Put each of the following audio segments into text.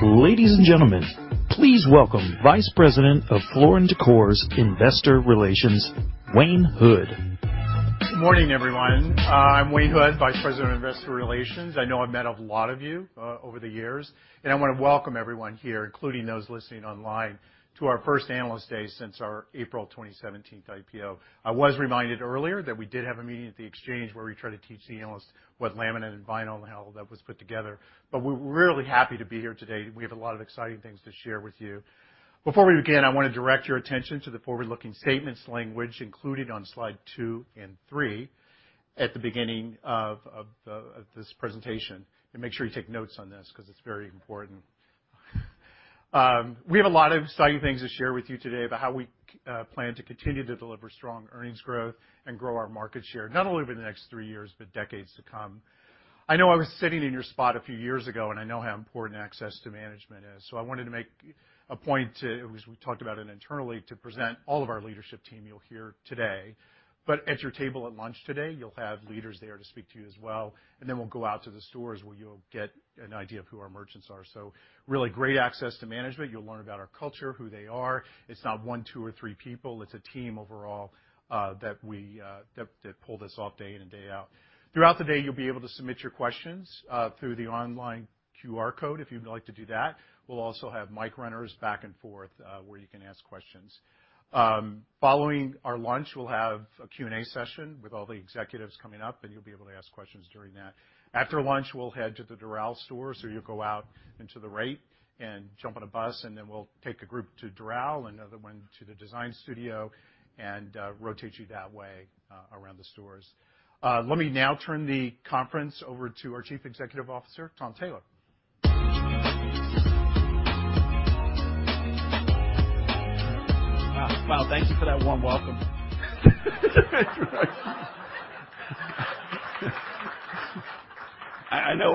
Ladies and gentlemen, please welcome Vice President of Floor & Decor's Investor Relations, Wayne Hood. Good morning, everyone. I'm Wayne Hood, Vice President of Investor Relations. I know I've met a lot of you over the years, and I wanna welcome everyone here, including those listening online, to our first analyst day since our April 20, 2017 IPO. I was reminded earlier that we did have a meeting at the Exchange where we tried to teach the analysts what laminate and vinyl and how all that was put together. We're really happy to be here today. We have a lot of exciting things to share with you. Before we begin, I wanna direct your attention to the forward-looking statements language included on slide two and three at the beginning of this presentation. Make sure you take notes on this, 'cause it's very important. We have a lot of exciting things to share with you today about how we plan to continue to deliver strong earnings growth and grow our market share, not only over the next three years, but decades to come. I know I was sitting in your spot a few years ago, and I know how important access to management is, so I wanted to make a point to, as we talked about it internally, to present all of our leadership team you'll hear today. At your table at lunch today, you'll have leaders there to speak to you as well, and then we'll go out to the stores where you'll get an idea of who our merchants are. Really great access to management. You'll learn about our culture, who they are. It's not one, two, or three people. It's a team overall that we pull this off day in and day out. Throughout the day, you'll be able to submit your questions through the online QR code, if you'd like to do that. We'll also have mic runners back and forth where you can ask questions. Following our lunch, we'll have a Q&A session with all the executives coming up, and you'll be able to ask questions during that. After lunch, we'll head to the Doral store. You'll go out to the gate and jump on a bus, and then we'll take a group to Doral, another one to the design studio, and rotate you that way around the stores. Let me now turn the conference over to our Chief Executive Officer, Tom Taylor. Wow. Thank you for that warm welcome. I know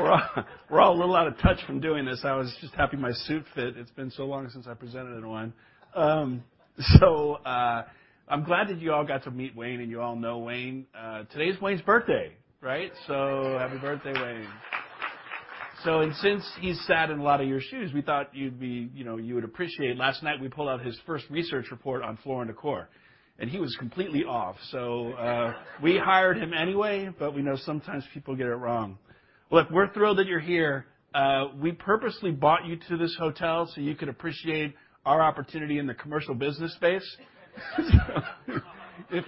we're all a little out of touch from doing this. I was just happy my suit fit. It's been so long since I presented in one. I'm glad that you all got to meet Wayne and you all know Wayne. Today's Wayne's birthday, right? Happy birthday, Wayne. Since he's sat in a lot of your shoes, we thought, you know, you would appreciate. Last night, we pulled out his first research report on Floor & Decor, and he was completely off. We hired him anyway, but we know sometimes people get it wrong. Look, we're thrilled that you're here. We purposely brought you to this hotel so you could appreciate our opportunity in the commercial business space. If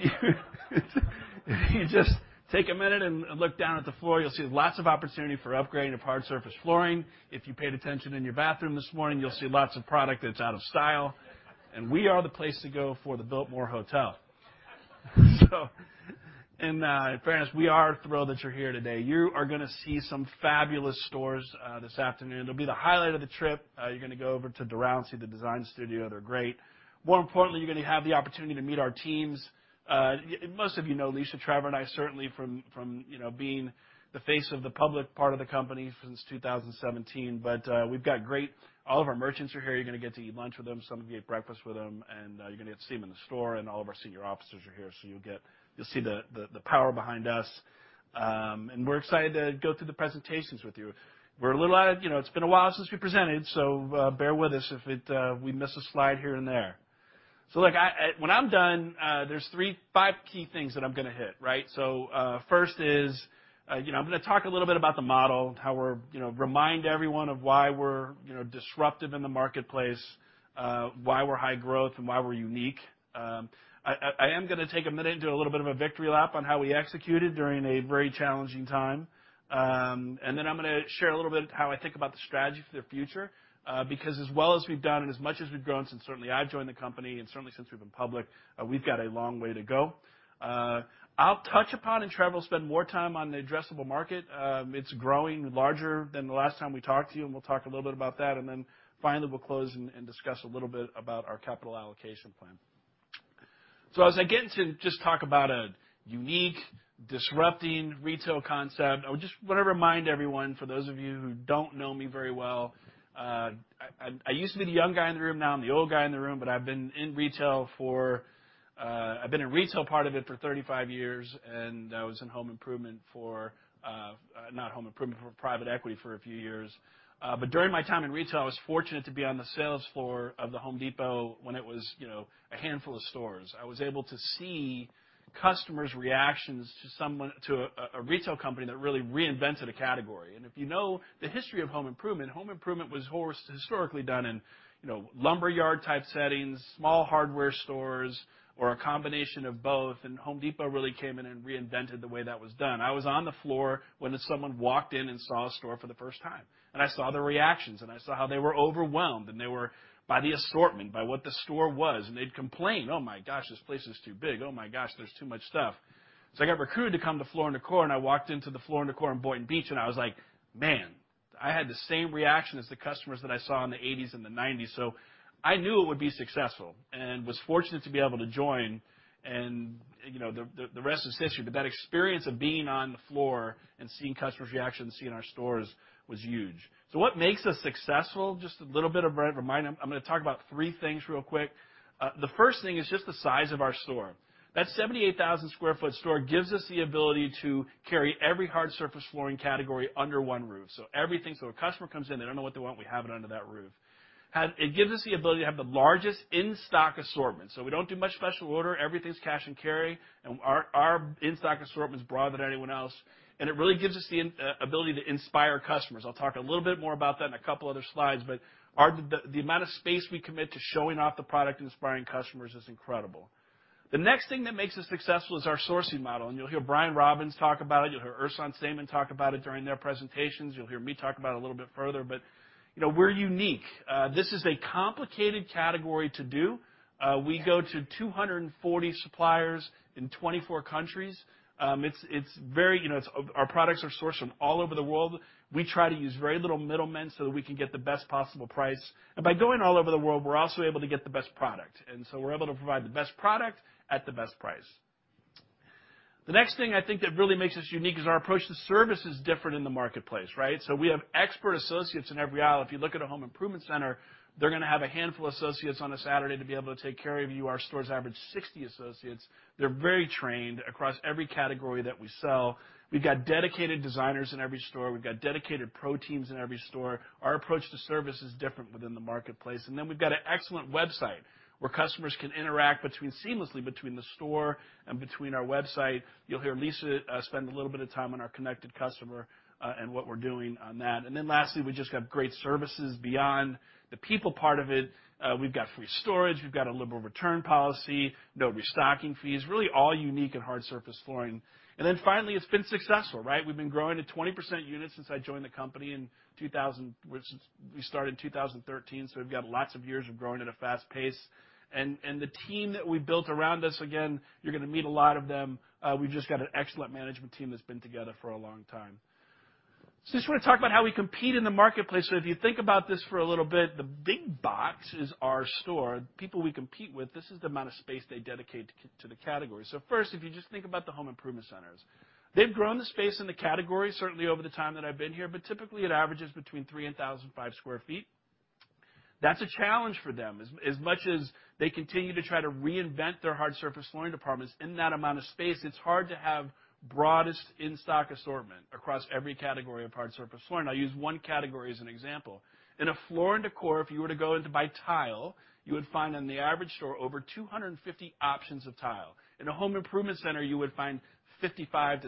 you just take a minute and look down at the floor, you'll see lots of opportunity for upgrading of hard surface flooring. If you paid attention in your bathroom this morning, you'll see lots of product that's out of style. We are the place to go for the Biltmore Hotel. In fairness, we are thrilled that you're here today. You are gonna see some fabulous stores this afternoon. It'll be the highlight of the trip. You're gonna go over to Doral and see the design studio. They're great. More importantly, you're gonna have the opportunity to meet our teams. Most of you know Lisa Laube, Trevor Lang, and I certainly from you know, being the face of the public part of the company since 2017. We've got all of our merchants are here. You're gonna get to eat lunch with them. Some of you eat breakfast with them, and you're gonna get to see them in the store. All of our senior officers are here, so you'll see the power behind us. We're excited to go through the presentations with you. We're a little out of practice. You know, it's been a while since we presented, so bear with us if we miss a slide here and there. Look, when I'm done, there are five key things that I'm gonna hit, right? First is, you know, I'm gonna talk a little bit about the model, how we're, you know, remind everyone of why we're, you know, disruptive in the marketplace, why we're high growth and why we're unique. I am gonna take a minute and do a little bit of a victory lap on how we executed during a very challenging time. I'm gonna share a little bit how I think about the strategy for the future, because as well as we've done and as much as we've grown since certainly I've joined the company and certainly since we've been public, we've got a long way to go. I'll touch upon and Trevor will spend more time on the addressable market. It's growing larger than the last time we talked to you, and we'll talk a little bit about that. Finally, we'll close and discuss a little bit about our capital allocation plan. As I get to just talk about a unique, disrupting retail concept, I would just wanna remind everyone, for those of you who don't know me very well, I used to be the young guy in the room. Now I'm the old guy in the room. I've been in retail part of it for 35 years, and I was in private equity for a few years. During my time in retail, I was fortunate to be on the sales floor of The Home Depot when it was a handful of stores. I was able to see customers' reactions to a retail company that really reinvented a category. If you know the history of home improvement, home improvement was historically done in, you know, lumberyard-type settings, small hardware stores, or a combination of both, and Home Depot really came in and reinvented the way that was done. I was on the floor when someone walked in and saw a store for the first time, and I saw their reactions and I saw how they were overwhelmed and they were, by the assortment, by what the store was. They'd complain, "Oh my gosh, this place is too big. Oh my gosh, there's too much stuff." I got recruited to come to Floor & Decor, and I walked into the Floor & Decor in Boynton Beach, and I was like, "Man, I had the same reaction as the customers that I saw in the eighties and the nineties. I knew it would be successful and was fortunate to be able to join and, you know, the rest is history. That experience of being on the floor and seeing customers' reactions in our stores was huge. What makes us successful? Just a little bit. I'm gonna talk about three things real quick. The first thing is just the size of our store. That 78,000 sq ft store gives us the ability to carry every hard surface flooring category under one roof. Everything. A customer comes in, they don't know what they want, we have it under that roof. It gives us the ability to have the largest in-stock assortment. We don't do much special order. Everything's cash and carry. Our in-stock assortment is broader than anyone else, and it really gives us the ability to inspire customers. I'll talk a little bit more about that in a couple other slides, but the amount of space we commit to showing off the product, inspiring customers is incredible. The next thing that makes us successful is our sourcing model. You'll hear Brian Robbins talk about it, you'll hear Ersan Sayman talk about it during their presentations. You'll hear me talk about a little bit further. You know, we're unique. This is a complicated category to do. We go to 240 suppliers in 24 countries. It's very, you know. Our products are sourced from all over the world. We try to use very little middlemen so that we can get the best possible price. By going all over the world, we're also able to get the best product, and so we're able to provide the best product at the best price. The next thing I think that really makes us unique is our approach to service is different in the marketplace, right? We have expert associates in every aisle. If you look at a home improvement center, they're gonna have a handful of associates on a Saturday to be able to take care of you. Our stores average 60 associates. They're very trained across every category that we sell. We've got dedicated designers in every store. We've got dedicated pro teams in every store. Our approach to service is different within the marketplace. We've got an excellent website where customers can interact seamlessly between the store and our website. You'll hear Lisa spend a little bit of time on our connected customer and what we're doing on that. Then lastly, we just have great services beyond the people part of it. We've got free storage. We've got a liberal return policy, no restocking fees, really all unique and hard surface flooring. Then finally, it's been successful, right? We've been growing at 20% units since I joined the company in 2000, which we started in 2013. We've got lots of years of growing at a fast pace. The team that we built around us, again, you're gonna meet a lot of them. We've just got an excellent management team that's been together for a long time. I just wanna talk about how we compete in the marketplace. If you think about this for a little bit, the big box is our store. People we compete with, this is the amount of space they dedicate to the category. First, if you just think about the home improvement centers. They've grown the space in the category, certainly over the time that I've been here, but typically it averages between 3,000-5,000 sq ft. That's a challenge for them. As much as they continue to try to reinvent their hard surface flooring departments in that amount of space, it's hard to have broadest in-stock assortment across every category of hard surface flooring. I'll use one category as an example. In a Floor & Decor, if you were to go in to buy tile, you would find in the average store over 250 options of tile. In a home improvement center, you would find 55-60.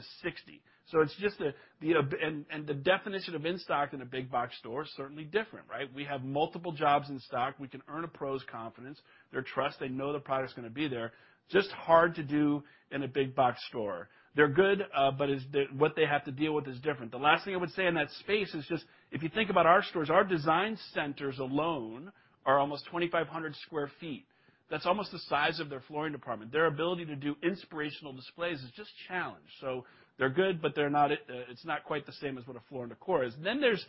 It's just the definition of in-stock in a big box store is certainly different, right? We have multiple jobs in stock. We can earn a pro's confidence, their trust. They know the product's gonna be there. It's just hard to do in a big box store. They're good, but what they have to deal with is different. The last thing I would say in that space is just if you think about our stores, our design centers alone are almost 2,500 sq ft. That's almost the size of their flooring department. Their ability to do inspirational displays is just challenged. They're good, but they're not, it's not quite the same as what a Floor & Decor is. There's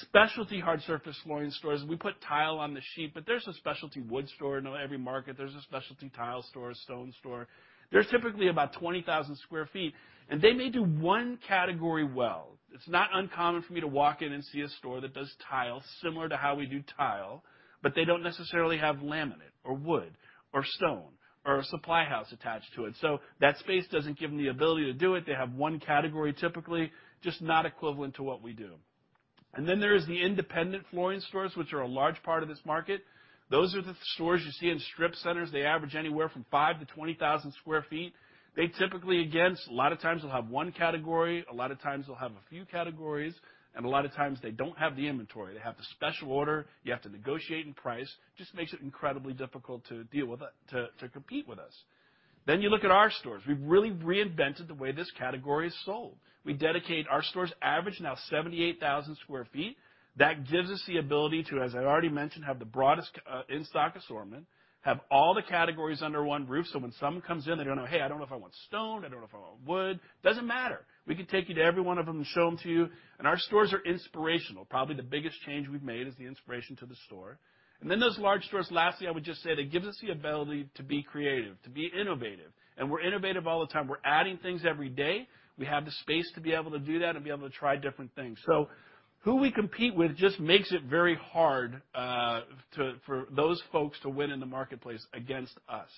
specialty hard surface flooring stores. We put tile on the shelf, but there's a specialty wood store in every market. There's a specialty tile store, a stone store. They're typically about 20,000 sq ft, and they may do one category well. It's not uncommon for me to walk in and see a store that does tile similar to how we do tile, but they don't necessarily have laminate or wood or stone or a supply house attached to it. That space doesn't give them the ability to do it. They have one category, typically. Just not equivalent to what we do. There's the independent flooring stores, which are a large part of this market. Those are the stores you see in strip centers. They average anywhere from 5,000-20,000 sq ft. They typically, again, a lot of times will have one category. A lot of times they'll have a few categories, and a lot of times they don't have the inventory. They have the special order. You have to negotiate in price. Just makes it incredibly difficult to deal with that, to compete with us. Then you look at our stores. We've really reinvented the way this category is sold. Our stores average now 78,000 sq ft. That gives us the ability to, as I already mentioned, have the broadest, in-stock assortment, have all the categories under one roof, so when someone comes in, they don't know, "Hey, I don't know if I want stone. I don't know if I want wood." Doesn't matter. We can take you to every one of them and show them to you. Our stores are inspirational. Probably the biggest change we've made is the inspiration to the store. Those large stores, lastly, I would just say that it gives us the ability to be creative, to be innovative, and we're innovative all the time. We're adding things every day. We have the space to be able to do that and be able to try different things. Who we compete with just makes it very hard for those folks to win in the marketplace against us.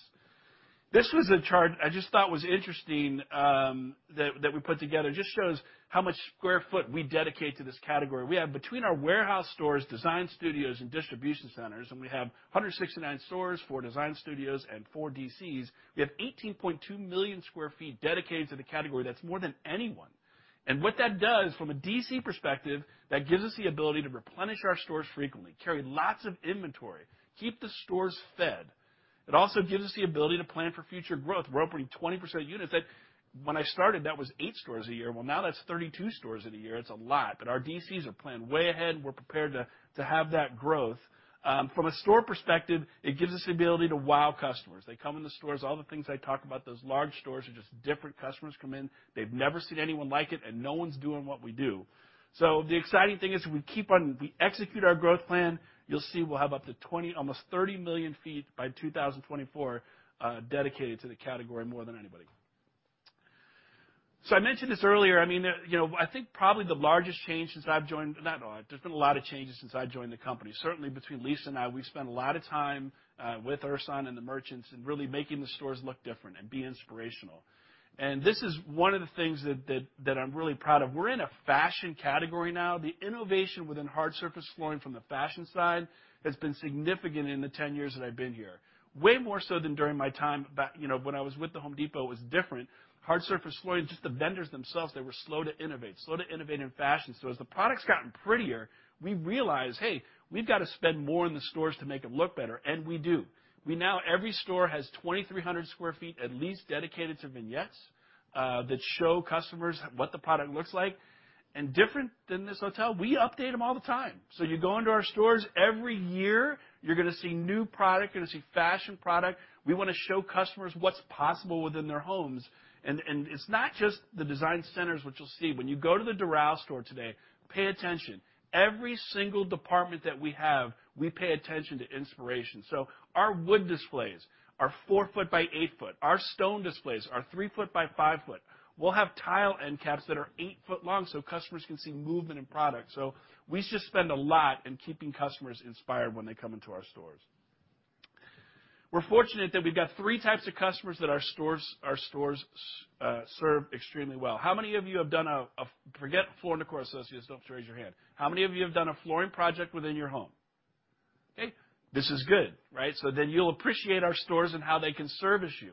This was a chart I just thought was interesting that we put together. Just shows how much square footage we dedicate to this category. We have between our warehouse stores, design studios and distribution centers, and we have 169 stores, 4 design studios and 4 DCs. We have 18.2 million sq ft dedicated to the category. That's more than anyone. What that does from a DC perspective, that gives us the ability to replenish our stores frequently, carry lots of inventory, keep the stores fed. It also gives us the ability to plan for future growth. We're opening 20% units that when I started, that was 8 stores a year. Well, now that's 32 stores in a year. It's a lot. Our DCs are planned way ahead. We're prepared to have that growth. From a store perspective, it gives us the ability to wow customers. They come in the stores, all the things I talk about, those large stores are just different. Customers come in, they've never seen anyone like it, and no one's doing what we do. The exciting thing is we execute our growth plan, you'll see we'll have up to 20, almost 30 million feet by 2024, dedicated to the category more than anybody. I mentioned this earlier. I mean, you know, I think probably the largest change since I've joined. Not all. There's been a lot of changes since I joined the company. Certainly between Lisa and I, we spent a lot of time with Ersan and the merchants in really making the stores look different and be inspirational. This is one of the things that I'm really proud of. We're in a fashion category now. The innovation within hard surface flooring from the fashion side has been significant in the 10 years that I've been here. Way more so than during my time back, you know, when I was with The Home Depot, it was different. Hard surface flooring, just the vendors themselves, they were slow to innovate in fashion. As the product's gotten prettier, we realize, hey, we've got to spend more in the stores to make them look better, and we do. We now, every store has 2,300 sq ft at least dedicated to vignettes that show customers what the product looks like. Different than this hotel, we update them all the time. You go into our stores every year, you're gonna see new product, you're gonna see fashion product. We wanna show customers what's possible within their homes. It's not just the design centers which you'll see. When you go to the Doral store today, pay attention. Every single department that we have, we pay attention to inspiration. Our wood displays are 4-foot by 8-foot. Our stone displays are 3-foot by 5-foot. We'll have tile end caps that are 8-foot long, so customers can see movement in product. We just spend a lot in keeping customers inspired when they come into our stores. We're fortunate that we've got three types of customers that our stores serve extremely well. Forget Floor & Decor associates, don't raise your hand. How many of you have done a flooring project within your home? Okay, this is good, right? You'll appreciate our stores and how they can service you.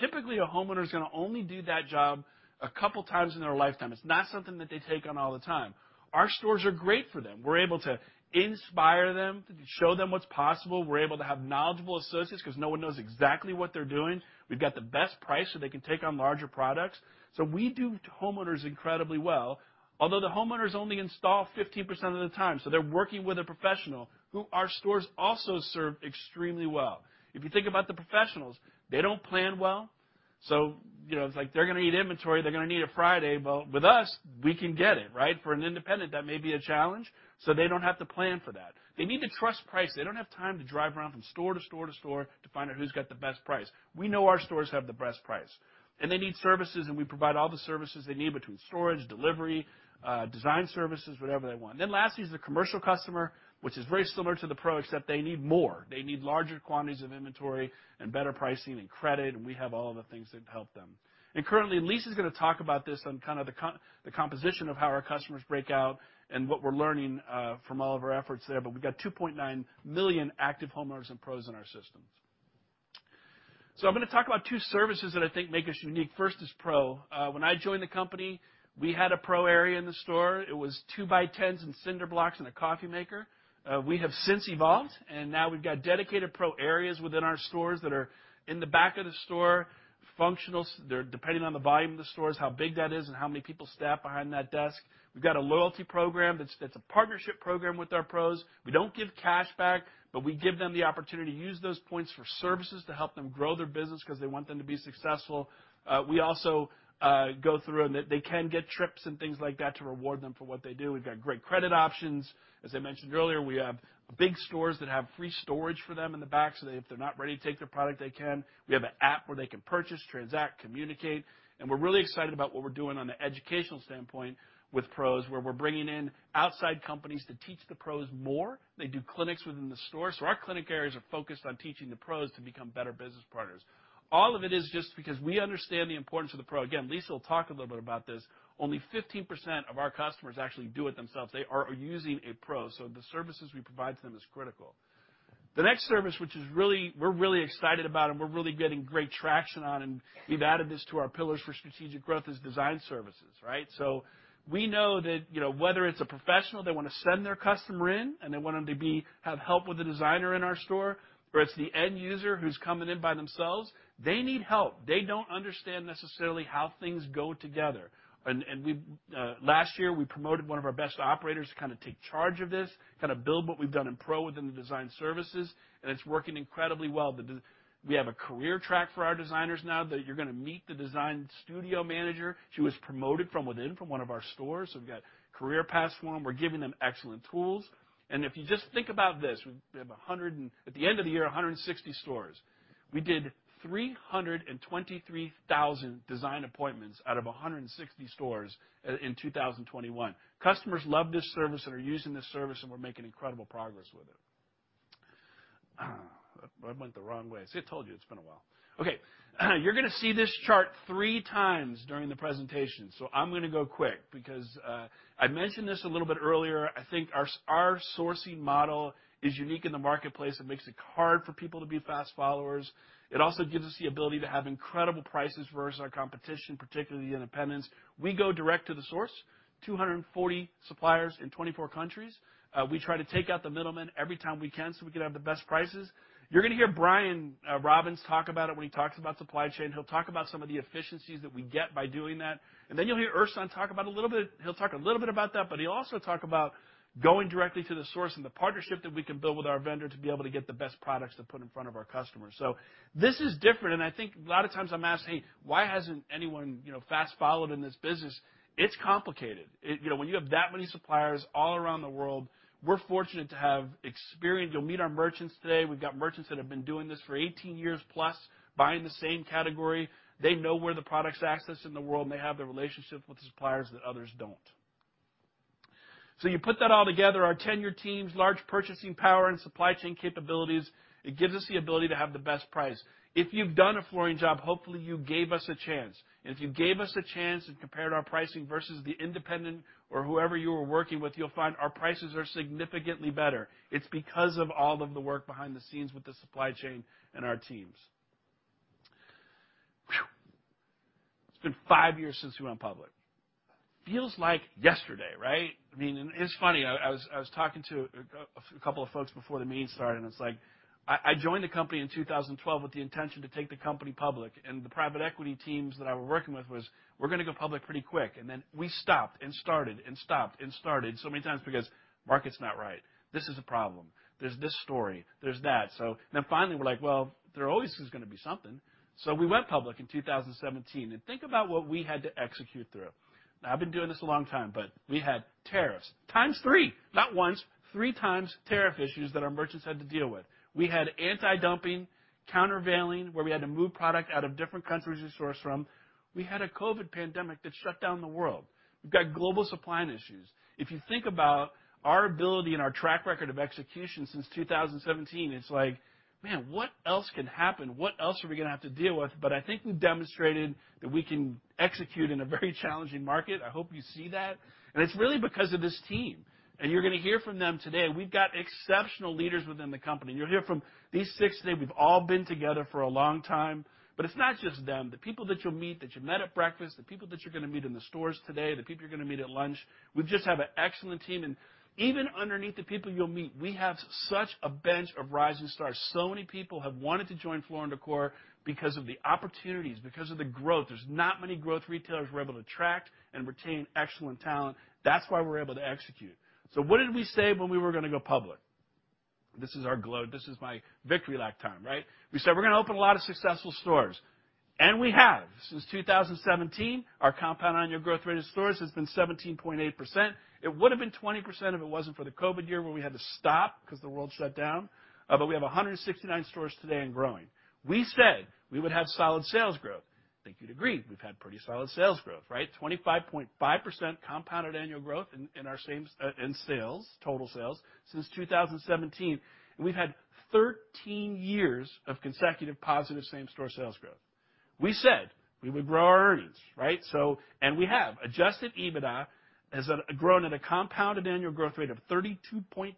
Typically, a homeowner is gonna only do that job a couple times in their lifetime. It's not something that they take on all the time. Our stores are great for them. We're able to inspire them, to show them what's possible. We're able to have knowledgeable associates 'cause no one knows exactly what they're doing. We've got the best price, so they can take on larger products. We do homeowners incredibly well. Although the homeowners only install 15% of the time, so they're working with a professional who our stores also serve extremely well. If you think about the professionals, they don't plan well. You know, it's like they're gonna need inventory, they're gonna need it Friday, but with us, we can get it, right? For an independent, that may be a challenge, so they don't have to plan for that. They need to trust price. They don't have time to drive around from store to store to store to find out who's got the best price. We know our stores have the best price. They need services, and we provide all the services they need between storage, delivery, design services, whatever they want. Lastly is the commercial customer, which is very similar to the pro, except they need more. They need larger quantities of inventory and better pricing and credit, and we have all of the things that help them. Currently, Lisa's gonna talk about this on kind of the composition of how our customers break out and what we're learning from all of our efforts there, but we got 2.9 million active homeowners and pros in our systems. I'm gonna talk about two services that I think make us unique. First is pro. When I joined the company, we had a Pro area in the store. It was two-by-tens and cinder blocks and a coffee maker. We have since evolved, and now we've got dedicated Pro areas within our stores that are in the back of the store. They're depending on the volume of the stores, how big that is, and how many people staff behind that desk. We've got a loyalty program that's a partnership program with our pros. We don't give cash back, but we give them the opportunity to use those points for services to help them grow their business 'cause they want them to be successful. We also go through and they can get trips and things like that to reward them for what they do. We've got great credit options. As I mentioned earlier, we have big stores that have free storage for them in the back, so if they're not ready to take their product, they can. We have an app where they can purchase, transact, communicate, and we're really excited about what we're doing on the educational standpoint with pros, where we're bringing in outside companies to teach the pros more. They do clinics within the store, so our clinic areas are focused on teaching the pros to become better business partners. All of it is just because we understand the importance of the pro. Again, Lisa will talk a little bit about this. Only 15% of our customers actually do it themselves. They are using a pro, so the services we provide to them is critical. The next service, which we're really excited about and we're really getting great traction on, and we've added this to our pillars for strategic growth, is design services, right? We know that, you know, whether it's a professional, they wanna send their customer in, and they want them to have help with a designer in our store, or it's the end user who's coming in by themselves, they need help. They don't understand necessarily how things go together. Last year, we promoted one of our best operators to kinda take charge of this, kinda build what we've done in pro within the design services, and it's working incredibly well. We have a career track for our designers now that you're gonna meet the design studio manager. She was promoted from within, from one of our stores, so we've got career paths for them. We're giving them excellent tools. If you just think about this, we have 160 stores at the end of the year. We did 323,000 design appointments out of 160 stores in 2021. Customers love this service and are using this service, and we're making incredible progress with it. I went the wrong way. See, I told you it's been a while. Okay. You're gonna see this chart three times during the presentation, so I'm gonna go quick because I mentioned this a little bit earlier. I think our sourcing model is unique in the marketplace. It makes it hard for people to be fast followers. It also gives us the ability to have incredible prices versus our competition, particularly the independents. We go direct to the source, 240 suppliers in 24 countries. We try to take out the middleman every time we can so we can have the best prices. You're gonna hear Brian Robbins talk about it when he talks about supply chain. He'll talk about some of the efficiencies that we get by doing that. You'll hear Ersan talk a little bit about that, but he'll also talk about going directly to the source and the partnership that we can build with our vendor to be able to get the best products to put in front of our customers. This is different, and I think a lot of times I'm asked, "Hey, why hasn't anyone, you know, fast-followed in this business?" It's complicated. You know, when you have that many suppliers all around the world, we're fortunate to have experienced. You'll meet our merchants today. We've got merchants that have been doing this for 18 years plus, buying the same category. They know where the product's accessed in the world, and they have the relationship with the suppliers that others don't. You put that all together, our tenured teams, large purchasing power, and supply chain capabilities, it gives us the ability to have the best price. If you've done a flooring job, hopefully you gave us a chance. If you gave us a chance and compared our pricing versus the independent or whoever you were working with, you'll find our prices are significantly better. It's because of all of the work behind the scenes with the supply chain and our teams. It's been 5 years since we went public. Feels like yesterday, right? I mean, it's funny. I was talking to a couple of folks before the meeting started, and it's like I joined the company in 2012 with the intention to take the company public, and the private equity teams that I was working with was, "We're gonna go public pretty quick." Then we stopped and started and stopped and started so many times because market's not right. This is a problem. There's this story. There's that. Then finally, we're like, well, there always is gonna be something. We went public in 2017. Think about what we had to execute through. Now I've been doing this a long time, but we had tariffs, times three. Not once, three times tariff issues that our merchants had to deal with. We had anti-dumping, countervailing, where we had to move product out of different countries we sourced from. We had a COVID pandemic that shut down the world. We've got global supplying issues. If you think about our ability and our track record of execution since 2017, it's like, man, what else can happen? What else are we gonna have to deal with? But I think we've demonstrated that we can execute in a very challenging market. I hope you see that. It's really because of this team, and you're gonna hear from them today. We've got exceptional leaders within the company, and you'll hear from these six today. We've all been together for a long time. It's not just them. The people that you'll meet, that you met at breakfast, the people that you're gonna meet in the stores today, the people you're gonna meet at lunch, we just have an excellent team. Even underneath the people you'll meet, we have such a bench of rising stars. Many people have wanted to join Floor & Decor because of the opportunities, because of the growth. There's not many growth retailers who are able to attract and retain excellent talent. That's why we're able to execute. What did we say when we were gonna go public? This is my victory lap time, right? We said we're gonna open a lot of successful stores, and we have. Since 2017, our compound annual growth rate in stores has been 17.8%. It would've been 20% if it wasn't for the COVID year where we had to stop 'cause the world shut down. We have 169 stores today and growing. We said we would have solid sales growth. I think you'd agree we've had pretty solid sales growth, right? 25.5% compounded annual growth in our same-store sales, total sales since 2017. We've had 13 years of consecutive positive same-store sales growth. We said we would grow our earnings, right? We have. Adjusted EBITDA has grown at a compounded annual growth rate of 32.2%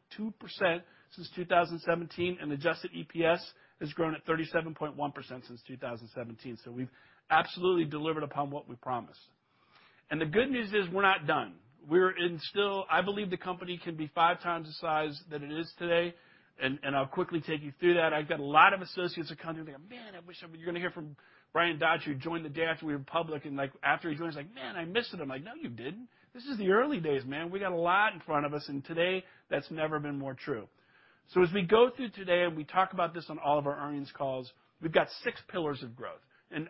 since 2017, and adjusted EPS has grown at 37.1% since 2017. We've absolutely delivered upon what we promised. The good news is we're not done. I believe the company can be 5x the size that it is today, and I'll quickly take you through that. I've got a lot of associates that come to me, like, "Man, I wish I." You're gonna hear from Bryan Dodge, who joined the day after we went public, and, like, after he joined, he's like, "Man, I missed it." I'm like, "No you didn't. This is the early days, man. We got a lot in front of us," and today that's never been more true. As we go through today, and we talk about this on all of our earnings calls, we've got six pillars of growth.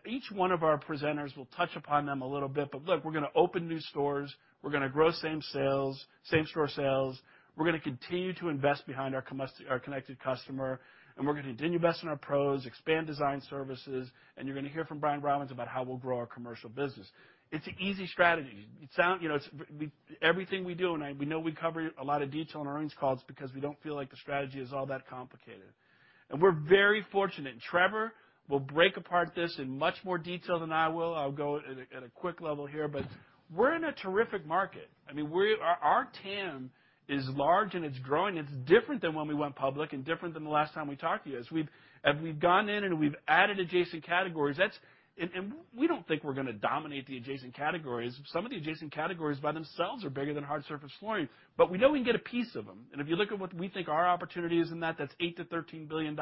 Each one of our presenters will touch upon them a little bit. Look, we're gonna open new stores. We're gonna grow same sales, same-store sales. We're gonna continue to invest behind our connected customer, and we're gonna continue to invest in our pros, expand design services, and you're gonna hear from Brian Robbins about how we'll grow our commercial business. It's an easy strategy. Everything we do, we know we cover a lot of detail in earnings calls because we don't feel like the strategy is all that complicated. We're very fortunate. Trevor will break apart this in much more detail than I will. I'll go at a quick level here. We're in a terrific market. Our TAM is large, and it's growing. It's different than when we went public and different than the last time we talked to you. As we've gone in, and we've added adjacent categories. That's... We don't think we're gonna dominate the adjacent categories. Some of the adjacent categories by themselves are bigger than hard surface flooring. We know we can get a piece of them. If you look at what we think our opportunity is in that's $8 billion-$13 billion.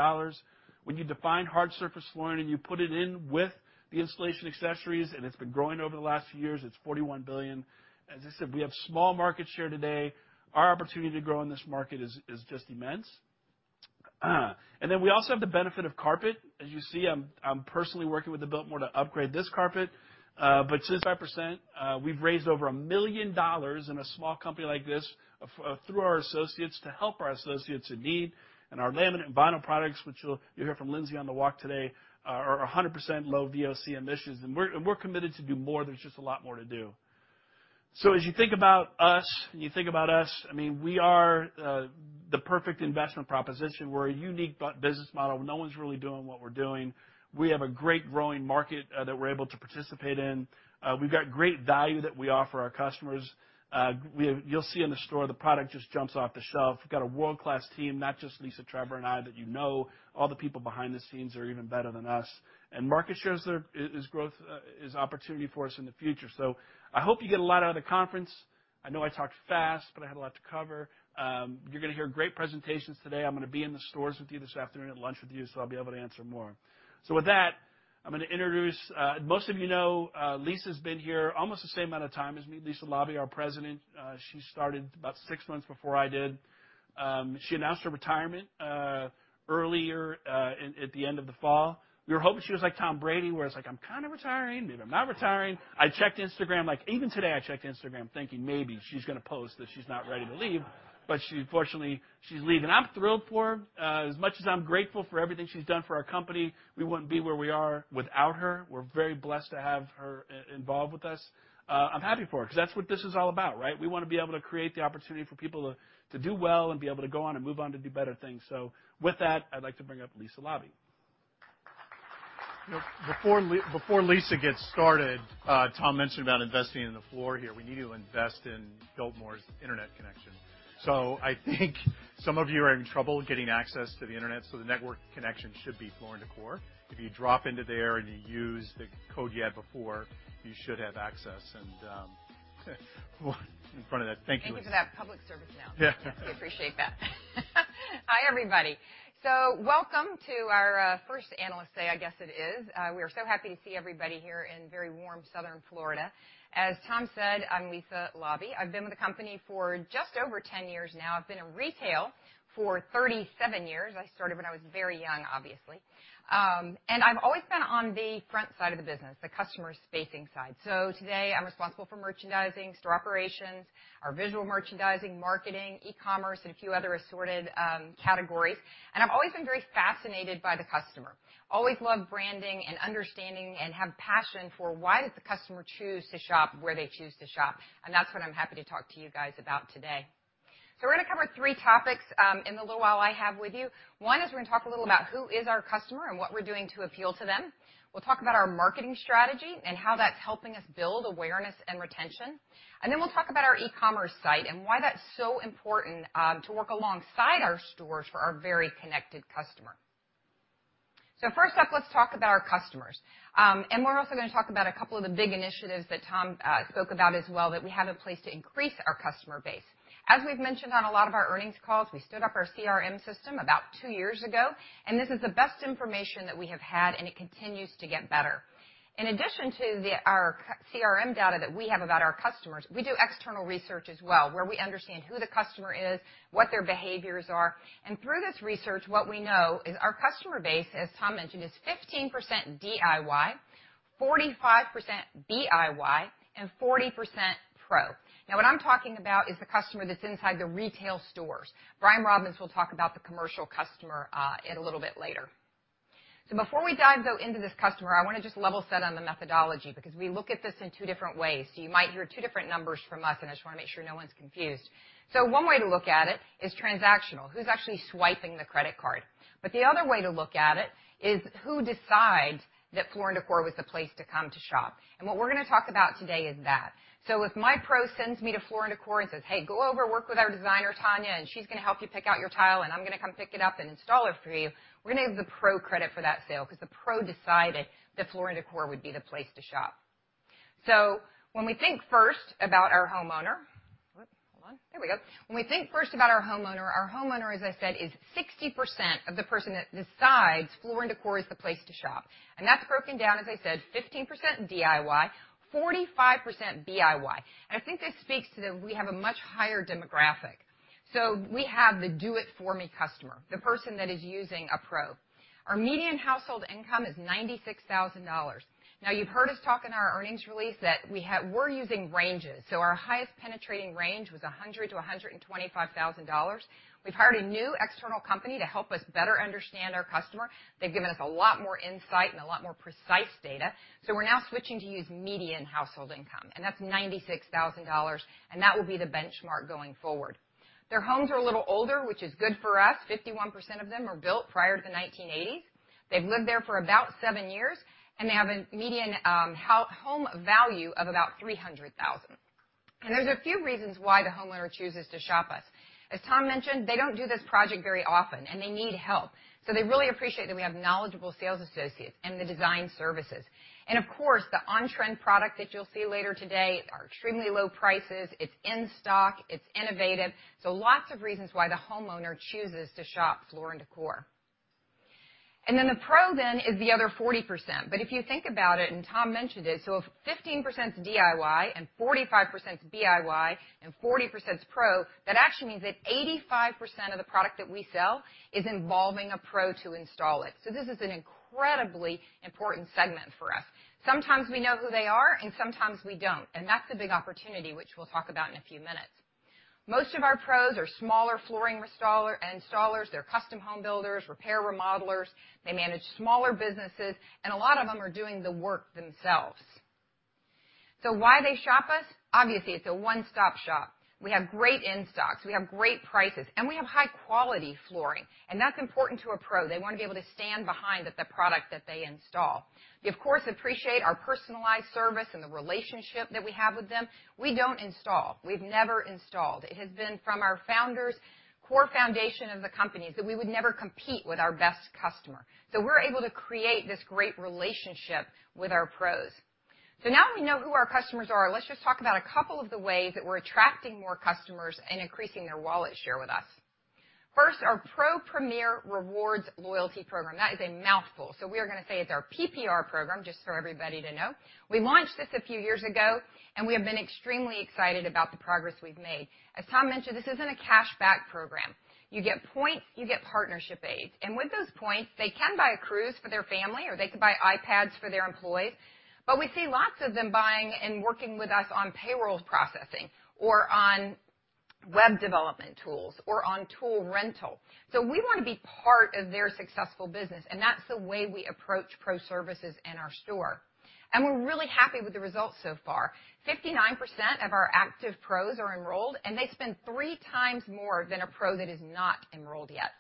When you define hard surface flooring, and you put it in with the installation accessories, and it's been growing over the last few years, it's $41 billion. As I said, we have small market share today. Our opportunity to grow in this market is just immense. Then we also have the benefit of carpet. As you see, I'm personally working with the Biltmore to upgrade this carpet. Since 5%, we've raised over $1 million in a small company like this through our associates to help our associates in need. Our laminate and vinyl products, which you'll hear from Lindsay on the walk today, are 100% low VOC emissions, and we're committed to do more. There's just a lot more to do. As you think about us, I mean, we are the perfect investment proposition. We're a unique business model. No one's really doing what we're doing. We have a great growing market that we're able to participate in. We've got great value that we offer our customers. You'll see in the store, the product just jumps off the shelf. We've got a world-class team, not just Lisa, Trevor, and I, you know, all the people behind the scenes are even better than us. Market share, there is growth, is opportunity for us in the future. I hope you get a lot out of the conference. I know I talked fast, but I had a lot to cover. You're gonna hear great presentations today. I'm gonna be in the stores with you this afternoon at lunch with you, so I'll be able to answer more. With that, I'm gonna introduce, most of you know, Lisa's been here almost the same amount of time as me. Lisa Laube, our President, she started about six months before I did. She announced her retirement earlier, at the end of the fall. We were hoping she was like Tom Brady, where it's like, "I'm kinda retiring. Maybe I'm not retiring." I checked Instagram. Like, even today, I checked Instagram, thinking maybe she's gonna post that she's not ready to leave. She unfortunately, she's leaving. I'm thrilled for her. As much as I'm grateful for everything she's done for our company, we wouldn't be where we are without her. We're very blessed to have her involved with us. I'm happy for her because that's what this is all about, right? We wanna be able to create the opportunity for people to do well and be able to go on and move on to do better things. With that, I'd like to bring up Lisa Laube. Before Lisa gets started, Tom mentioned about investing in the floor here. We need to invest in Biltmore's Internet connection. I think some of you are having trouble getting access to the Internet, so the network connection should be Floor & Decor. If you drop into there and you use the code you had before, you should have access. In front of that, thank you. Thank you for that public service announcement. Yeah. We appreciate that. Hi, everybody. Welcome to our first Analyst Day, I guess it is. We are so happy to see everybody here in very warm southern Florida. As Tom said, I'm Lisa Laube. I've been with the company for just over 10 years now. I've been in retail for 37 years. I started when I was very young, obviously. I've always been on the front side of the business, the customer-facing side. Today, I'm responsible for merchandising, store operations, our visual merchandising, marketing, e-commerce, and a few other assorted categories. I've always been very fascinated by the customer. Always loved branding and understanding and have passion for why does the customer choose to shop where they choose to shop. That's what I'm happy to talk to you guys about today. We're gonna cover three topics in the little while I have with you. One is we're gonna talk a little about who is our customer and what we're doing to appeal to them. We'll talk about our marketing strategy and how that's helping us build awareness and retention. We'll talk about our e-commerce site and why that's so important to work alongside our stores for our very connected customer. First up, let's talk about our customers. We're also gonna talk about a couple of the big initiatives that Tom spoke about as well, that we have in place to increase our customer base. As we've mentioned on a lot of our earnings calls, we stood up our CRM system about two years ago, and this is the best information that we have had, and it continues to get better. In addition to our CRM data that we have about our customers, we do external research as well, where we understand who the customer is, what their behaviors are. Through this research, what we know is our customer base, as Tom mentioned, is 15% DIY, 45% BIY, and 40% pro. Now, what I'm talking about is the customer that's inside the retail stores. Brian Robbins will talk about the commercial customer, a little bit later. Before we dive, though, into this customer, I wanna just level set on the methodology because we look at this in two different ways. You might hear two different numbers from us, and I just wanna make sure no one's confused. One way to look at it is transactional, who's actually swiping the credit card. The other way to look at it is who decides that Floor & Decor was the place to come to shop. What we're gonna talk about today is that. If my pro sends me to Floor & Decor and says, "Hey, go over, work with our designer, Tanya, and she's gonna help you pick out your tile, and I'm gonna come pick it up and install it for you," we're gonna give the Pro Credit for that sale because the Pro decided that Floor & Decor would be the place to shop. When we think first about our homeowner, our homeowner, as I said, is 60% of the person that decides Floor & Decor is the place to shop. That's broken down, as I said, 15% DIY, 45% BIY. I think this speaks to that we have a much higher demographic. We have the do-it-for-me customer, the person that is using a pro. Our median household income is $96,000. Now, you've heard us talk in our earnings release that we're using ranges. Our highest penetrating range was $100,000-$125,000. We've hired a new external company to help us better understand our customer. They've given us a lot more insight and a lot more precise data. We're now switching to use median household income, and that's $96,000, and that will be the benchmark going forward. Their homes are a little older, which is good for us. 51% of them were built prior to the 1980s. They've lived there for about seven years, and they have a median home value of about $300,000. There's a few reasons why the homeowner chooses to shop us. As Tom mentioned, they don't do this project very often, and they need help. They really appreciate that we have knowledgeable sales associates and the design services. Of course, the on-trend product that you'll see later today are extremely low prices. It's in stock, it's innovative. Lots of reasons why the homeowner chooses to shop Floor & Decor. Then the Pro then is the other 40%. If you think about it, and Tom mentioned it, so if 15% DIY and 45% BIY and 40% pro, that actually means that 85% of the product that we sell is involving a Pro to install it. This is an incredibly important segment for us. Sometimes we know who they are and sometimes we don't, and that's the big opportunity, which we'll talk about in a few minutes. Most of our pros are smaller flooring installers. They're custom home builders, repair remodelers. They manage smaller businesses, and a lot of them are doing the work themselves. Why they shop us? Obviously, it's a one-stop shop. We have great in-stocks, we have great prices, and we have high-quality flooring, and that's important to a pro. They wanna be able to stand behind the product that they install. They, of course, appreciate our personalized service and the relationship that we have with them. We don't install. We've never installed. It has been from our founder's core foundation of the company that we would never compete with our best customer. We're able to create this great relationship with our pros. Now we know who our customers are, let's just talk about a couple of the ways that we're attracting more customers and increasing their wallet share with us. First, our Pro Premier Rewards loyalty program. That is a mouthful. We are gonna say it's our PPR program, just for everybody to know. We launched this a few years ago, and we have been extremely excited about the progress we've made. As Tom mentioned, this isn't a cashback program. You get points, you get partnership aid. With those points, they can buy a cruise for their family or they could buy iPads for their employees. We see lots of them buying and working with us on payroll processing or on web development tools or on tool rental. We wanna be part of their successful business, and that's the way we approach Pro services in our store. We're really happy with the results so far. 59% of our active pros are enrolled, and they spend 3x more than a Pro that is not enrolled yet.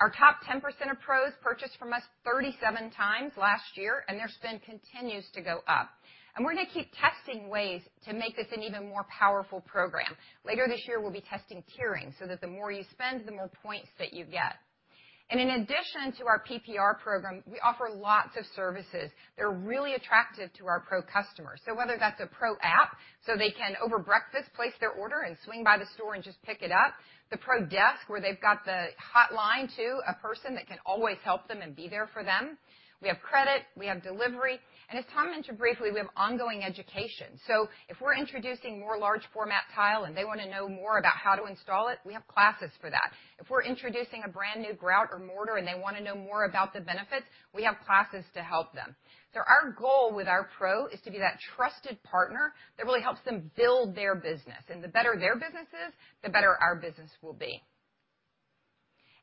Our top 10% of pros purchased from us 37x last year, and their spend continues to go up. We're gonna keep testing ways to make this an even more powerful program. Later this year, we'll be testing tiering so that the more you spend, the more points that you get. In addition to our PPR program, we offer lots of services that are really attractive to our Pro Customers. Whether that's a Pro App, so they can over breakfast, place their order and swing by the store and just pick it up, the Pro Desk, where they've got the hotline to a person that can always help them and be there for them. We have credit, we have delivery. As Tom mentioned briefly, we have ongoing education. If we're introducing more large format tile and they wanna know more about how to install it, we have classes for that. If we're introducing a brand-new grout or mortar and they wanna know more about the benefits, we have classes to help them. Our goal with our Pro is to be that trusted partner that really helps them build their business. The better their business is, the better our business will be.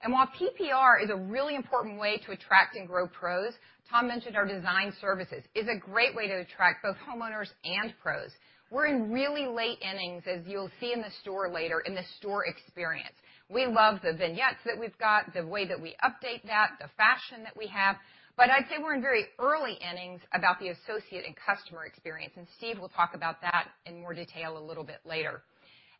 While PPR is a really important way to attract and grow pros, Tom mentioned our design services is a great way to attract both homeowners and pros. We're in really late innings, as you'll see in the store later in the store experience. We love the vignettes that we've got, the way that we update that, the fashion that we have. I'd say we're in very early innings about the associate and customer experience, and Steve will talk about that in more detail a little bit later.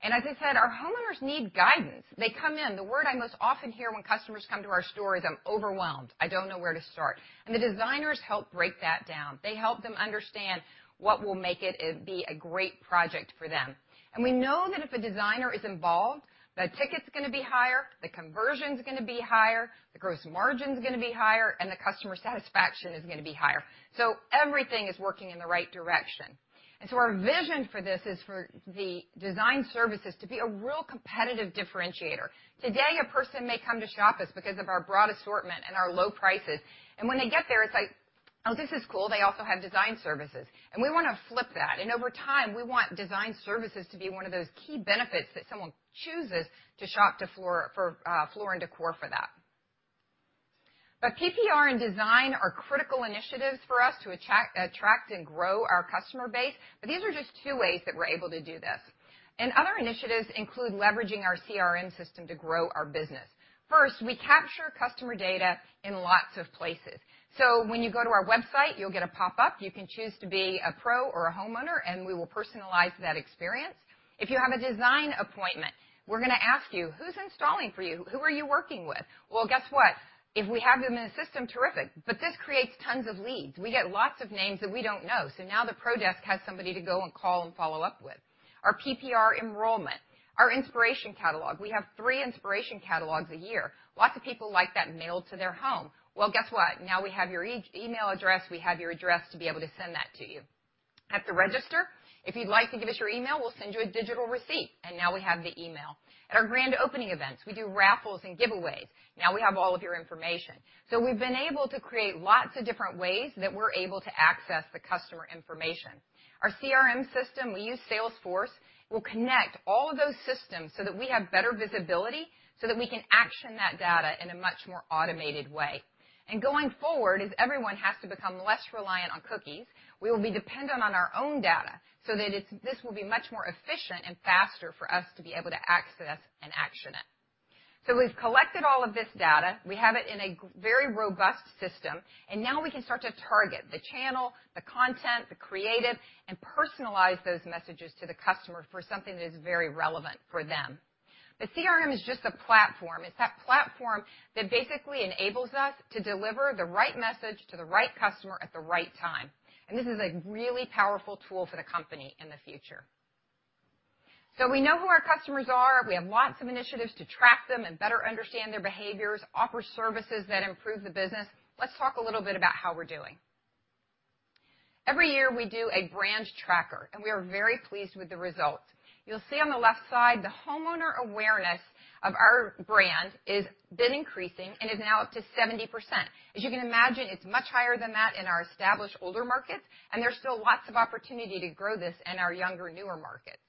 As I said, our homeowners need guidance. They come in. The word I most often hear when customers come to our store is, "I'm overwhelmed. I don't know where to start." The designers help break that down. They help them understand what will make it be a great project for them. We know that if a designer is involved, the ticket's gonna be higher, the conversion's gonna be higher, the gross margin's gonna be higher, and the customer satisfaction is gonna be higher. Everything is working in the right direction. Our vision for this is for the design services to be a real competitive differentiator. Today, a person may come to shop us because of our broad assortment and our low prices. When they get there, it's like, "Oh, this is cool. They also have design services." We wanna flip that. Over time, we want design services to be one of those key benefits that someone chooses to shop for Floor & Decor for that. PPR and design are critical initiatives for us to attract and grow our customer base, but these are just two ways that we're able to do this. Other initiatives include leveraging our CRM system to grow our business. First, we capture customer data in lots of places. When you go to our website, you'll get a pop-up. You can choose to be a pro or a homeowner, and we will personalize that experience. If you have a design appointment, we're gonna ask you, "Who's installing for you? Who are you working with?" Well, guess what? If we have them in the system, terrific. This creates tons of leads. We get lots of names that we don't know, so now the Pro Desk has somebody to go and call and follow up with. Our PPR enrollment, our inspiration catalog. We have three inspiration catalogs a year. Lots of people like that mailed to their home. Well, guess what? Now we have your email address, we have your address to be able to send that to you. At the register, if you'd like to give us your email, we'll send you a digital receipt, and now we have the email. At our grand opening events, we do raffles and giveaways. Now we have all of your information. We've been able to create lots of different ways that we're able to access the customer information. Our CRM system, we use Salesforce. We'll connect all of those systems so that we have better visibility, so that we can action that data in a much more automated way. Going forward, as everyone has to become less reliant on cookies, we will be dependent on our own data so that it's, this will be much more efficient and faster for us to be able to access and action it. We've collected all of this data. We have it in a very robust system, and now we can start to target the channel, the content, the creative, and personalize those messages to the customer for something that is very relevant for them. The CRM is just a platform. It's that platform that basically enables us to deliver the right message to the right customer at the right time. This is a really powerful tool for the company in the future. We know who our customers are. We have lots of initiatives to track them and better understand their behaviors, offer services that improve the business. Let's talk a little bit about how we're doing. Every year, we do a brand tracker, and we are very pleased with the results. You'll see on the left side, the homeowner awareness of our brand has been increasing and is now up to 70%. As you can imagine, it's much higher than that in our established older markets, and there's still lots of opportunity to grow this in our younger, newer markets.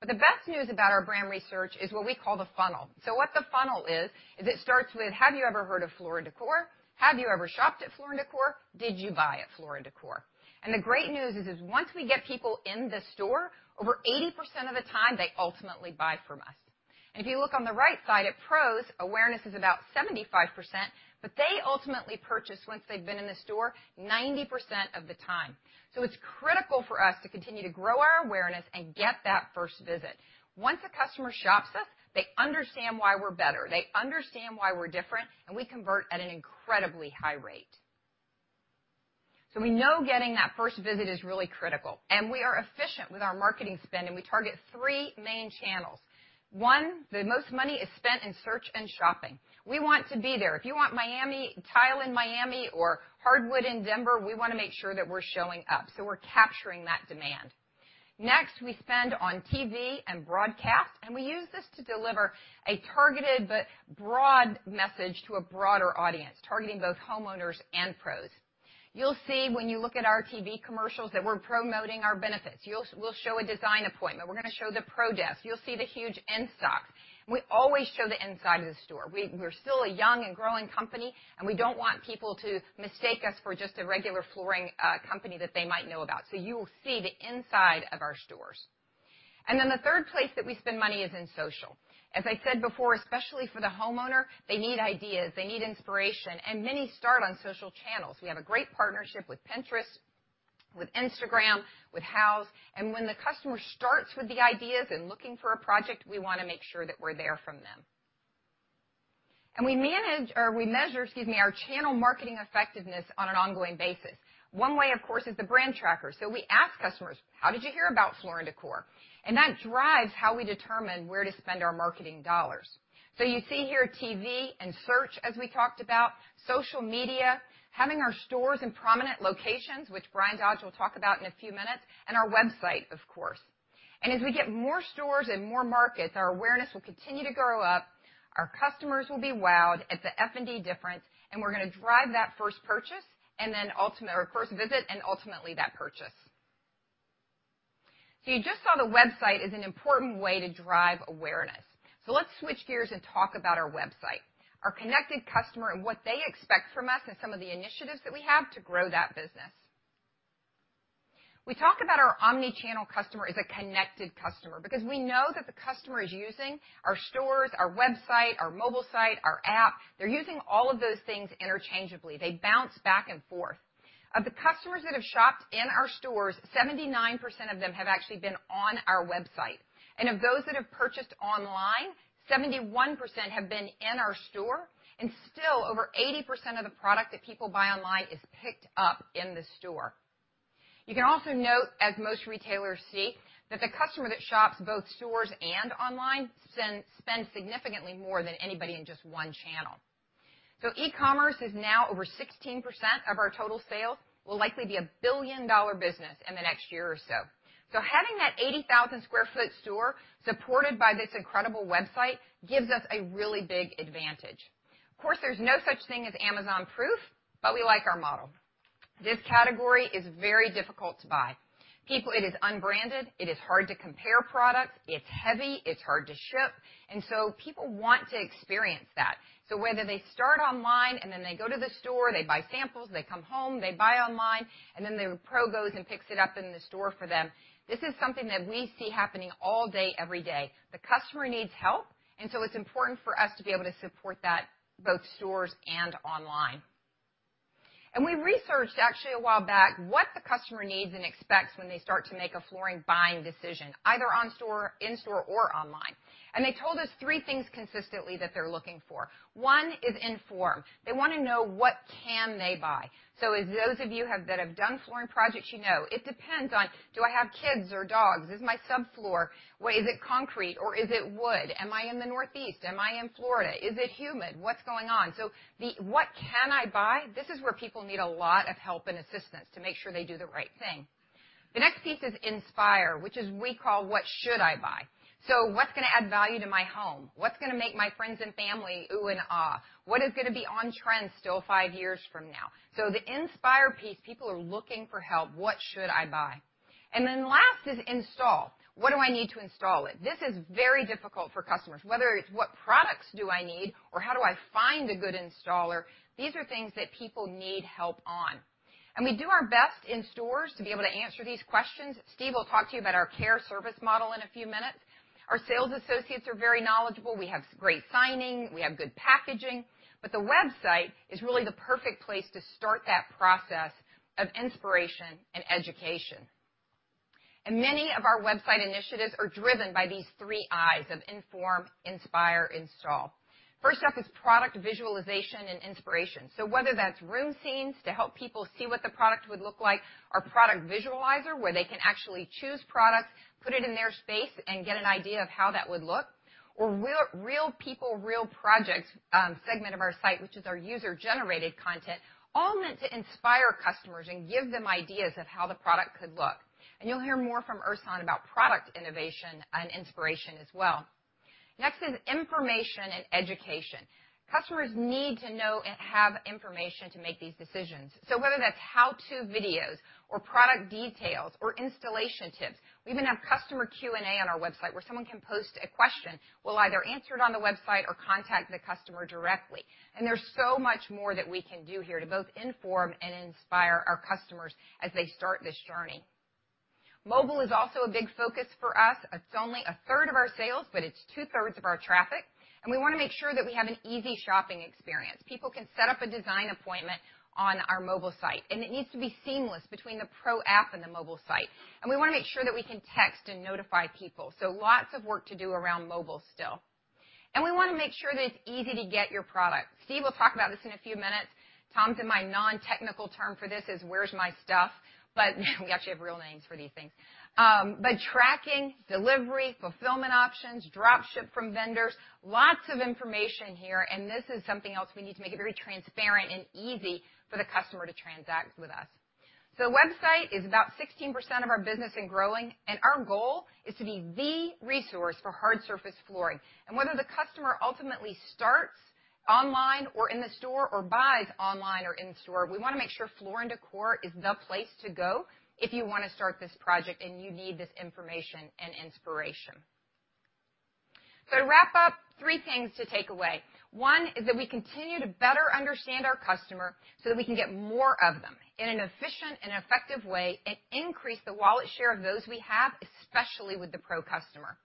The best news about our brand research is what we call the funnel. What the funnel is, it starts with have you ever heard of Floor & Decor? Have you ever shopped at Floor & Decor? Did you buy at Floor & Decor? The great news is once we get people in the store, over 80% of the time, they ultimately buy from us. If you look on the right side at pros, awareness is about 75%, but they ultimately purchase once they've been in the store 90% of the time. It's critical for us to continue to grow our awareness and get that first visit. Once a customer shops us, they understand why we're better, they understand why we're different, and we convert at an incredibly high rate. We know getting that first visit is really critical, and we are efficient with our marketing spend, and we target three main channels. One, the most money is spent in search and shopping. We want to be there. If you want Miami tile in Miami or hardwood in Denver, we wanna make sure that we're showing up, so we're capturing that demand. Next, we spend on TV and broadcast, and we use this to deliver a targeted but broad message to a broader audience, targeting both homeowners and pros. You'll see when you look at our TV commercials that we're promoting our benefits. We'll show a design appointment. We're gonna show the Pro Desk. You'll see the huge in stock. We always show the inside of the store. We're still a young and growing company, and we don't want people to mistake us for just a regular flooring company that they might know about. So you will see the inside of our stores. The third place that we spend money is in social. As I said before, especially for the homeowner, they need ideas, they need inspiration, and many start on social channels. We have a great partnership with Pinterest, with Instagram, with Houzz, and when the customer starts with the ideas and looking for a project, we wanna make sure that we're there for them. We manage, or we measure, excuse me, our channel marketing effectiveness on an ongoing basis. One way, of course, is the brand tracker. We ask customers, "How did you hear about Floor & Decor?" That drives how we determine where to spend our marketing dollars. You see here TV and search, as we talked about. Social media, having our stores in prominent locations, which Bryan Dodge will talk about in a few minutes, and our website, of course. As we get more stores and more markets, our awareness will continue to grow up, our customers will be wowed at the F&D difference, and we're gonna drive that first purchase, and then first visit, and ultimately that purchase. You just saw the website is an important way to drive awareness. Let's switch gears and talk about our website, our connected customer and what they expect from us and some of the initiatives that we have to grow that business. We talk about our omni-channel customer as a connected customer because we know that the customer is using our stores, our website, our mobile site, our app. They're using all of those things interchangeably. They bounce back and forth. Of the customers that have shopped in our stores, 79% of them have actually been on our website. Of those that have purchased online, 71% have been in our store. Still, over 80% of the product that people buy online is picked up in the store. You can also note, as most retailers see, that the customer that shops both stores and online spends significantly more than anybody in just one channel. E-commerce is now over 16% of our total sales, will likely be a billion-dollar business in the next year or so. Having that 80,000 sq ft store supported by this incredible website gives us a really big advantage. Of course, there's no such thing as Amazon-proof, but we like our model. This category is very difficult to buy. People. It is unbranded, it is hard to compare products, it's heavy, it's hard to ship, and so people want to experience that. Whether they start online and then they go to the store, they buy samples, they come home, they buy online, and then the Pro goes and picks it up in the store for them, this is something that we see happening all day, every day. The customer needs help, and so it's important for us to be able to support that, both stores and online. We researched actually a while back what the customer needs and expects when they start to make a flooring buying decision, either in store, in-store, or online. They told us three things consistently that they're looking for. One is inform. They wanna know what can they buy. As those of you that have done flooring projects, you know, it depends on do I have kids or dogs? Is my subfloor, what, is it concrete or is it wood? Am I in the Northeast? Am I in Florida? Is it humid? What's going on? The what can I buy, this is where people need a lot of help and assistance to make sure they do the right thing. The next piece is inspire, which is we call what should I buy. What's gonna add value to my home? What's gonna make my friends and family ooh and ah? What is gonna be on trend still five years from now? The inspire piece, people are looking for help. What should I buy? Last is install. What do I need to install it? This is very difficult for customers. Whether it's what products do I need or how do I find a good installer, these are things that people need help on. We do our best in stores to be able to answer these questions. Steve will talk to you about our care service model in a few minutes. Our sales associates are very knowledgeable. We have great signage. We have good packaging. The website is really the perfect place to start that process of inspiration and education. Many of our website initiatives are driven by these three I's of inform, inspire, install. First up is product visualization and inspiration. Whether that's room scenes to help people see what the product would look like, our product visualizer, where they can actually choose products, put it in their space, and get an idea of how that would look, or real people, real projects segment of our site, which is our user-generated content, all meant to inspire customers and give them ideas of how the product could look. You'll hear more from Ersan about product innovation and inspiration as well. Next is information and education. Customers need to know and have information to make these decisions. Whether that's how-to videos or product details or installation tips, we even have customer Q&A on our website where someone can post a question. We'll either answer it on the website or contact the customer directly. There's so much more that we can do here to both inform and inspire our customers as they start this journey. Mobile is also a big focus for us. It's only a third of our sales, but it's two-thirds of our traffic, and we wanna make sure that we have an easy shopping experience. People can set up a design appointment on our mobile site, and it needs to be seamless between the Pro App and the mobile site. We wanna make sure that we can text and notify people. Lots of work to do around mobile still. We wanna make sure that it's easy to get your product. Steve will talk about this in a few minutes. Tom, to my non-technical term for this is, "Where's my stuff?" We actually have real names for these things. Tracking, delivery, fulfillment options, drop ship from vendors, lots of information here, and this is something else we need to make it very transparent and easy for the customer to transact with us. Website is about 16% of our business and growing, and our goal is to be the resource for hard surface flooring. Whether the customer ultimately starts online or in the store or buys online or in store, we wanna make sure Floor & Decor is the place to go if you wanna start this project and you need this information and inspiration. To wrap up, three things to take away. One is that we continue to better understand our customer so that we can get more of them in an efficient and effective way and increase the wallet share of those we have, especially with the Pro Customer.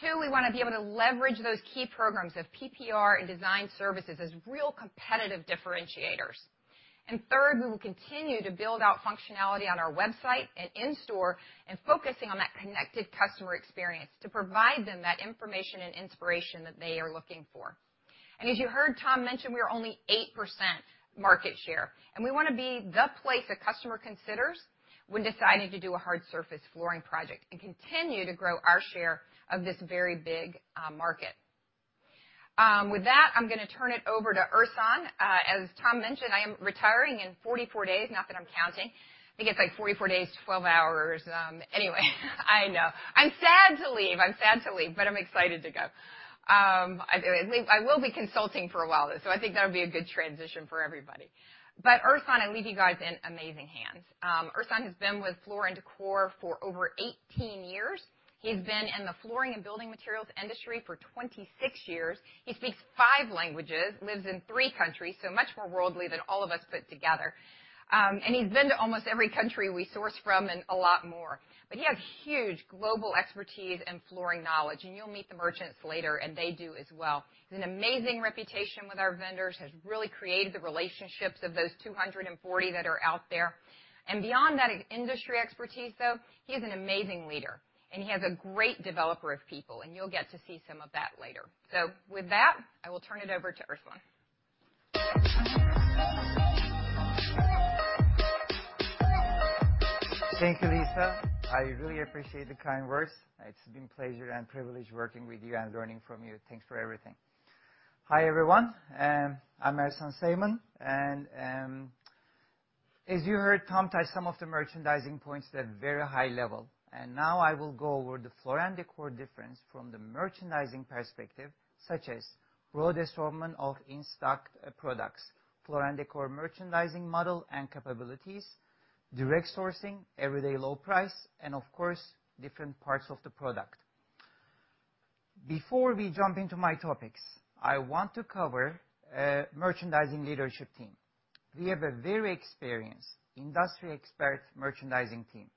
Two, we wanna be able to leverage those key programs of PPR and design services as real competitive differentiators. Third, we will continue to build out functionality on our website and in-store and focusing on that connected customer experience to provide them that information and inspiration that they are looking for. As you heard Tom mention, we are only 8% market share, and we wanna be the place the customer considers when deciding to do a hard surface flooring project and continue to grow our share of this very big market. With that, I'm gonna turn it over to Ersan. As Tom mentioned, I am retiring in 44 days, not that I'm counting. I think it's like 44 days, 12 hours. Anyway, I know. I'm sad to leave, but I'm excited to go. I will be consulting for a while, though, so I think that'll be a good transition for everybody. Ersan, I leave you guys in amazing hands. Ersan has been with Floor & Decor for over 18 years. He's been in the flooring and building materials industry for 26 years. He speaks five languages, lives in three countries, so much more worldly than all of us put together. He's been to almost every country we source from and a lot more. He has huge global expertise and flooring knowledge, and you'll meet the merchants later, and they do as well. He has an amazing reputation with our vendors, has really created the relationships of those 240 that are out there. Beyond that industry expertise, though, he is an amazing leader, and he has a great developer of people, and you'll get to see some of that later. With that, I will turn it over to Ersan. Thank you, Lisa. I really appreciate the kind words. It's been a pleasure and privilege working with you and learning from you. Thanks for everything. Hi, everyone. I'm Ersan Sayman. As you heard Tom touch some of the merchandising points at a very high level. Now I will go over the Floor & Decor difference from the merchandising perspective, such as broad assortment of in-stock products, Floor & Decor merchandising model and capabilities, direct sourcing, everyday low price, and of course, different parts of the product. Before we jump into my topics, I want to cover merchandising leadership team. We have a very experienced industry expert merchandising team.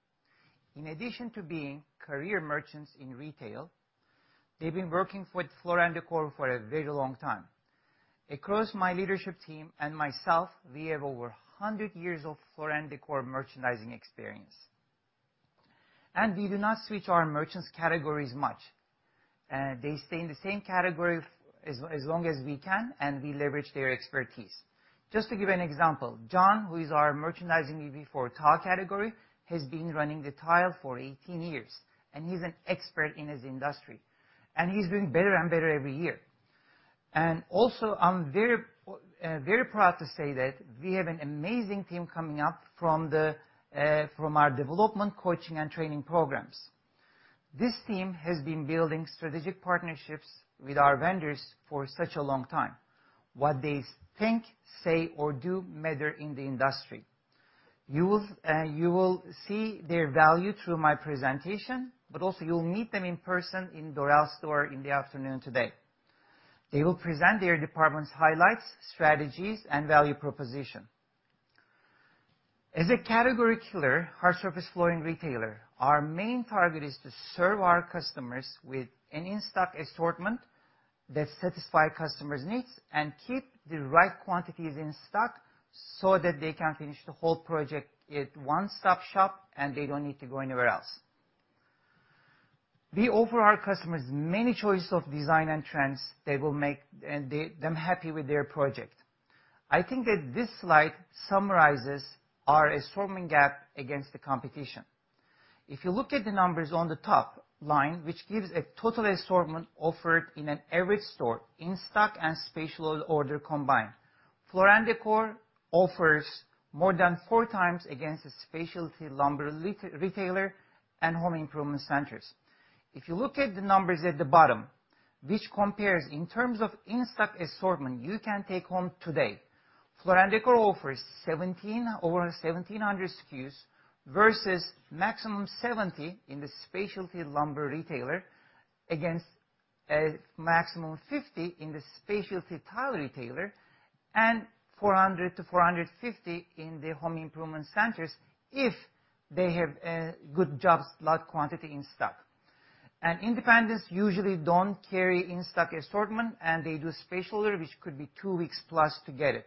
In addition to being career merchants in retail, they've been working with Floor & Decor for a very long time. Across my leadership team and myself, we have over 100 years of Floor & Decor merchandising experience. We do not switch our merchandise categories much. They stay in the same category as long as we can, and we leverage their expertise. Just to give an example, John, who is our merchandising lead for tile category, has been running the tile for 18 years, and he's an expert in his industry, and he's doing better and better every year. Also, I'm very, very proud to say that we have an amazing team coming up from our development coaching and training programs. This team has been building strategic partnerships with our vendors for such a long time. What they think, say, or do matter in the industry. You will see their value through my presentation, but also you'll meet them in person in Doral store in the afternoon today. They will present their department's highlights, strategies, and value proposition. As a category killer, hard surface flooring retailer, our main target is to serve our customers with an in-stock assortment that satisfy customers' needs and keep the right quantities in stock so that they can finish the whole project at one-stop shop, and they don't need to go anywhere else. We offer our customers many choices of design and trends that will make them happy with their project. I think that this slide summarizes our assortment gap against the competition. If you look at the numbers on the top line, which gives a total assortment offered in an average store, in-stock and special order combined. Floor & Decor offers more than 4x against a specialty lumber retailer and home improvement centers. If you look at the numbers at the bottom, which compares in terms of in-stock assortment you can take home today, Floor & Decor offers 1,700 SKUs versus a maximum of 70 in the specialty lumber retailer, against a maximum of 50 in the specialty tile retailer, and 400-450 in the home improvement centers if they have a good job slot quantity in stock. Independents usually don't carry in-stock assortment, and they do special order, which could be 2 weeks plus to get it.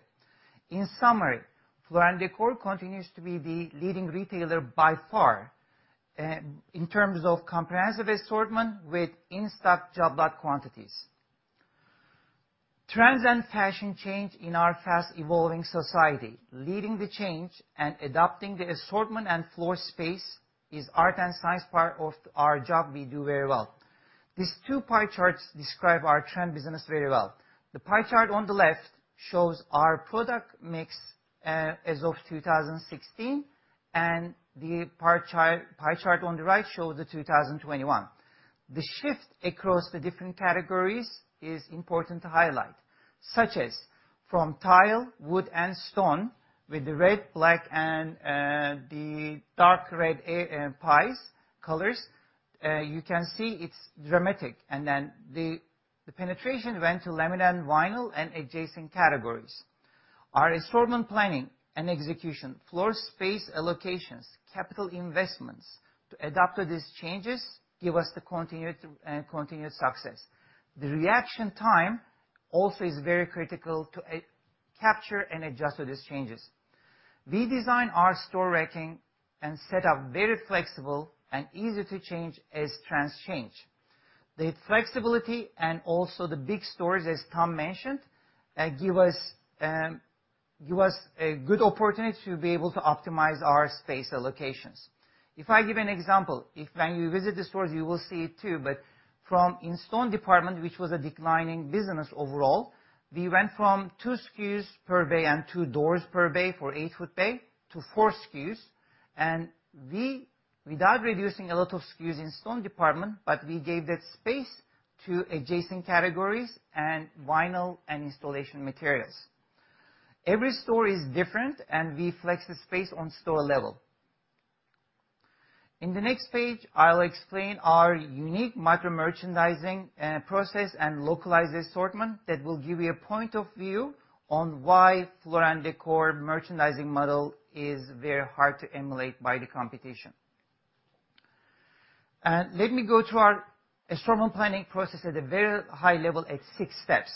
In summary, Floor & Decor continues to be the leading retailer by far in terms of comprehensive assortment with in-stock job lot quantities. Trends and fashion change in our fast evolving society. Leading the change and adapting the assortment and floor space is art and science, part of our job we do very well. These two pie charts describe our trend business very well. The pie chart on the left shows our product mix as of 2016, and the pie chart on the right shows the 2021. The shift across the different categories is important to highlight, such as from tile, wood and stone with the red, black, and the dark red pie colors. You can see it's dramatic. The penetration went to laminate and vinyl and adjacent categories. Our assortment planning and execution, floor space allocations, capital investments to adapt to these changes give us the continued success. The reaction time also is very critical to capture and adjust to these changes. We design our store ranking and set up very flexible and easy to change as trends change. The flexibility and also the big stores, as Tom mentioned, give us a good opportunity to be able to optimize our space allocations. If I give an example, if when you visit the stores, you will see it too, but in the stone department, which was a declining business overall, we went from 2 SKUs per bay and 2 doors per bay for 8-foot bay to 4 SKUs. We, without reducing a lot of SKUs in stone department, but we gave that space to adjacent categories and vinyl and installation materials. Every store is different, and we flex the space on store level. In the next page, I'll explain our unique micro-merchandising process and localized assortment that will give you a point of view on why Floor & Decor merchandising model is very hard to emulate by the competition. Let me go through our assortment planning process at a very high level at six steps.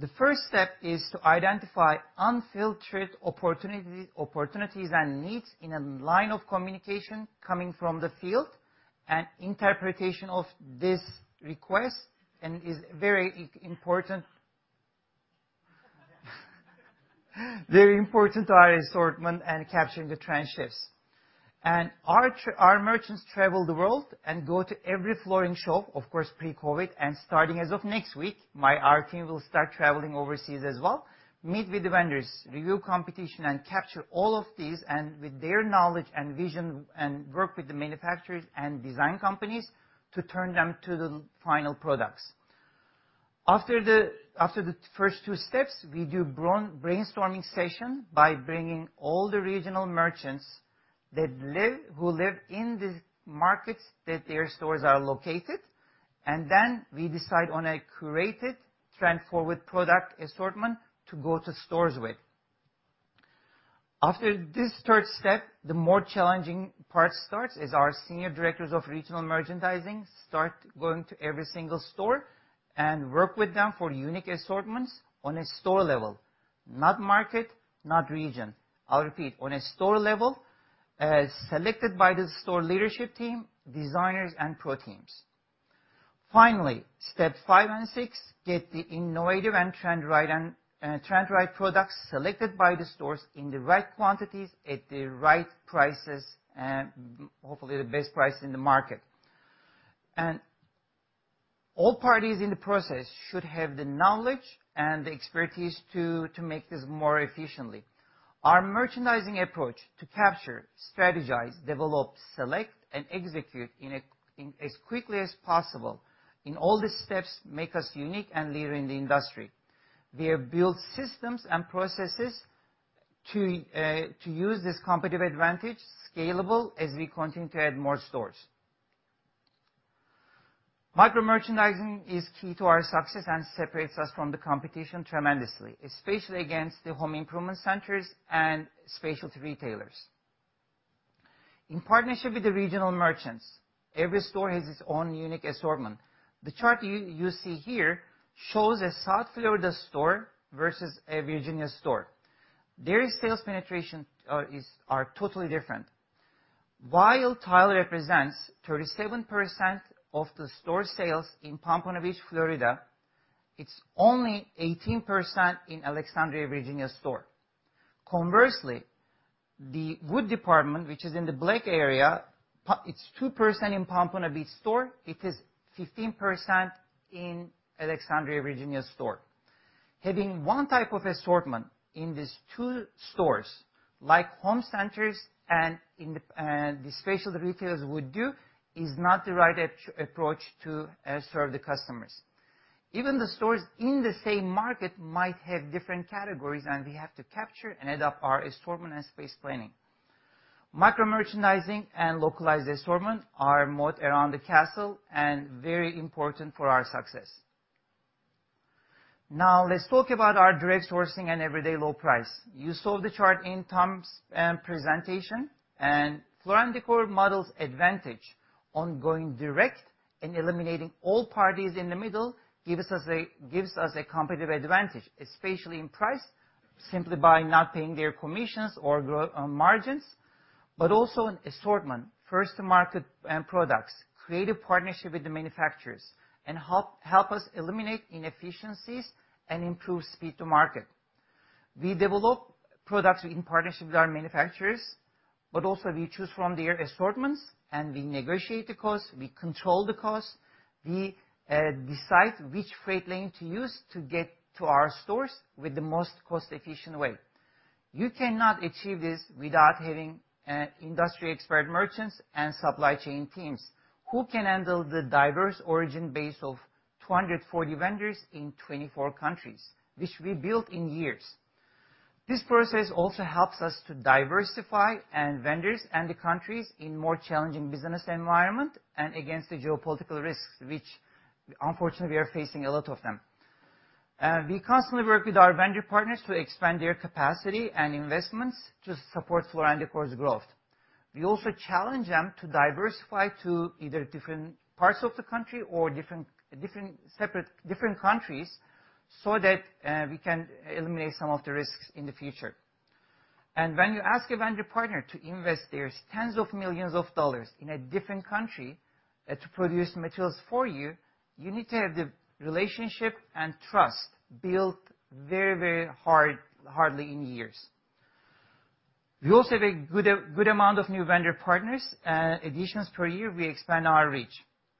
The first step is to identify unfiltered opportunity, opportunities and needs in a line of communication coming from the field and interpretation of this request, and it is very important to our assortment and capturing the trend shifts. Our merchants travel the world and go to every flooring show, of course, pre-COVID, and starting as of next week, our team will start traveling overseas as well, meet with the vendors, review competition, and capture all of these, and with their knowledge and vision, and work with the manufacturers and design companies to turn them to the final products. After the first two steps, we do brainstorming session by bringing all the regional merchants that live... who live in the markets that their stores are located, and then we decide on a curated trend forward product assortment to go to stores with. After this third step, the more challenging part starts, our Senior Directors of Regional Merchandising start going to every single store and work with them for unique assortments on a store level, not market, not region. I'll repeat. On a store level, selected by the store leadership team, designers, and pro teams. Finally, steps five and six, get the innovative and trend right and trend right products selected by the stores in the right quantities at the right prices, hopefully the best price in the market. All parties in the process should have the knowledge and the expertise to make this more efficiently. Our merchandising approach to capture, strategize, develop, select, and execute in as quickly as possible in all the steps makes us unique and leading the industry. We have built systems and processes to use this competitive advantage scalable as we continue to add more stores. Micro-merchandising is key to our success and separates us from the competition tremendously, especially against the home improvement centers and specialty retailers. In partnership with the regional merchants, every store has its own unique assortment. The chart you see here shows a South Florida store versus a Virginia store. Their sales penetration is totally different. While tile represents 37% of the store sales in Pompano Beach, Florida, it's only 18% in Alexandria, Virginia store. Conversely, the wood department, which is in the black area, it's 2% in Pompano Beach store. It is 15% in Alexandria, Virginia store. Having one type of assortment in these two stores, like home centers and the specialty retailers would do, is not the right approach to serve the customers. Even the stores in the same market might have different categories, and we have to capture and adapt our assortment and space planning. Micro-merchandising and localized assortment are the moat around the castle and very important for our success. Now let's talk about our direct sourcing and everyday low price. You saw the chart in Tom's presentation, and Floor & Decor model's advantage on going direct and eliminating all parties in the middle gives us a competitive advantage, especially in price, simply by not paying their commissions or gross margins, but also on assortment. First-to-market products create a partnership with the manufacturers and help us eliminate inefficiencies and improve speed to market. We develop products in partnership with our manufacturers, but also we choose from their assortments, and we negotiate the cost, we control the cost, we decide which freight lane to use to get to our stores with the most cost-efficient way. You cannot achieve this without having industry expert merchants and supply chain teams who can handle the diverse origin base of 240 vendors in 24 countries, which we built in years. This process also helps us to diversify and vendors and the countries in more challenging business environment and against the geopolitical risks, which unfortunately we are facing a lot of them. We constantly work with our vendor partners to expand their capacity and investments to support Floor & Decor's growth. We also challenge them to diversify to either different parts of the country or different countries so that we can eliminate some of the risks in the future. When you ask a vendor partner to invest their tens of millions of dollars in a different country to produce materials for you need to have the relationship and trust built very hard over the years. We also have a good amount of new vendor partner additions per year, we expand our reach.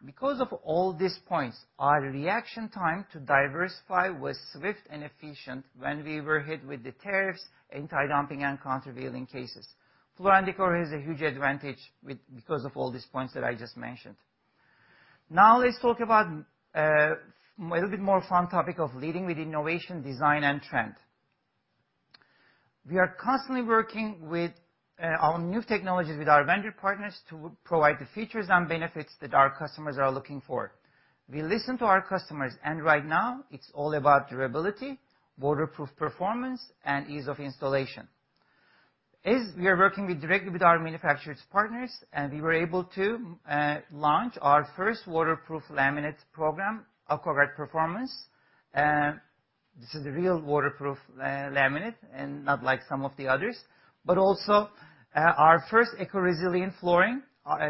Because of all these points, our reaction time to diversify was swift and efficient when we were hit with the tariffs, anti-dumping, and countervailing cases. Floor & Decor has a huge advantage because of all these points that I just mentioned. Now let's talk about a little bit more fun topic of leading with innovation, design, and trend. We are constantly working with on new technologies with our vendor partners to provide the features and benefits that our customers are looking for. We listen to our customers, and right now it's all about durability, waterproof performance, and ease of installation. As we are working with directly with our manufacturer's partners, and we were able to launch our first waterproof laminate program, AquaGuard Performance. This is a real waterproof laminate and not like some of the others. But also our first eco resilient flooring,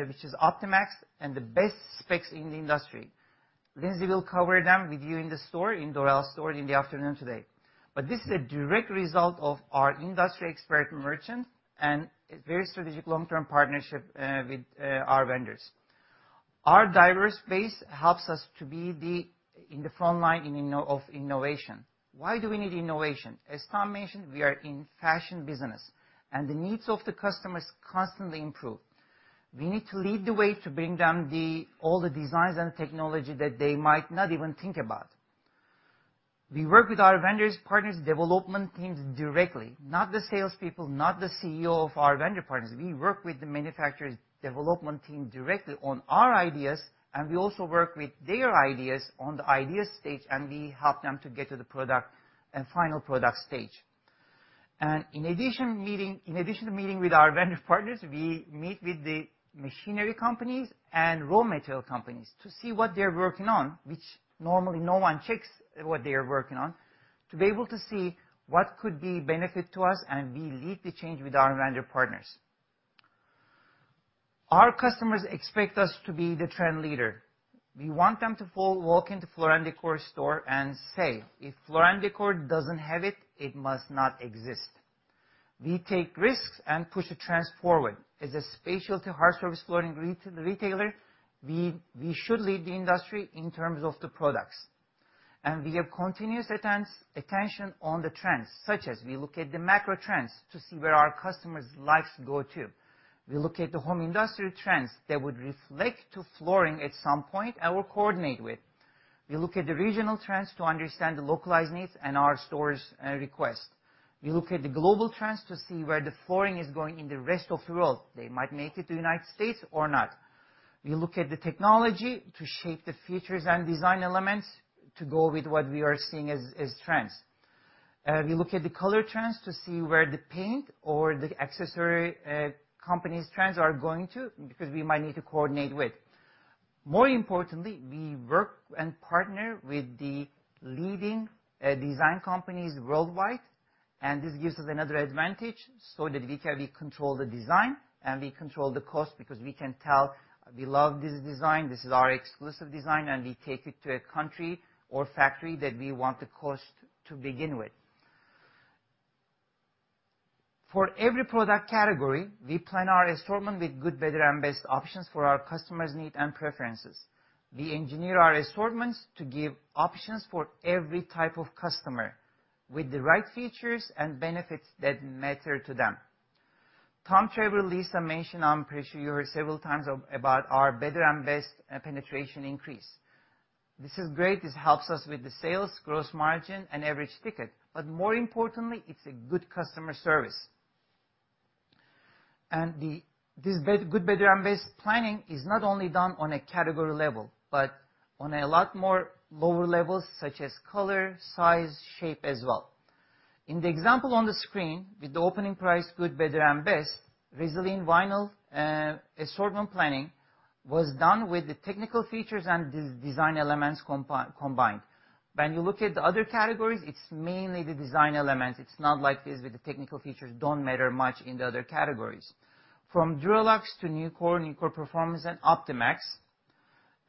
which is Optimax, and the best specs in the industry. Lindsay will cover them with you in the store, in Doral store in the afternoon today. This is a direct result of our industry expert merchants and a very strategic long-term partnership with our vendors. Our diverse base helps us to be in the front line of innovation. Why do we need innovation? As Tom mentioned, we are in fashion business, and the needs of the customers constantly improve. We need to lead the way to bring them all the designs and technology that they might not even think about. We work with our vendors, partners, development teams directly, not the salespeople, not the CEO of our vendor partners. We work with the manufacturer's development team directly on our ideas, and we also work with their ideas on the idea stage, and we help them to get to the product and final product stage. In addition to meeting with our vendor partners, we meet with the machinery companies and raw material companies to see what they're working on, which normally no one checks what they are working on, to be able to see what could be benefit to us, and we lead the change with our vendor partners. Our customers expect us to be the trend leader. We want them to walk into Floor & Decor store and say, "If Floor & Decor doesn't have it must not exist." We take risks and push the trends forward. As a specialty hard surface flooring retailer, we should lead the industry in terms of the products. We have continuous attention on the trends, such as we look at the macro trends to see where our customers' lives go to. We look at the home industry trends that would relate to flooring at some point and will coordinate with. We look at the regional trends to understand the localized needs and our stores request. We look at the global trends to see where the flooring is going in the rest of the world. They might make it to United States or not. We look at the technology to shape the features and design elements to go with what we are seeing as trends. We look at the color trends to see where the paint or the accessory company's trends are going to because we might need to coordinate with. More importantly, we work and partner with the leading design companies worldwide, and this gives us another advantage so that we can control the design, and we control the cost because we can tell, "We love this design. This is our exclusive design," and we take it to a country or factory that we want the cost to begin with. For every product category, we plan our assortment with good, better, and best options for our customers' needs and preferences. We engineer our assortments to give options for every type of customer with the right features and benefits that matter to them. Tom, Trevor, Lisa mentioned, I'm pretty sure you heard several times about our better and best penetration increase. This is great. This helps us with the sales, gross margin, and average ticket, but more importantly, it's a good customer service. Good, better, and best planning is not only done on a category level, but on a lot more lower levels such as color, size, shape as well. In the example on the screen, with the opening price good, better, and best, Resilient Vinyl, assortment planning was done with the technical features and design elements combined. When you look at the other categories, it's mainly the design elements. It's not like this with the technical features don't matter much in the other categories. From DuraLux to NuCore Performance and Optimax,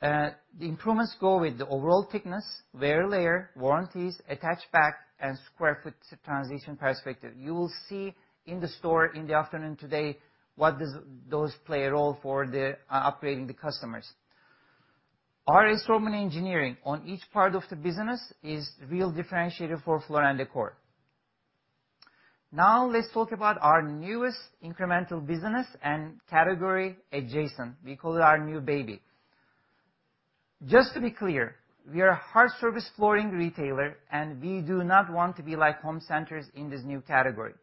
the improvements go with the overall thickness, wear layer, warranties, attach back, and square foot transition perspective. You will see in the store in the afternoon today what does those play a role for the upgrading the customers. Our assortment engineering on each part of the business is real differentiator for Floor & Decor. Now, let's talk about our newest incremental business and category Adjacent. We call it our new baby. Just to be clear, we are a hard surface flooring retailer, and we do not want to be like home centers in this new category.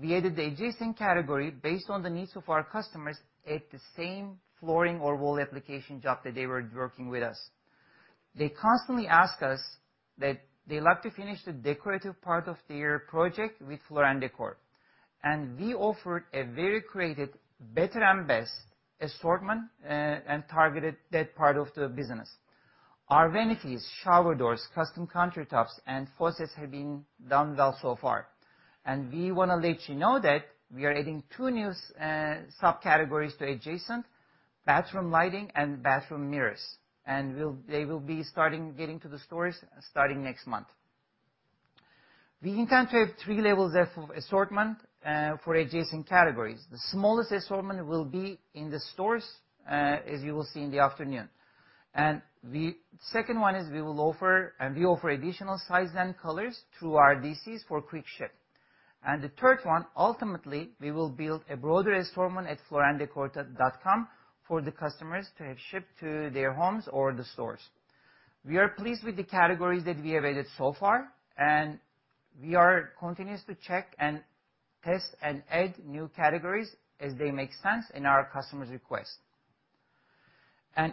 We added the Adjacent category based on the needs of our customers at the same flooring or wall application job that they were working with us. They constantly ask us that they love to finish the decorative part of their project with Floor & Decor. We offered a very curated better and best assortment, and targeted that part of the business. Our vanities, shower doors, custom countertops, and faucets have been done well so far. We wanna let you know that we are adding two new subcategories to Adjacent, bathroom lighting and bathroom mirrors. They will be starting getting to the stores starting next month. We intend to have three levels of assortment for adjacent categories. The smallest assortment will be in the stores, as you will see in the afternoon. The second one is we will offer, and we offer additional size and colors through our DCs for quick ship. The third one, ultimately, we will build a broader assortment at flooranddecor.com for the customers to have shipped to their homes or the stores. We are pleased with the categories that we have added so far, and we are continuously check and test and add new categories as they make sense in our customer's request.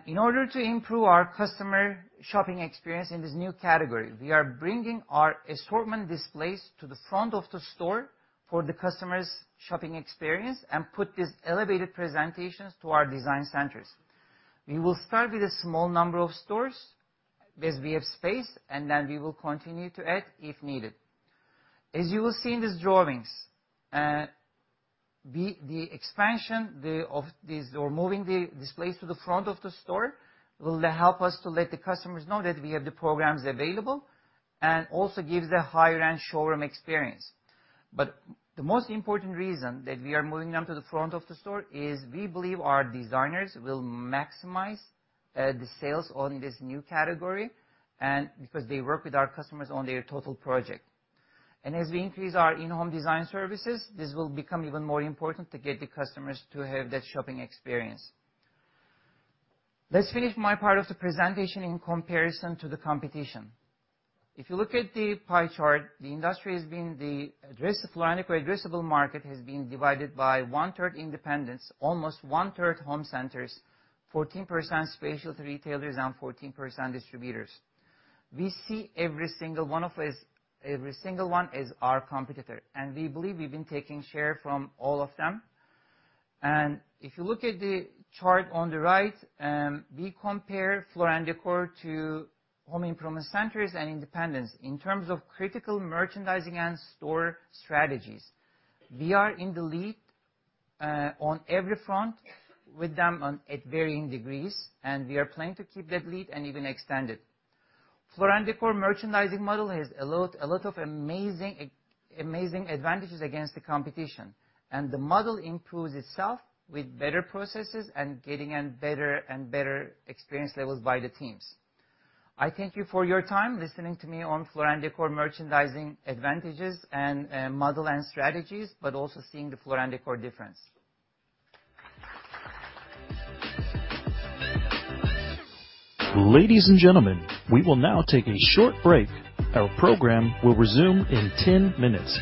In order to improve our customer shopping experience in this new category, we are bringing our assortment displays to the front of the store for the customer's shopping experience and put these elevated presentations to our design centers. We will start with a small number of stores as we have space, and then we will continue to add if needed. As you will see in these drawings, moving the displays to the front of the store will help us to let the customers know that we have the programs available and also gives a higher-end showroom experience. The most important reason that we are moving them to the front of the store is we believe our designers will maximize the sales on this new category, and because they work with our customers on their total project. As we increase our in-home design services, this will become even more important to get the customers to have that shopping experience. Let's finish my part of the presentation in comparison to the competition. If you look at the pie chart, the Floor & Decor addressable market has been divided into one-third independents, almost one-third home centers, 14% specialty retailers, and 14% distributors. We see every single one as our competitor, and we believe we've been taking share from all of them. If you look at the chart on the right, we compare Floor & Decor to home improvement centers and independents in terms of critical merchandising and store strategies. We are in the lead on every front with them on at varying degrees, and we are planning to keep that lead and even extend it. Floor & Decor merchandising model has a lot of amazing advantages against the competition, and the model improves itself with better processes and getting in better and better experience levels by the teams. I thank you for your time listening to me on Floor & Decor merchandising advantages and model and strategies, but also seeing the Floor & Decor difference. Ladies and gentlemen, we will now take a short break. Our program will resume in 10 minutes.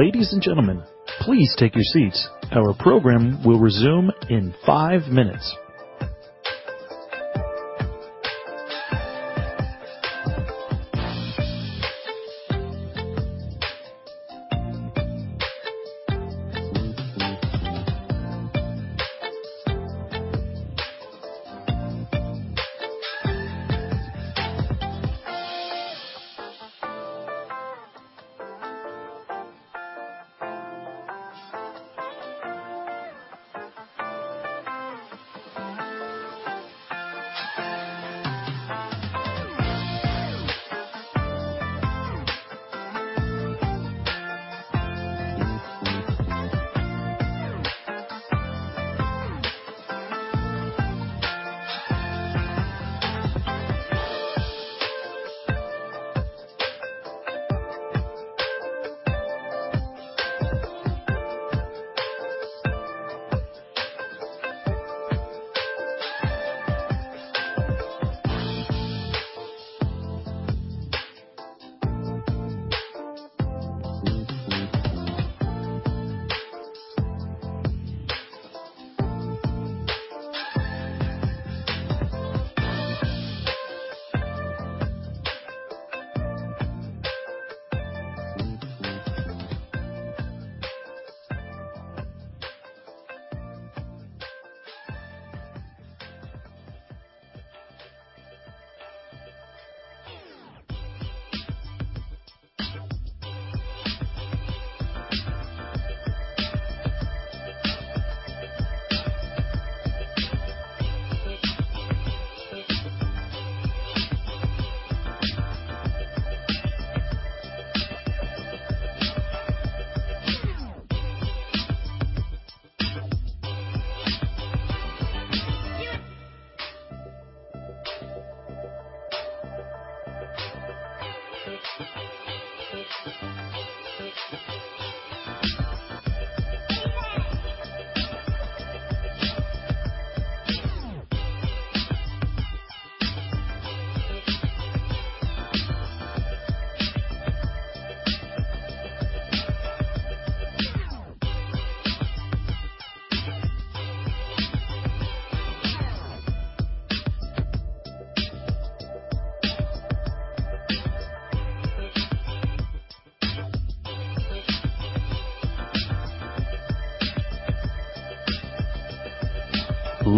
Ladies and gentlemen, please take your seats. Our program will resume in 5 minutes.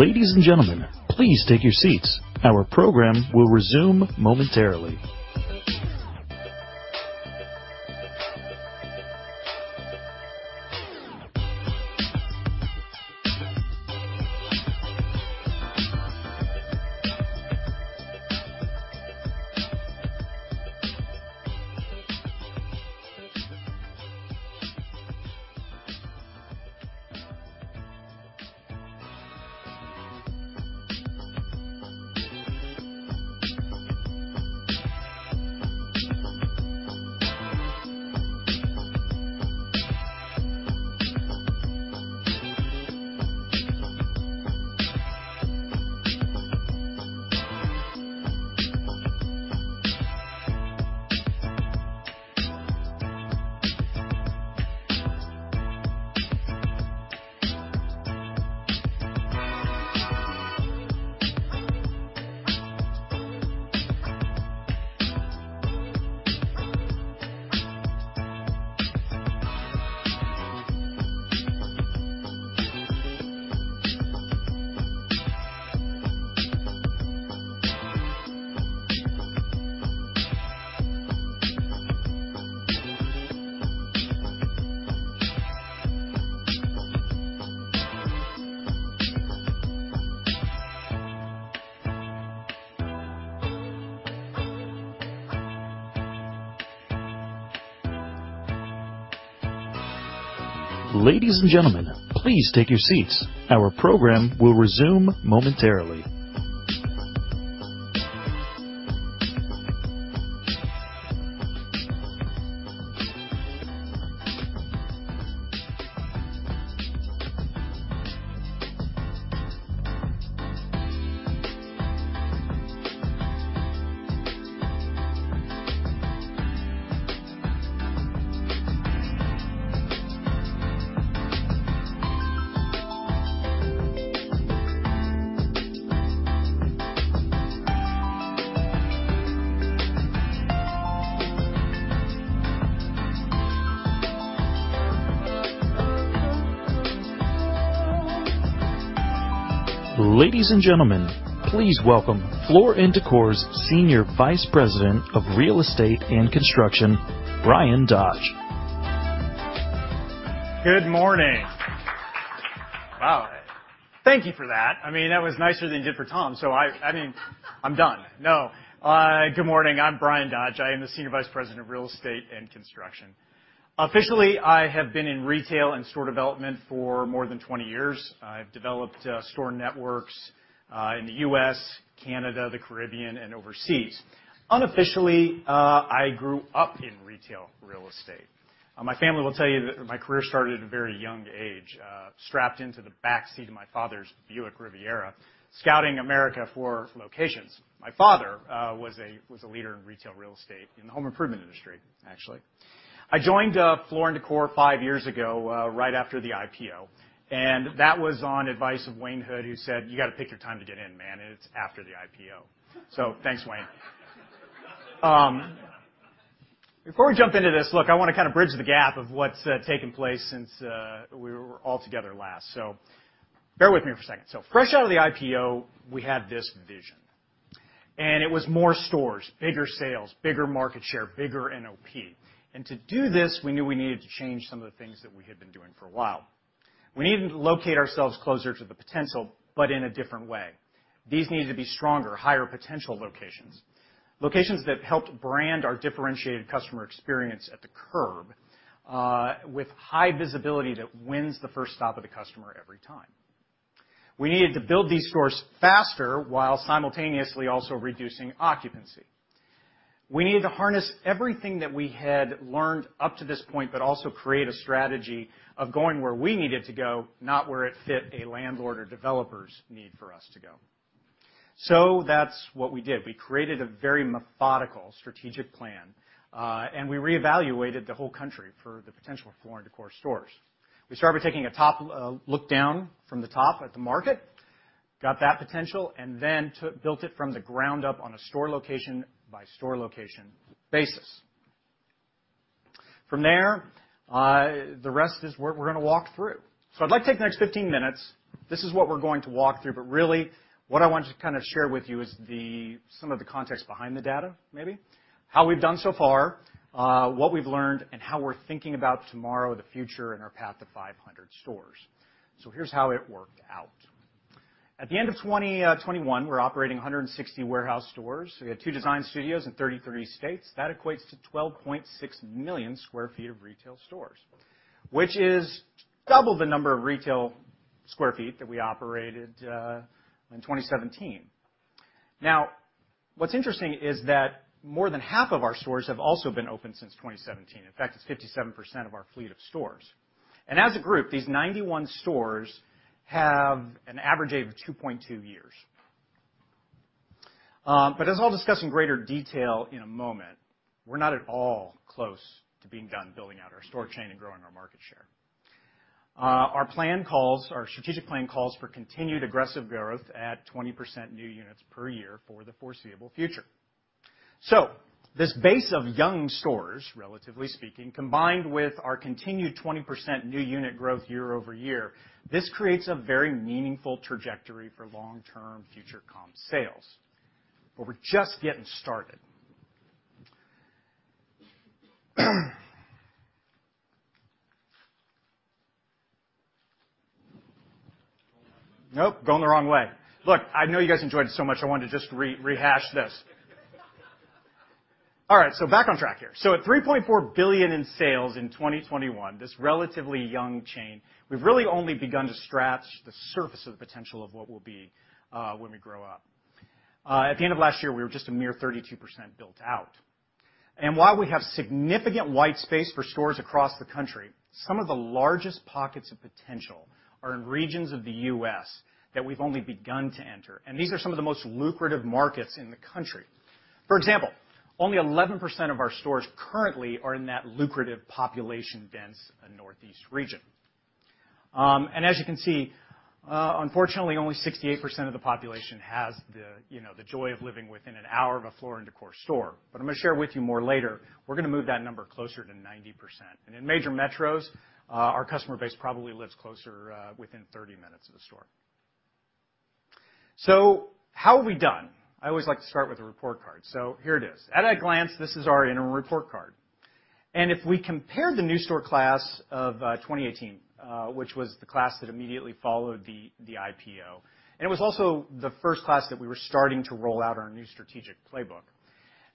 Ladies and gentlemen, please take your seats. Our program will resume momentarily. Ladies and gentlemen, please take your seats. Our program will resume momentarily. Ladies and gentlemen, please welcome Floor & Decor's Senior Vice President of Real Estate and Construction, Bryan Dodge. Good morning. Wow. Thank you for that. I mean, that was nicer than you did for Tom, so I mean, I'm done. No. Good morning. I'm Bryan Dodge. I am the Senior Vice President of Real Estate and Construction. Officially, I have been in retail and store development for more than 20 years. I've developed store networks in the U.S., Canada, the Caribbean, and overseas. Unofficially, I grew up in retail real estate. My family will tell you that my career started at a very young age, strapped into the back seat of my father's Buick Riviera, scouting America for locations. My father was a leader in retail real estate in the home improvement industry, actually. I joined Floor & Decor five years ago, right after the IPO, and that was on advice of Wayne Hood who said, "You gotta pick your time to get in, man, and it's after the IPO." Thanks, Wayne. Before we jump into this, look, I wanna kind of bridge the gap of what's taken place since we were all together last. Bear with me for a second. Fresh out of the IPO, we had this vision and it was more stores, bigger sales, bigger market share, bigger NOP. To do this, we knew we needed to change some of the things that we had been doing for a while. We needed to locate ourselves closer to the potential, but in a different way. These needed to be stronger, higher potential locations. Locations that helped brand our differentiated customer experience at the curb, with high visibility that wins the first stop of the customer every time. We needed to build these stores faster while simultaneously also reducing occupancy. We needed to harness everything that we had learned up to this point, but also create a strategy of going where we needed to go, not where it fit a landlord or developer's need for us to go. That's what we did. We created a very methodical strategic plan, and we reevaluated the whole country for the potential of 400 core stores. We started by taking a look down from the top at the market, got that potential, and then built it from the ground up on a store location by store location basis. From there, the rest is what we're gonna walk through. I'd like to take the next 15 minutes. This is what we're going to walk through, but really what I want to kind of share with you is some of the context behind the data, maybe. How we've done so far, what we've learned, and how we're thinking about tomorrow, the future, and our path to 500 stores. Here's how it worked out. At the end of 2021, we're operating 160 warehouse stores. We had two design studios in 33 states. That equates to 12.6 million sq ft of retail stores, which is double the number of retail square feet that we operated in 2017. Now, what's interesting is that more than half of our stores have also been open since 2017. In fact, it's 57% of our fleet of stores. As a group, these 91 stores have an average age of 2.2 years. As I'll discuss in greater detail in a moment, we're not at all close to being done building out our store chain and growing our market share. Our strategic plan calls for continued aggressive growth at 20% new units per year for the foreseeable future. This base of young stores, relatively speaking, combined with our continued 20% new unit growth year-over-year, creates a very meaningful trajectory for long-term future comp sales. We're just getting started. Nope, going the wrong way. Look, I know you guys enjoyed it so much, I wanted to just rehash this. All right, back on track here. At $3.4 billion in sales in 2021, this relatively young chain, we've really only begun to scratch the surface of the potential of what we'll be when we grow up. At the end of last year, we were just a mere 32% built out. While we have significant white space for stores across the country, some of the largest pockets of potential are in regions of the U.S. that we've only begun to enter, and these are some of the most lucrative markets in the country. For example, only 11% of our stores currently are in that lucrative population-dense Northeast region. As you can see, unfortunately, only 68% of the population has the, you know, the joy of living within an hour of a Floor & Decor store. I'm gonna share with you more later, we're gonna move that number closer to 90%. In major metros, our customer base probably lives closer within 30 minutes of the store. How have we done? I always like to start with a report card. Here it is. At a glance, this is our annual report card. If we compare the new store class of 2018, which was the class that immediately followed the IPO, and it was also the first class that we were starting to roll out our new strategic playbook,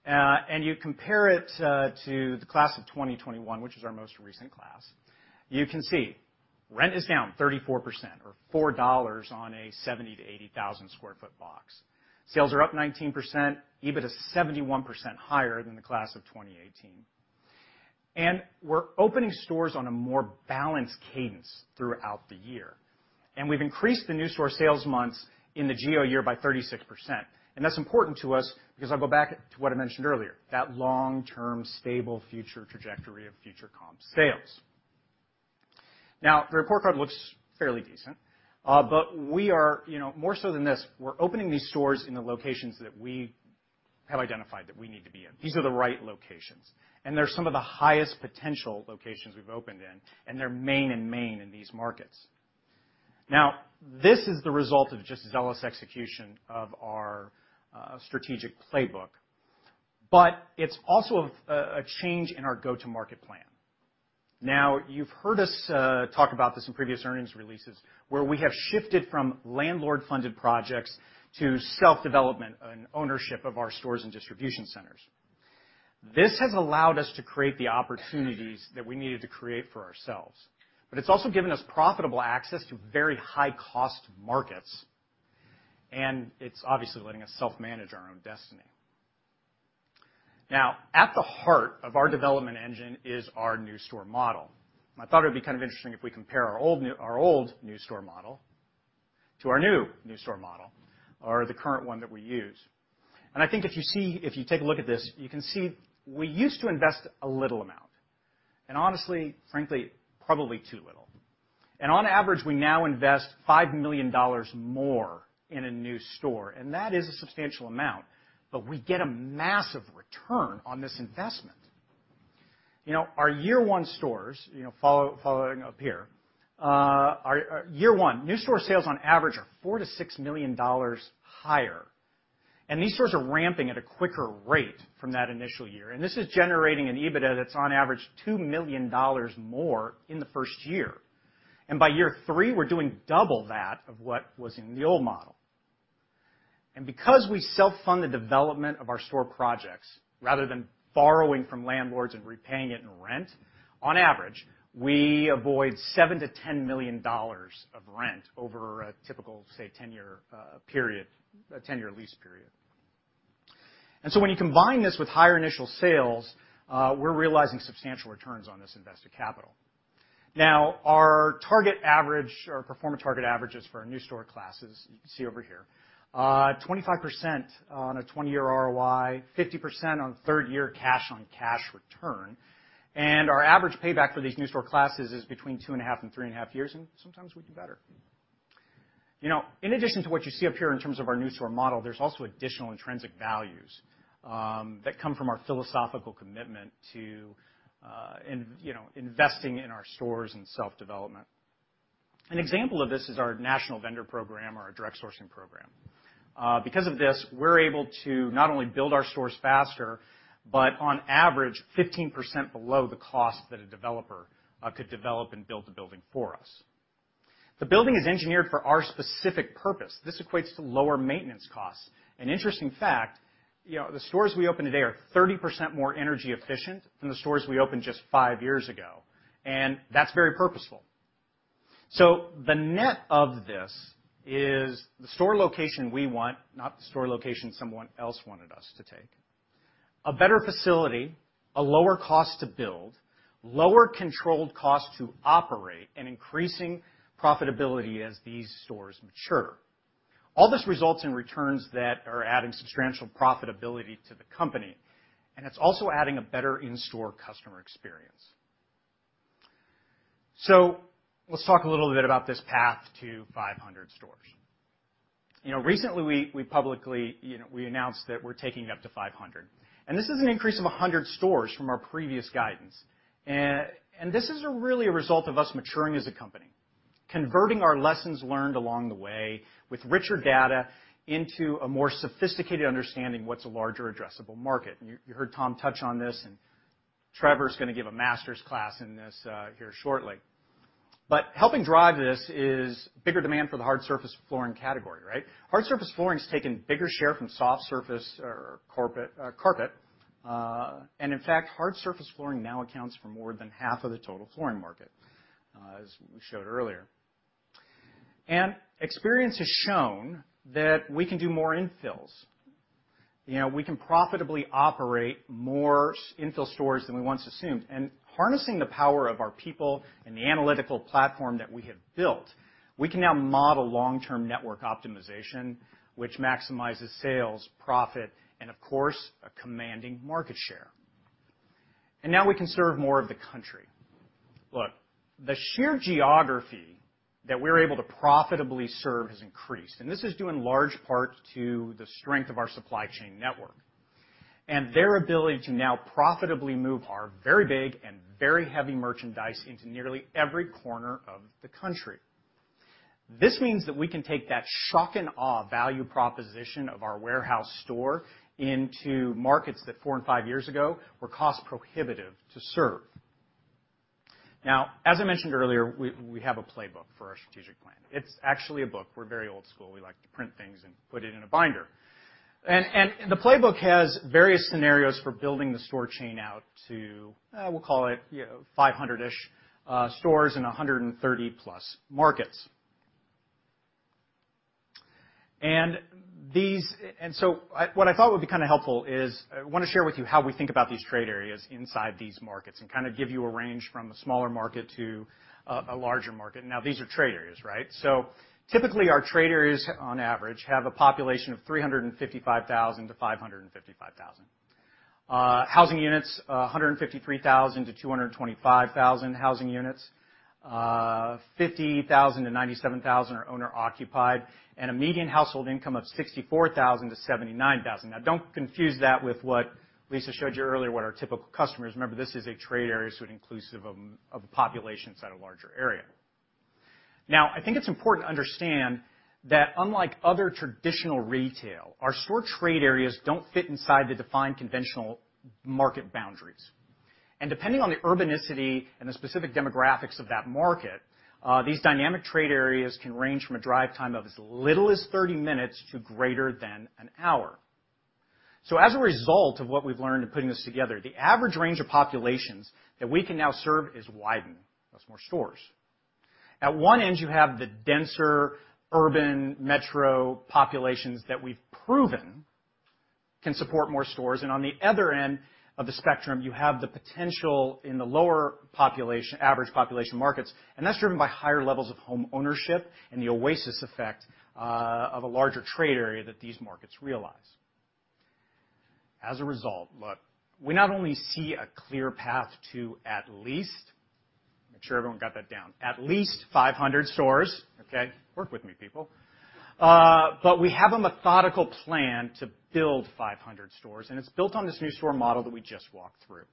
and you compare it to the class of 2021, which is our most recent class, you can see rent is down 34% or $4 on a 70,000-80,000 sq ft box. Sales are up 19%. EBIT is 71% higher than the class of 2018. We're opening stores on a more balanced cadence throughout the year. We've increased the new store sales months in the GO year by 36%. That's important to us because I'll go back to what I mentioned earlier, that long-term, stable future trajectory of future comp sales. Now, the report card looks fairly decent, but we are, you know, more so than this, we're opening these stores in the locations that we have identified that we need to be in. These are the right locations, and they're some of the highest potential locations we've opened in, and they're main and main in these markets. Now, this is the result of just zealous execution of our strategic playbook, but it's also a change in our go-to market plan. Now, you've heard us talk about this in previous earnings releases, where we have shifted from landlord-funded projects to self-development and ownership of our stores and distribution centers. This has allowed us to create the opportunities that we needed to create for ourselves, but it's also given us profitable access to very high-cost markets, and it's obviously letting us self-manage our own destiny. Now, at the heart of our development engine is our new store model. I thought it would be kind of interesting if we compare our old new store model to our new new store model, or the current one that we use. I think if you take a look at this, you can see we used to invest a little amount. Honestly, frankly, probably too little. On average, we now invest $5 million more in a new store, and that is a substantial amount, but we get a massive return on this investment. You know, our year one stores, you know, our year one new store sales on average are $4 million-$6 million higher. These stores are ramping at a quicker rate from that initial year. This is generating an EBITDA that's on average $2 million more in the first year. By year three, we're doing double that of what was in the old model. Because we self-fund the development of our store projects rather than borrowing from landlords and repaying it in rent, on average, we avoid $7 million-$10 million of rent over a typical, say, 10-year period, a 10-year lease period. When you combine this with higher initial sales, we're realizing substantial returns on this invested capital. Now, our target average or performance target averages for our new store classes, you can see over here, 25% on a 20-year ROI, 50% on third-year cash on cash return. Our average payback for these new store classes is between two and a half and three and a half years, and sometimes we do better. You know, in addition to what you see up here in terms of our new store model, there's also additional intrinsic values that come from our philosophical commitment to, you know, investing in our stores and self-development. An example of this is our national vendor program or our direct sourcing program. Because of this, we're able to not only build our stores faster, but on average, 15% below the cost that a developer could develop and build the building for us. The building is engineered for our specific purpose. This equates to lower maintenance costs. An interesting fact, you know, the stores we open today are 30% more energy efficient than the stores we opened just 5 years ago, and that's very purposeful. The net of this is the store location we want, not the store location someone else wanted us to take, a better facility, a lower cost to build, lower controlled cost to operate, and increasing profitability as these stores mature. All this results in returns that are adding substantial profitability to the company, and it's also adding a better in-store customer experience. Let's talk a little bit about this path to 500 stores. You know, recently we publicly, you know, we announced that we're taking up to 500. This is an increase of 100 stores from our previous guidance. This is really a result of us maturing as a company, converting our lessons learned along the way with richer data into a more sophisticated understanding what's a larger addressable market. You heard Tom touch on this, and Trevor's going to give a master's class in this here shortly. Helping drive this is bigger demand for the hard surface flooring category, right? Hard surface flooring has taken bigger share from soft surface or carpet. In fact, hard surface flooring now accounts for more than half of the total flooring market, as we showed earlier. Experience has shown that we can do more infills. You know, we can profitably operate more infill stores than we once assumed. Harnessing the power of our people and the analytical platform that we have built, we can now model long-term network optimization, which maximizes sales, profit, and of course, a commanding market share. Now we can serve more of the country. Look, the sheer geography that we're able to profitably serve has increased, and this is due in large part to the strength of our supply chain network and their ability to now profitably move our very big and very heavy merchandise into nearly every corner of the country. This means that we can take that shock and awe value proposition of our warehouse store into markets that 4 and 5 years ago were cost-prohibitive to serve. Now, as I mentioned earlier, we have a playbook for our strategic plan. It's actually a book. We're very old school. We like to print things and put it in a binder. The playbook has various scenarios for building the store chain out to, we'll call it, 500-ish stores in 130+ markets. What I thought would be kinda helpful is I wanna share with you how we think about these trade areas inside these markets and kinda give you a range from a smaller market to a larger market. Now, these are trade areas, right? Typically, our trade areas, on average, have a population of 355,000-555,000. Housing units, 153,000-225,000 housing units. 50,000-97,000 are owner-occupied. A median household income of $64,000-$79,000. Now, don't confuse that with what Lisa showed you earlier, what our typical customer is. Remember, this is a trade area, so it includes of populations at a larger area. Now, I think it's important to understand that unlike other traditional retail, our store trade areas don't fit inside the defined conventional market boundaries. Depending on the urbanicity and the specific demographics of that market, these dynamic trade areas can range from a drive time of as little as 30 minutes to greater than an hour. As a result of what we've learned in putting this together, the average range of populations that we can now serve has widened. That's more stores. At one end, you have the denser urban metro populations that we've proven can support more stores. On the other end of the spectrum, you have the potential in the lower population-average population markets, and that's driven by higher levels of home ownership and the oasis effect of a larger trade area that these markets realize. As a result, look, we not only see a clear path to at least, make sure everyone got that down, at least 500 stores, okay? Work with me, people. We have a methodical plan to build 500 stores, and it's built on this new store model that we just walked through.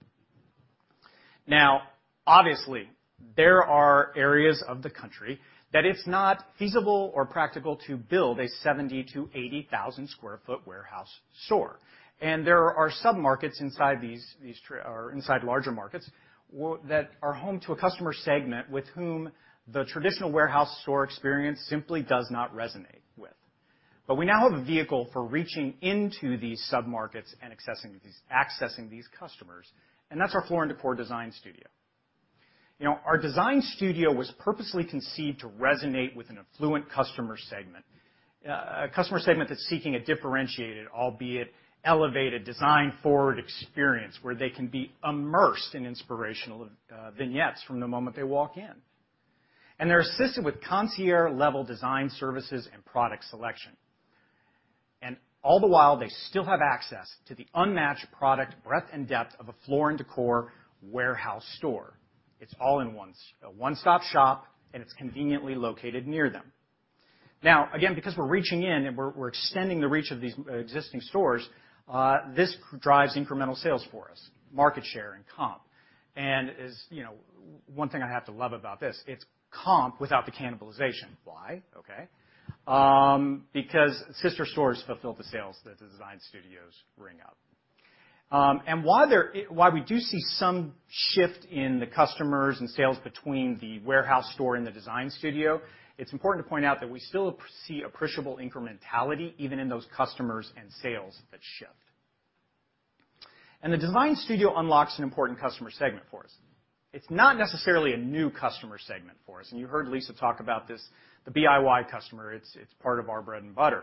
Now, obviously, there are areas of the country that it's not feasible or practical to build a 70,000-80,000 sq ft warehouse store. There are sub-markets inside these or inside larger markets that are home to a customer segment with whom the traditional warehouse store experience simply does not resonate with. We now have a vehicle for reaching into these sub-markets and accessing these customers, and that's our Floor & Decor Design Studio. You know, our Design Studio was purposely conceived to resonate with an affluent customer segment. A customer segment that's seeking a differentiated, albeit elevated design-forward experience, where they can be immersed in inspirational vignettes from the moment they walk in. They're assisted with concierge-level design services and product selection. All the while, they still have access to the unmatched product breadth and depth of a Floor & Decor warehouse store. It's all a one-stop-shop, and it's conveniently located near them. Now, again, because we're reaching in and we're extending the reach of these existing stores, this drives incremental sales for us, market share and comp. Is, you know, one thing I have to love about this, it's comp without the cannibalization. Why? Okay. Because sister stores fulfill the sales that the design studios ring up. While we do see some shift in the customers and sales between the warehouse store and the design studio, it's important to point out that we still see appreciable incrementality even in those customers and sales that shift. The Design Studio unlocks an important customer segment for us. It's not necessarily a new customer segment for us, and you heard Lisa talk about this, the BIY customer, it's part of our bread and butter.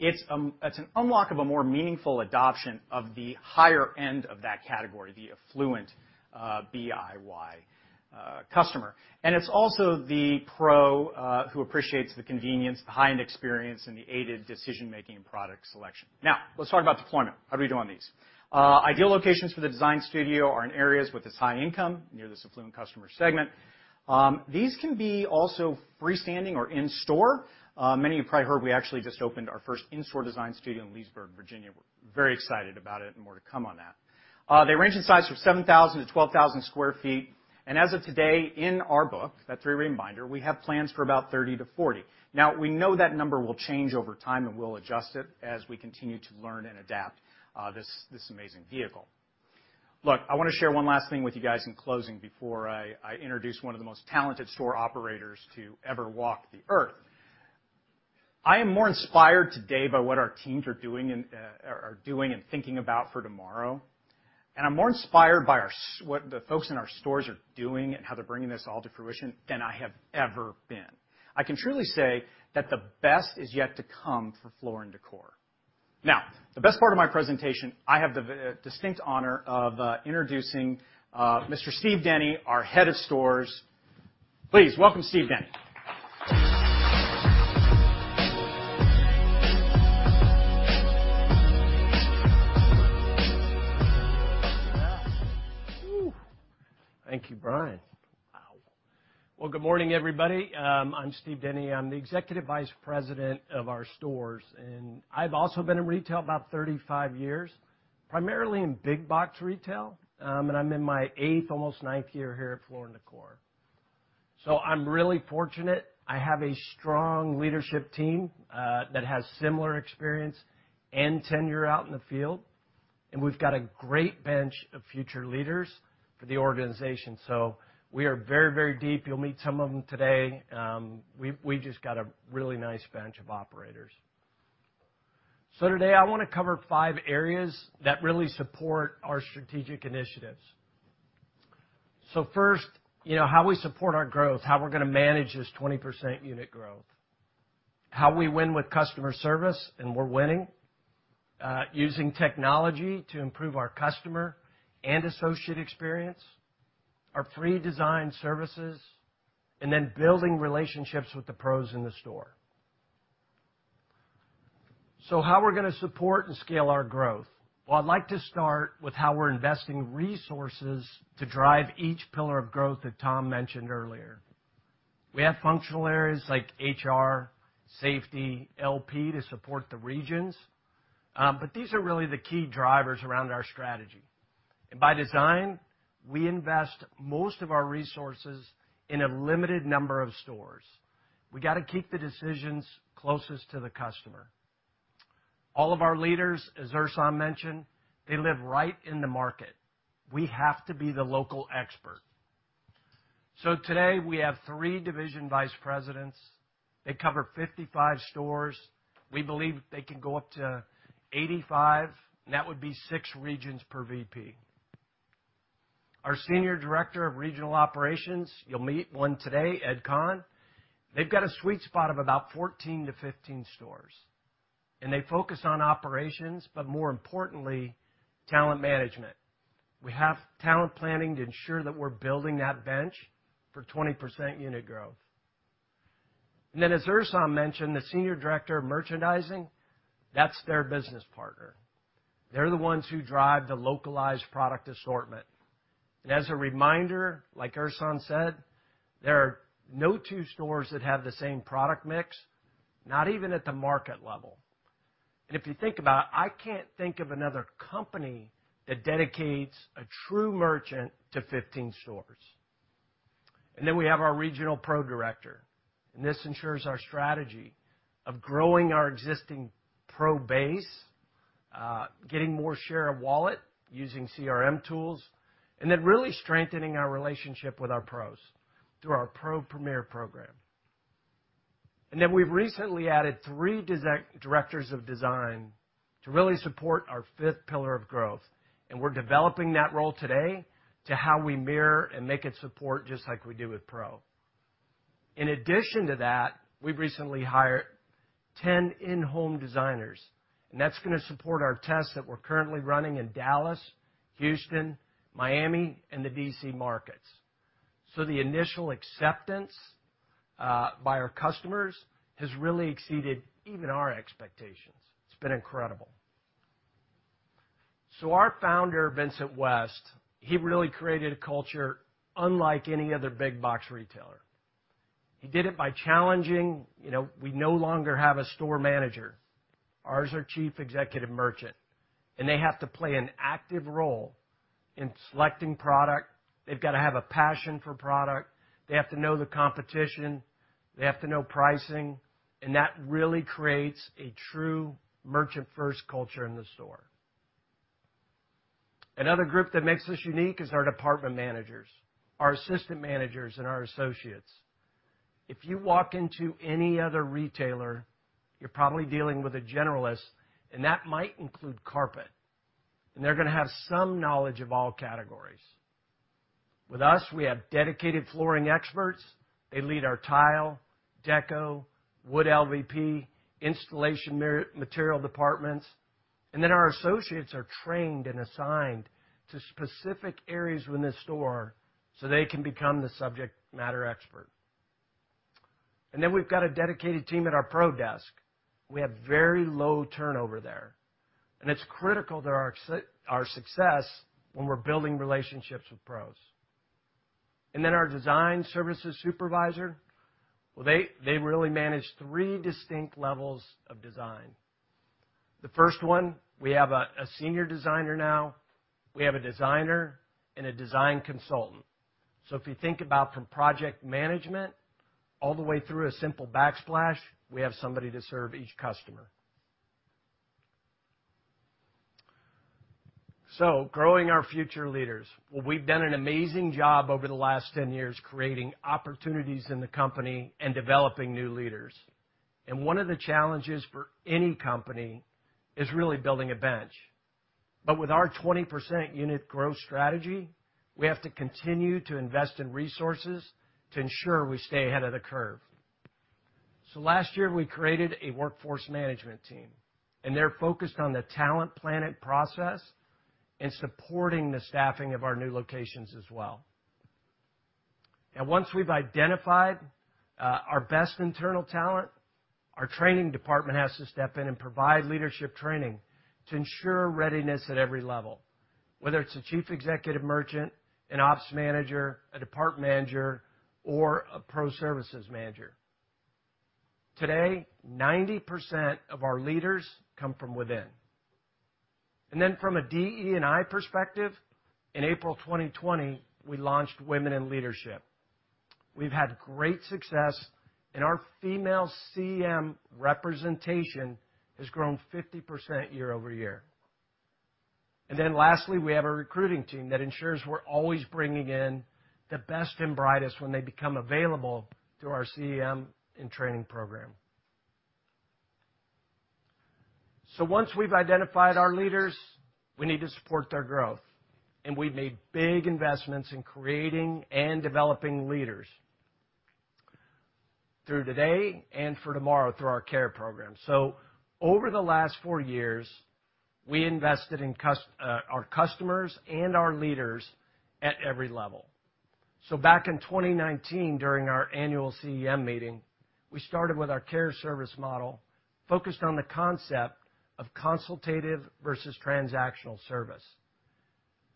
It's an unlock of a more meaningful adoption of the higher end of that category, the affluent, BIY, customer. It's also the pro, who appreciates the convenience, the high-end experience, and the aided decision-making and product selection. Now, let's talk about deployment. How do we do on these? Ideal locations for the Design Studio are in areas with this high income, near this affluent customer segment. These can be also freestanding or in-store. Many of you probably heard, we actually just opened our first in-store Design Studio in Leesburg, Virginia. We're very excited about it and more to come on that. They range in size from 7,000-12,000 sq ft. As of today, in our book, that three-ring binder, we have plans for about 30-40. Now we know that number will change over time, and we'll adjust it as we continue to learn and adapt, this amazing vehicle. Look, I wanna share one last thing with you guys in closing before I introduce one of the most talented store operators to ever walk the Earth. I am more inspired today by what our teams are doing and are doing and thinking about for tomorrow. I'm more inspired by what the folks in our stores are doing and how they're bringing this all to fruition than I have ever been. I can truly say that the best is yet to come for Floor & Decor. Now, the best part of my presentation, I have the distinct honor of introducing Mr. Steve Denny, our Head of Stores. Please welcome Steve Denny. Thank you, Bryan. Wow. Well, good morning, everybody. I'm Steve Denny. I'm the Executive Vice President of our stores, and I've also been in retail about 35 years, primarily in big box retail, and I'm in my eighth, almost ninth year here at Floor & Decor. I'm really fortunate. I have a strong leadership team that has similar experience and tenure out in the field, and we've got a great bench of future leaders for the organization. We are very, very deep. You'll meet some of them today. We just got a really nice bench of operators. Today, I wanna cover 5 areas that really support our strategic initiatives. First, you know, how we support our growth, how we're gonna manage this 20% unit growth, how we win with customer service, and we're winning, using technology to improve our customer and associate experience, our free design services, and then building relationships with the pros in the store. How we're gonna support and scale our growth. Well, I'd like to start with how we're investing resources to drive each pillar of growth that Tom mentioned earlier. We have functional areas like HR, safety, LP, to support the regions, but these are really the key drivers around our strategy. By design, we invest most of our resources in a limited number of stores. We gotta keep the decisions closest to the customer. All of our leaders, as Ersan mentioned, they live right in the market. We have to be the local expert. Today, we have three division vice presidents. They cover 55 stores. We believe they can go up to 85, and that would be 6 regions per VP. Our Senior Director of Regional Operations, you'll meet one today, Ed Kahn. They've got a sweet spot of about 14-15 stores, and they focus on operations, but more importantly, talent management. We have talent planning to ensure that we're building that bench for 20% unit growth. As Ersan mentioned, the senior director of merchandising, that's their business partner. They're the ones who drive the localized product assortment. As a reminder, like Ersan said, there are no two stores that have the same product mix, not even at the market level. If you think about it, I can't think of another company that dedicates a true merchant to 15 stores. We have our regional Pro Director, and this ensures our strategy of growing our existing pro base, getting more share of wallet using CRM tools, and then really strengthening our relationship with our pros through our Pro Premier program. We've recently added three directors of design to really support our fifth pillar of growth, and we're developing that role today to how we mirror and make it support just like we do with Pro. In addition to that, we've recently hired 10 in-home designers, and that's gonna support our tests that we're currently running in Dallas, Houston, Miami, and the D.C. markets. The initial acceptance by our customers has really exceeded even our expectations. It's been incredible. Our founder, Vincent West, he really created a culture unlike any other big box retailer. He did it by challenging. You know, we no longer have a store manager. Ours are Chief Executive Merchants, and they have to play an active role in selecting product. They've got to have a passion for product. They have to know the competition. They have to know pricing. That really creates a true merchant-first culture in the store. Another group that makes us unique is our department managers, our assistant managers, and our associates. If you walk into any other retailer, you're probably dealing with a generalist, and that might include carpet. They're gonna have some knowledge of all categories. With us, we have dedicated flooring experts. They lead our tile, decor, wood, LVP, installation material departments. Our associates are trained and assigned to specific areas within the store so they can become the subject matter expert. We've got a dedicated team at our Pro Desk. We have very low turnover there. It's critical to our success when we're building relationships with pros. Then our design services supervisor, well, they really manage three distinct levels of design. The first one, we have a senior designer now. We have a designer and a design consultant. If you think about from project management all the way through a simple backsplash, we have somebody to serve each customer. Growing our future leaders, well, we've done an amazing job over the last 10 years creating opportunities in the company and developing new leaders. One of the challenges for any company is really building a bench. With our 20% unit growth strategy, we have to continue to invest in resources to ensure we stay ahead of the curve. Last year, we created a workforce management team, and they're focused on the talent planning process and supporting the staffing of our new locations as well. Once we've identified our best internal talent, our training department has to step in and provide leadership training to ensure readiness at every level, whether it's a chief executive merchant, an ops manager, a department manager, or a pro services manager. Today, 90% of our leaders come from within. From a DE&I perspective, in April 2020, we launched Women in Leadership. We've had great success, and our female CEM representation has grown 50% year-over-year. Lastly, we have a recruiting team that ensures we're always bringing in the best and brightest when they become available through our CEM and training program. Once we've identified our leaders, we need to support their growth, and we've made big investments in creating and developing leaders through today and for tomorrow through our care program. Over the last four years, we invested in our customers and our leaders at every level. Back in 2019, during our annual CEM meeting, we started with our care service model focused on the concept of consultative versus transactional service.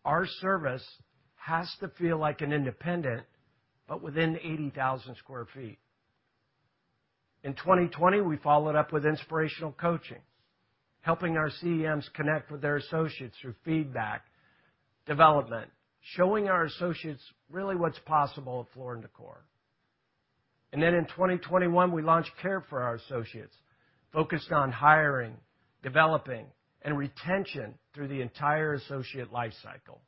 Our service has to feel like an independent, but within 80,000 sq ft. In 2020, we followed up with inspirational coaching, helping our CEMs connect with their associates through feedback development, showing our associates really what's possible at Floor & Decor. In 2021, we launched Care for Our Associates, focused on hiring, developing, and retention through the entire associate life cycle.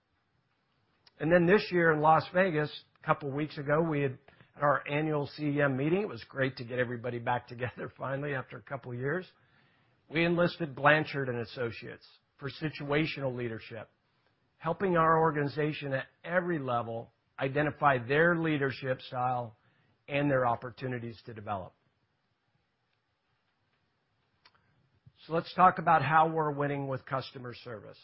Then this year in Las Vegas, a couple weeks ago, we had our annual CEM meeting. It was great to get everybody back together finally after a couple years. We enlisted Blanchard and Associates for situational leadership, helping our organization at every level identify their leadership style and their opportunities to develop. Let's talk about how we're winning with customer service.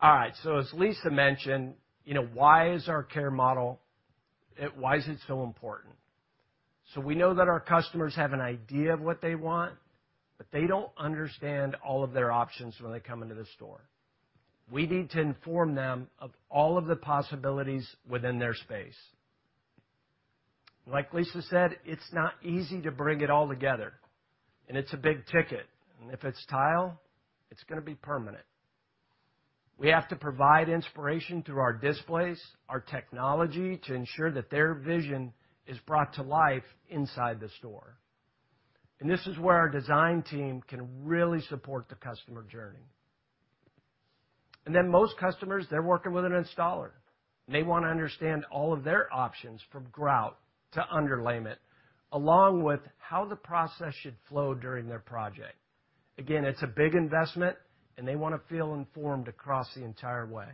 All right. As Lisa mentioned, you know, why is our care model, why is it so important? We know that our customers have an idea of what they want, but they don't understand all of their options when they come into the store. We need to inform them of all of the possibilities within their space. Like Lisa said, it's not easy to bring it all together, and it's a big ticket. If it's tile, it's going to be permanent. We have to provide inspiration through our displays, our technology to ensure that their vision is brought to life inside the store. This is where our design team can really support the customer journey. Most customers, they're working with an installer. They want to understand all of their options from grout to underlayment, along with how the process should flow during their project. Again, it's a big investment, and they want to feel informed across the entire way.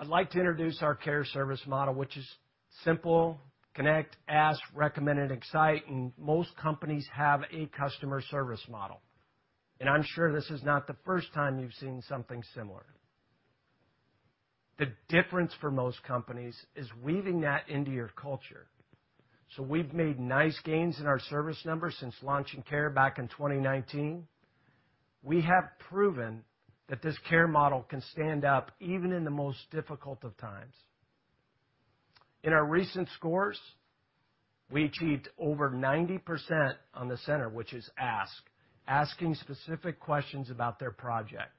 I'd like to introduce our Care service model, which is simple, connect, ask, recommend, and excite. Most companies have a customer service model. I'm sure this is not the first time you've seen something similar. The difference for most companies is weaving that into your culture. We've made nice gains in our service numbers since launching Care back in 2019. We have proven that this care model can stand up even in the most difficult of times. In our recent scores, we achieved over 90% on the CSAT, which is asking specific questions about their project.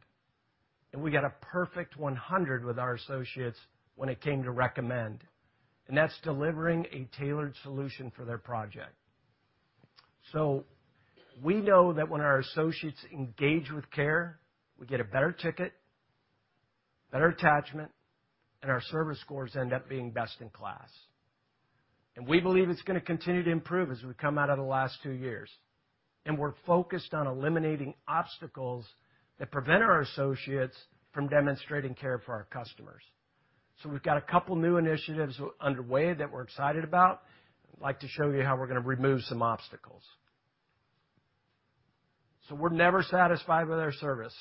We got a perfect 100 with our associates when it came to recommendation, and that's delivering a tailored solution for their project. We know that when our associates engage with care, we get a better ticket, better attachment, and our service scores end up being best in class. We believe it's going to continue to improve as we come out of the last two years. We're focused on eliminating obstacles that prevent our associates from demonstrating care for our customers. We've got a couple new initiatives underway that we're excited about. I'd like to show you how we're going to remove some obstacles. We're never satisfied with our service.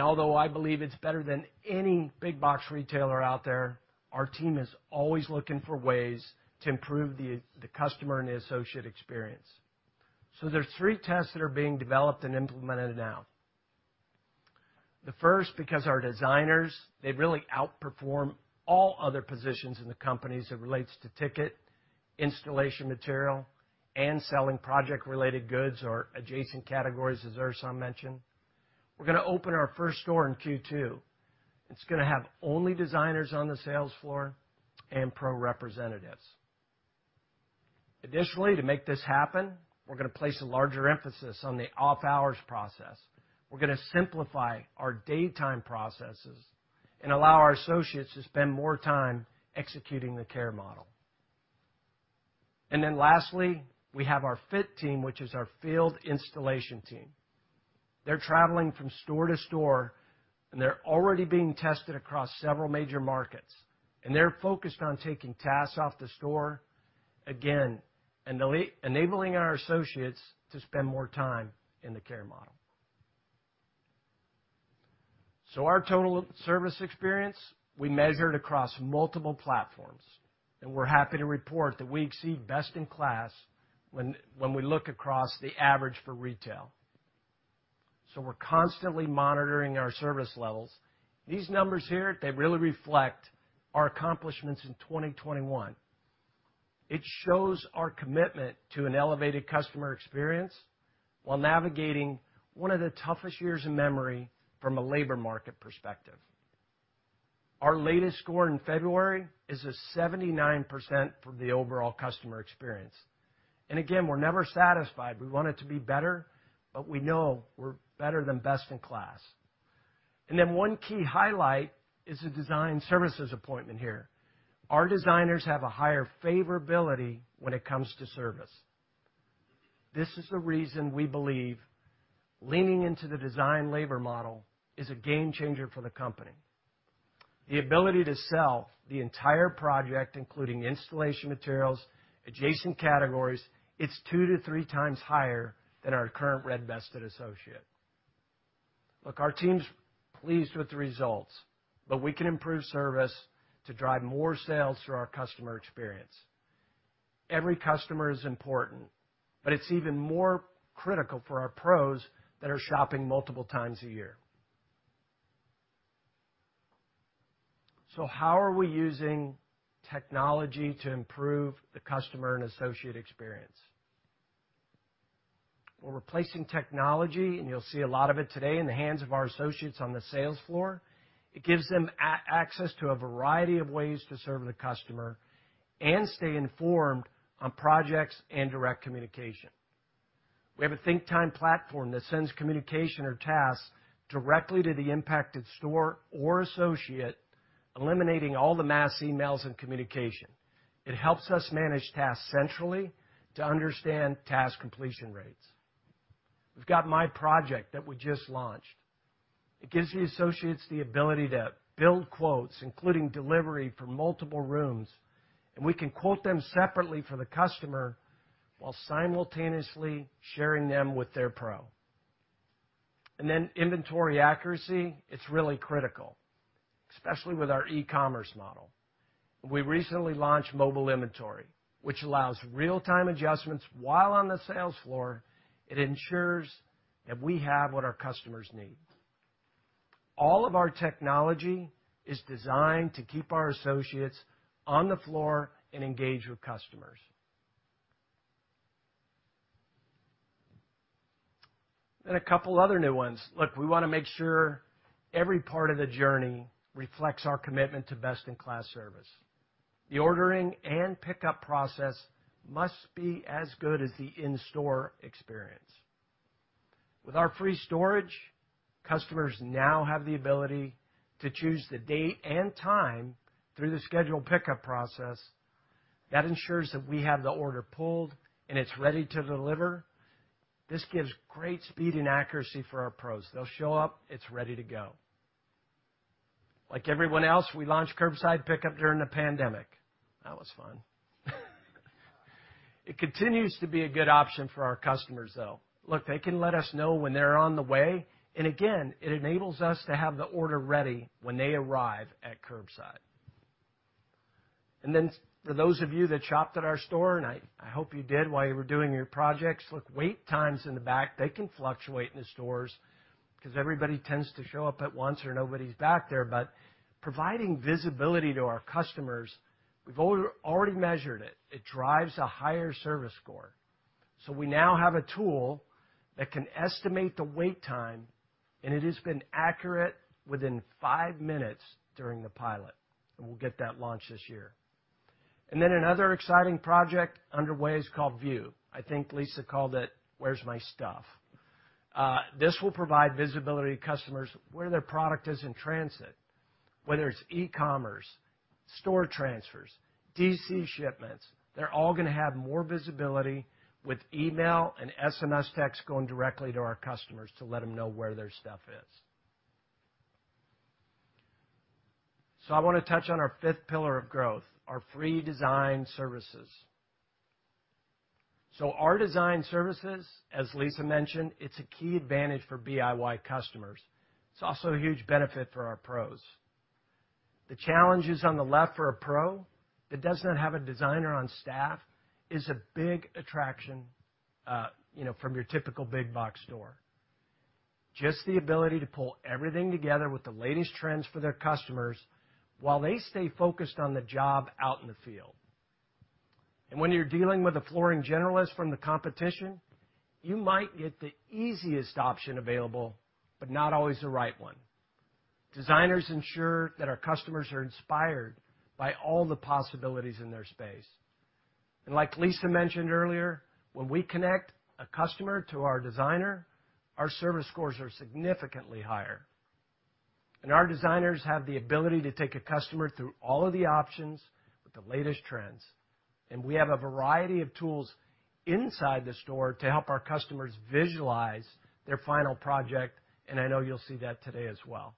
Although I believe it's better than any big box retailer out there, our team is always looking for ways to improve the customer and the associate experience. There's three tests that are being developed and implemented now. The first, because our designers, they really outperform all other positions in the companies that relates to ticket, installation material, and selling project-related goods or adjacent categories, as Ersan mentioned. We're going to open our first store in Q2. It's going to have only designers on the sales floor and pro representatives. Additionally, to make this happen, we're going to place a larger emphasis on the off-hours process. We're going to simplify our daytime processes and allow our associates to spend more time executing the care model. Lastly, we have our FIT team, which is our field installation team. They're traveling from store to store, and they're already being tested across several major markets. They're focused on taking tasks off the store, again, enabling our associates to spend more time in the care model. Our total service experience, we measure it across multiple platforms, and we're happy to report that we exceed best in class when we look across the average for retail. We're constantly monitoring our service levels. These numbers here, they really reflect our accomplishments in 2021. It shows our commitment to an elevated customer experience while navigating one of the toughest years in memory from a labor market perspective. Our latest score in February is a 79% for the overall customer experience. We're never satisfied. We want it to be better, but we know we're better than best in class. One key highlight is the design services appointment here. Our designers have a higher favorability when it comes to service. This is the reason we believe leaning into the design labor model is a game changer for the company. The ability to sell the entire project, including installation materials, adjacent categories. It's 2x-3x higher than our current red-vested associate. Look, our team's pleased with the results, but we can improve service to drive more sales through our customer experience. Every customer is important, but it's even more critical for our pros that are shopping multiple times a year. How are we using technology to improve the customer and associate experience? We're replacing technology, and you'll see a lot of it today in the hands of our associates on the sales floor. It gives them access to a variety of ways to serve the customer and stay informed on projects and direct communication. We have a think time platform that sends communication or tasks directly to the impacted store or associate, eliminating all the mass emails and communication. It helps us manage tasks centrally to understand task completion rates. We've got My Project that we just launched. It gives the associates the ability to build quotes, including delivery for multiple rooms, and we can quote them separately for the customer while simultaneously sharing them with their pro. Inventory accuracy, it's really critical, especially with our e-commerce model. We recently launched mobile inventory, which allows real-time adjustments while on the sales floor. It ensures that we have what our customers need. All of our technology is designed to keep our associates on the floor and engaged with customers. A couple other new ones. Look, we want to make sure every part of the journey reflects our commitment to best-in-class service. The ordering and pickup process must be as good as the in-store experience. With our free storage, customers now have the ability to choose the date and time through the scheduled pickup process. That ensures that we have the order pulled, and it's ready to deliver. This gives great speed and accuracy for our pros. They'll show up, it's ready to go. Like everyone else, we launched curbside pickup during the pandemic. That was fun. It continues to be a good option for our customers, though. Look, they can let us know when they're on the way, and again, it enables us to have the order ready when they arrive at curbside. For those of you that shopped at our store, and I hope you did while you were doing your projects. Look, wait times in the back, they can fluctuate in the stores because everybody tends to show up at once or nobody's back there. Providing visibility to our customers, we've already measured it. It drives a higher service score. We now have a tool that can estimate the wait time, and it has been accurate within five minutes during the pilot. We'll get that launched this year. Another exciting project underway is called View. I think Lisa called it Where's My Stuff? This will provide visibility to customers where their product is in transit, whether it's e-commerce, store transfers, DC shipments. They're all going to have more visibility with email and SMS text going directly to our customers to let them know where their stuff is. I want to touch on our fifth pillar of growth, our free design services. Our design services, as Lisa mentioned, it's a key advantage for DIY customers. It's also a huge benefit for our pros. The challenges on the left for a pro that does not have a designer on staff is a big attraction, you know, from your typical big box store. Just the ability to pull everything together with the latest trends for their customers while they stay focused on the job out in the field. When you're dealing with a flooring generalist from the competition, you might get the easiest option available, but not always the right one. Designers ensure that our customers are inspired by all the possibilities in their space. Like Lisa mentioned earlier, when we connect a customer to our designer, our service scores are significantly higher. Our designers have the ability to take a customer through all of the options with the latest trends. We have a variety of tools inside the store to help our customers visualize their final project. I know you'll see that today as well.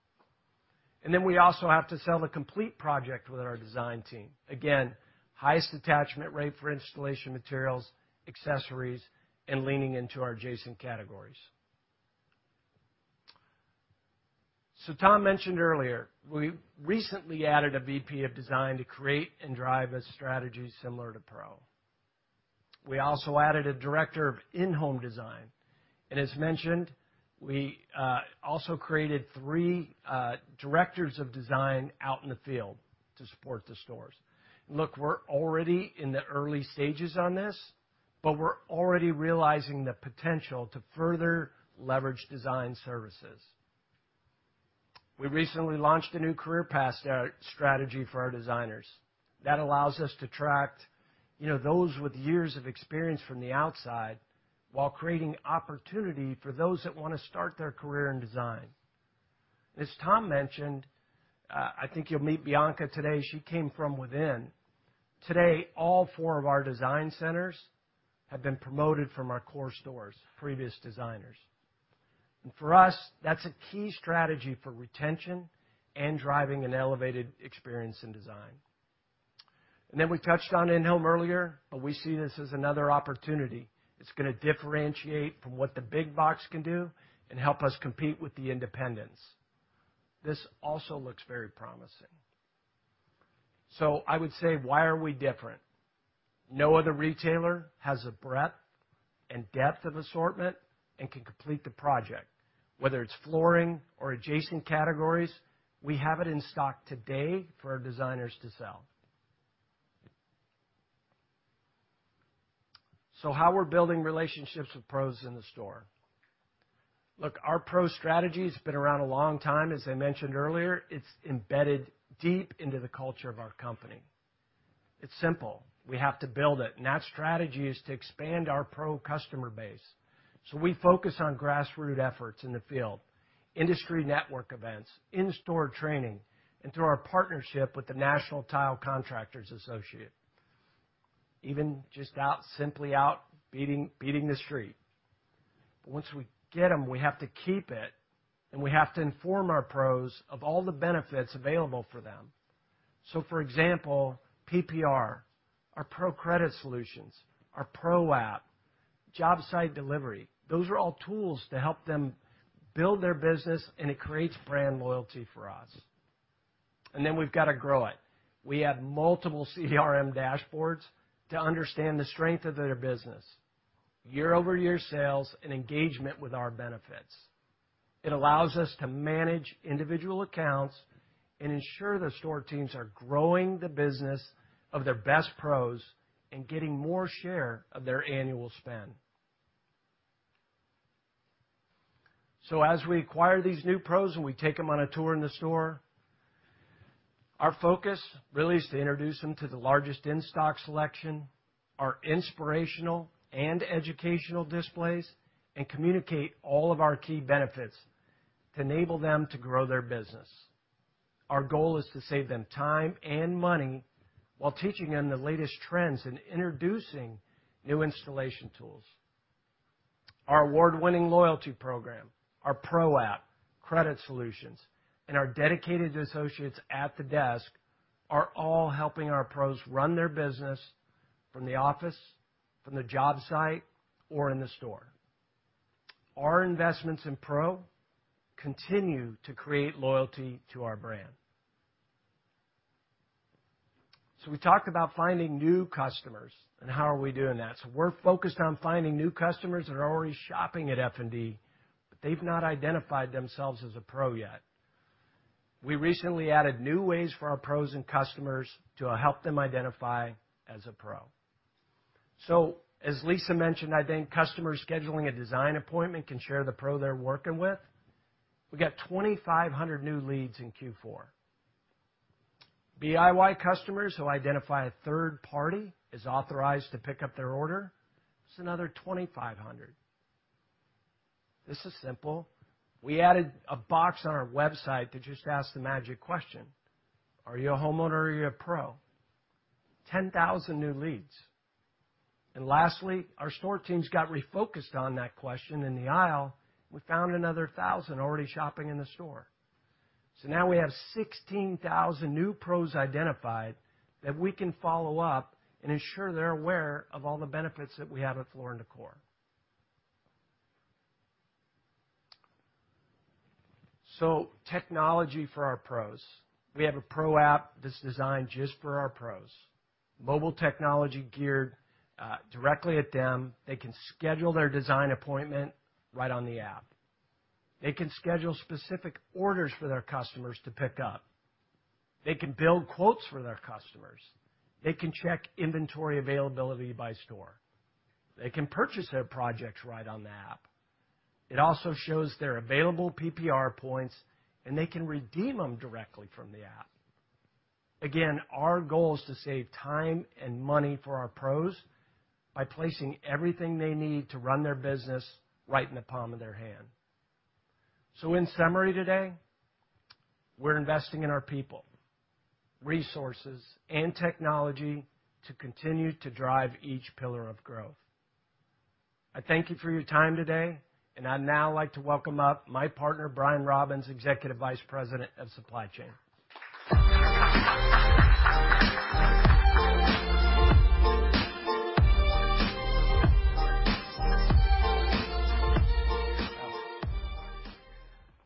Then we also have to sell the complete project with our design team. Again, highest attachment rate for installation materials, accessories, and leaning into our adjacent categories. Tom mentioned earlier, we recently added a VP of Design to create and drive a strategy similar to Pro. We also added a Director of In-Home Design. As mentioned, we also created three directors of design out in the field to support the stores. Look, we're already in the early stages on this, but we're already realizing the potential to further leverage design services. We recently launched a new career path strategy for our designers. That allows us to attract, you know, those with years of experience from the outside while creating opportunity for those that want to start their career in design. As Tom mentioned, I think you'll meet Bianca today. She came from within. Today, all four of our design centers have been promoted from our core stores, previous designers. For us, that's a key strategy for retention and driving an elevated experience in design. We touched on In-Home earlier, but we see this as another opportunity. It's going to differentiate from what the big box can do and help us compete with the independents. This also looks very promising. I would say, why are we different? No other retailer has a breadth and depth of assortment and can complete the project. Whether it's flooring or adjacent categories, we have it in stock today for our designers to sell. How we're building relationships with pros in the store. Look, our Pro strategy has been around a long time. As I mentioned earlier, it's embedded deep into the culture of our company. It's simple. We have to build it. That strategy is to expand our Pro customer base. We focus on grassroots efforts in the field, industry network events, in-store training, and through our partnership with the National Tile Contractors Association. Even just out, simply outbeating the street. Once we get them, we have to keep them, and we have to inform our pros of all the benefits available for them. For example, PPR, our Pro Credit Solutions, our Pro App, job site delivery, those are all tools to help them build their business and it creates brand loyalty for us. Then we've got to grow it. We have multiple CRM dashboards to understand the strength of their business, year-over-year sales and engagement with our benefits. It allows us to manage individual accounts and ensure the store teams are growing the business of their best pros and getting more share of their annual spend. As we acquire these new pros, and we take them on a tour in the store, our focus really is to introduce them to the largest in-stock selection, our inspirational and educational displays, and communicate all of our key benefits to enable them to grow their business. Our goal is to save them time and money while teaching them the latest trends and introducing new installation tools. Our award-winning loyalty program, our Pro App, credit solutions, and our dedicated associates at the desk are all helping our pros run their business from the office, from the job site, or in the store. Our investments in Pro continue to create loyalty to our brand. We talked about finding new customers and how are we doing that. We're focused on finding new customers that are already shopping at F&D, but they've not identified themselves as a pro yet. We recently added new ways for our pros and customers to help them identify as a pro. As Lisa mentioned, I think customers scheduling a design appointment can share the pro they're working with. We got 2,500 new leads in Q4. DIY customers who identify a third party as authorized to pick up their order, it's another 2,500. This is simple. We added a box on our website to just ask the magic question. Are you a homeowner or are you a pro? 10,000 new leads. Lastly, our store teams got refocused on that question in the aisle. We found another 1,000 already shopping in the store. Now we have 16,000 new pros identified that we can follow up and ensure they're aware of all the benefits that we have at Floor & Decor. Technology for our pros. We have a Pro App that's designed just for our pros. Mobile technology geared directly at them. They can schedule their design appointment right on the app. They can schedule specific orders for their customers to pick up. They can build quotes for their customers. They can check inventory availability by store. They can purchase their projects right on the app. It also shows their available PPR points, and they can redeem them directly from the app. Again, our goal is to save time and money for our pros by placing everything they need to run their business right in the palm of their hand. In summary today, we're investing in our people, resources, and technology to continue to drive each pillar of growth. I thank you for your time today, and I'd now like to welcome up my partner, Brian Robbins, Executive Vice President of Supply Chain.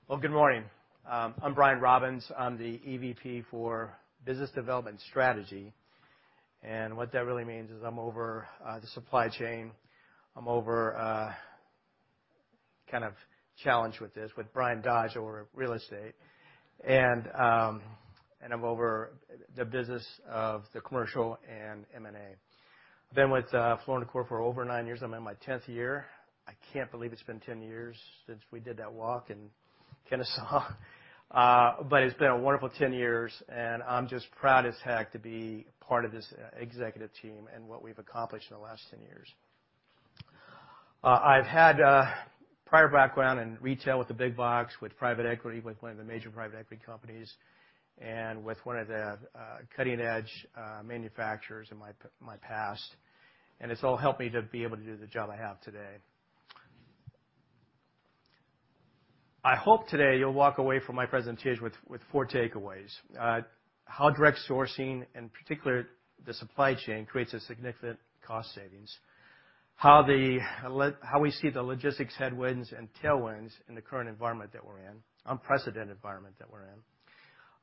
Well, good morning. I'm Brian Robbins. I'm the EVP for Business Development Strategy. What that really means is I'm over the supply chain. I'm over kind of challenged with this, with Bryan Dodge over at Real Estate. I'm over the business of the commercial and M&A. I've been with Floor & Decor for over nine years. I'm in my 10th year. I can't believe it's been 10 years since we did that walk in Kennesaw. It's been a wonderful 10 years, and I'm just proud as heck to be part of this executive team and what we've accomplished in the last 10 years. I've had a prior background in retail with the Big Box, with private equity, with one of the major private equity companies, and with one of the cutting-edge manufacturers in my past. It's all helped me to be able to do the job I have today. I hope today you'll walk away from my presentation with four takeaways. How direct sourcing, and in particular, the supply chain, creates a significant cost savings. How we see the logistics headwinds and tailwinds in the current environment that we're in, unprecedented environment that we're in.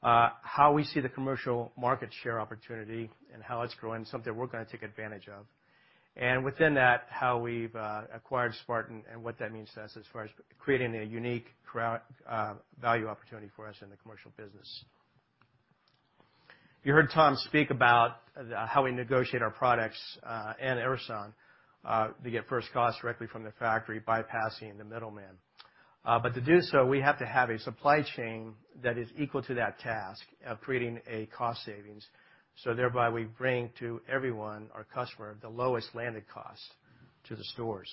How we see the commercial market share opportunity and how it's growing, something we're going to take advantage of. Within that, how we've acquired Spartan and what that means to us as far as creating a unique value opportunity for us in the commercial business. You heard Tom speak about how we negotiate our products and Ersan to get first cost directly from the factory, bypassing the middleman. To do so, we have to have a supply chain that is equal to that task of creating a cost savings, so thereby we bring to everyone, our customer, the lowest landed cost to the stores.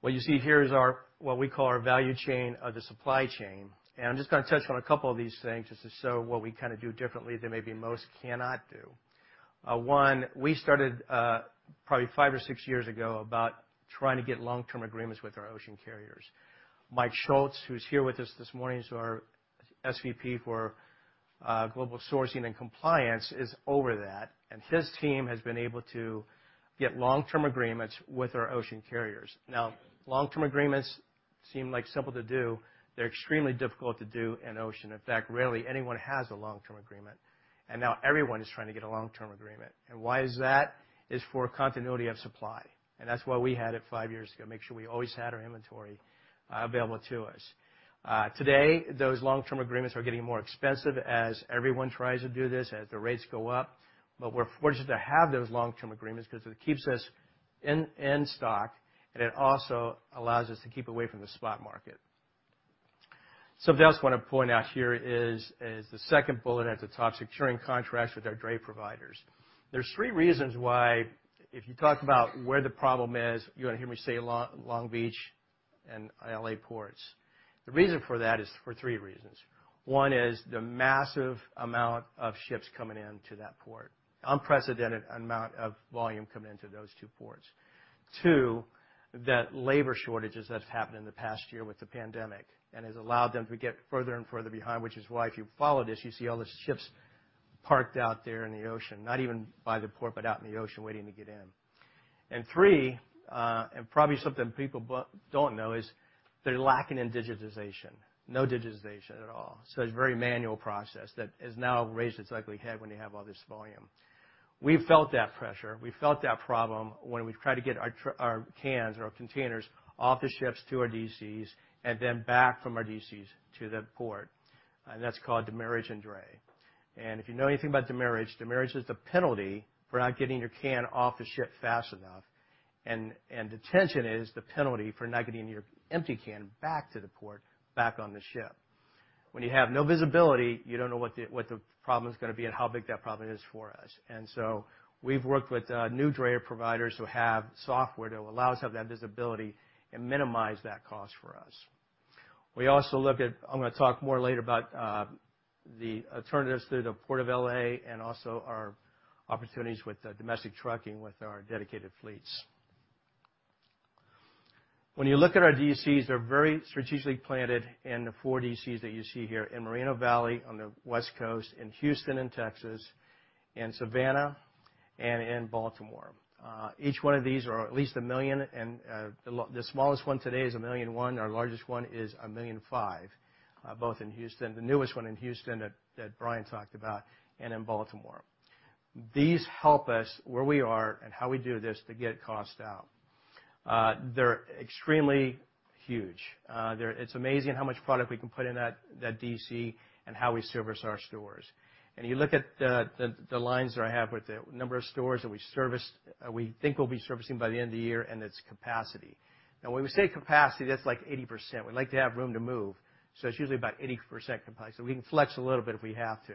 What you see here is what we call our value chain of the supply chain. I'm just gonna touch on a couple of these things just to show what we kinda do differently that maybe most cannot do. One, we started probably five or six years ago about trying to get long-term agreements with our ocean carriers. Mike Schultz, who's here with us this morning, he's our SVP for Global Sourcing and Compliance, is over that, and his team has been able to get long-term agreements with our ocean carriers. Now, long-term agreements seem, like, simple to do. They're extremely difficult to do in ocean. In fact, rarely anyone has a long-term agreement, and now everyone is trying to get a long-term agreement. Why is that? It's for continuity of supply, and that's why we had it five years ago, make sure we always had our inventory available to us. Today, those long-term agreements are getting more expensive as everyone tries to do this, as the rates go up. We're fortunate to have those long-term agreements 'cause it keeps us in stock, and it also allows us to keep away from the spot market. Something else I wanna point out here is the second bullet at the top, securing contracts with our dray providers. There's three reasons why, if you talk about where the problem is, you're gonna hear me say Long Beach and L.A. ports. The reason for that is for three reasons. One is the massive amount of ships coming into that port, unprecedented amount of volume coming into those two ports. Two, the labor shortages that's happened in the past year with the pandemic and has allowed them to get further and further behind, which is why if you follow this, you see all the ships parked out there in the ocean, not even by the port, but out in the ocean waiting to get in. Three, probably something people don't know is, they're lacking in digitization, no digitization at all, so it's a very manual process that has now raised its ugly head when you have all this volume. We felt that pressure. We felt that problem when we've tried to get our cans or our containers off the ships to our DCs and then back from our DCs to the port. That's called demurrage and dray. If you know anything about demurrage is the penalty for not getting your can off the ship fast enough, and detention is the penalty for not getting your empty can back to the port, back on the ship. When you have no visibility, you don't know what the problem's gonna be and how big that problem is for us. We've worked with new drayage providers who have software that will allow us to have that visibility and minimize that cost for us. We also look at. I'm gonna talk more later about the alternatives through the Port of L.A. and also our opportunities with domestic trucking with our dedicated fleets. When you look at our DCs, they're very strategically planted, and the 4 DCs that you see here in Moreno Valley on the West Coast, in Houston in Texas, in Savannah, and in Baltimore. Each one of these are at least 1 million, and the smallest one today is 1.1 million. Our largest one is 1.5 million, both in Houston, the newest one in Houston that Brian talked about, and in Baltimore. These help us where we are and how we do this to get costs down. They're extremely huge. It's amazing how much product we can put in that DC and how we service our stores. You look at the lines that I have with the number of stores that we service, we think we'll be servicing by the end of the year and its capacity. Now, when we say capacity, that's like 80%. We like to have room to move, so it's usually about 80% capacity. We can flex a little bit if we have to.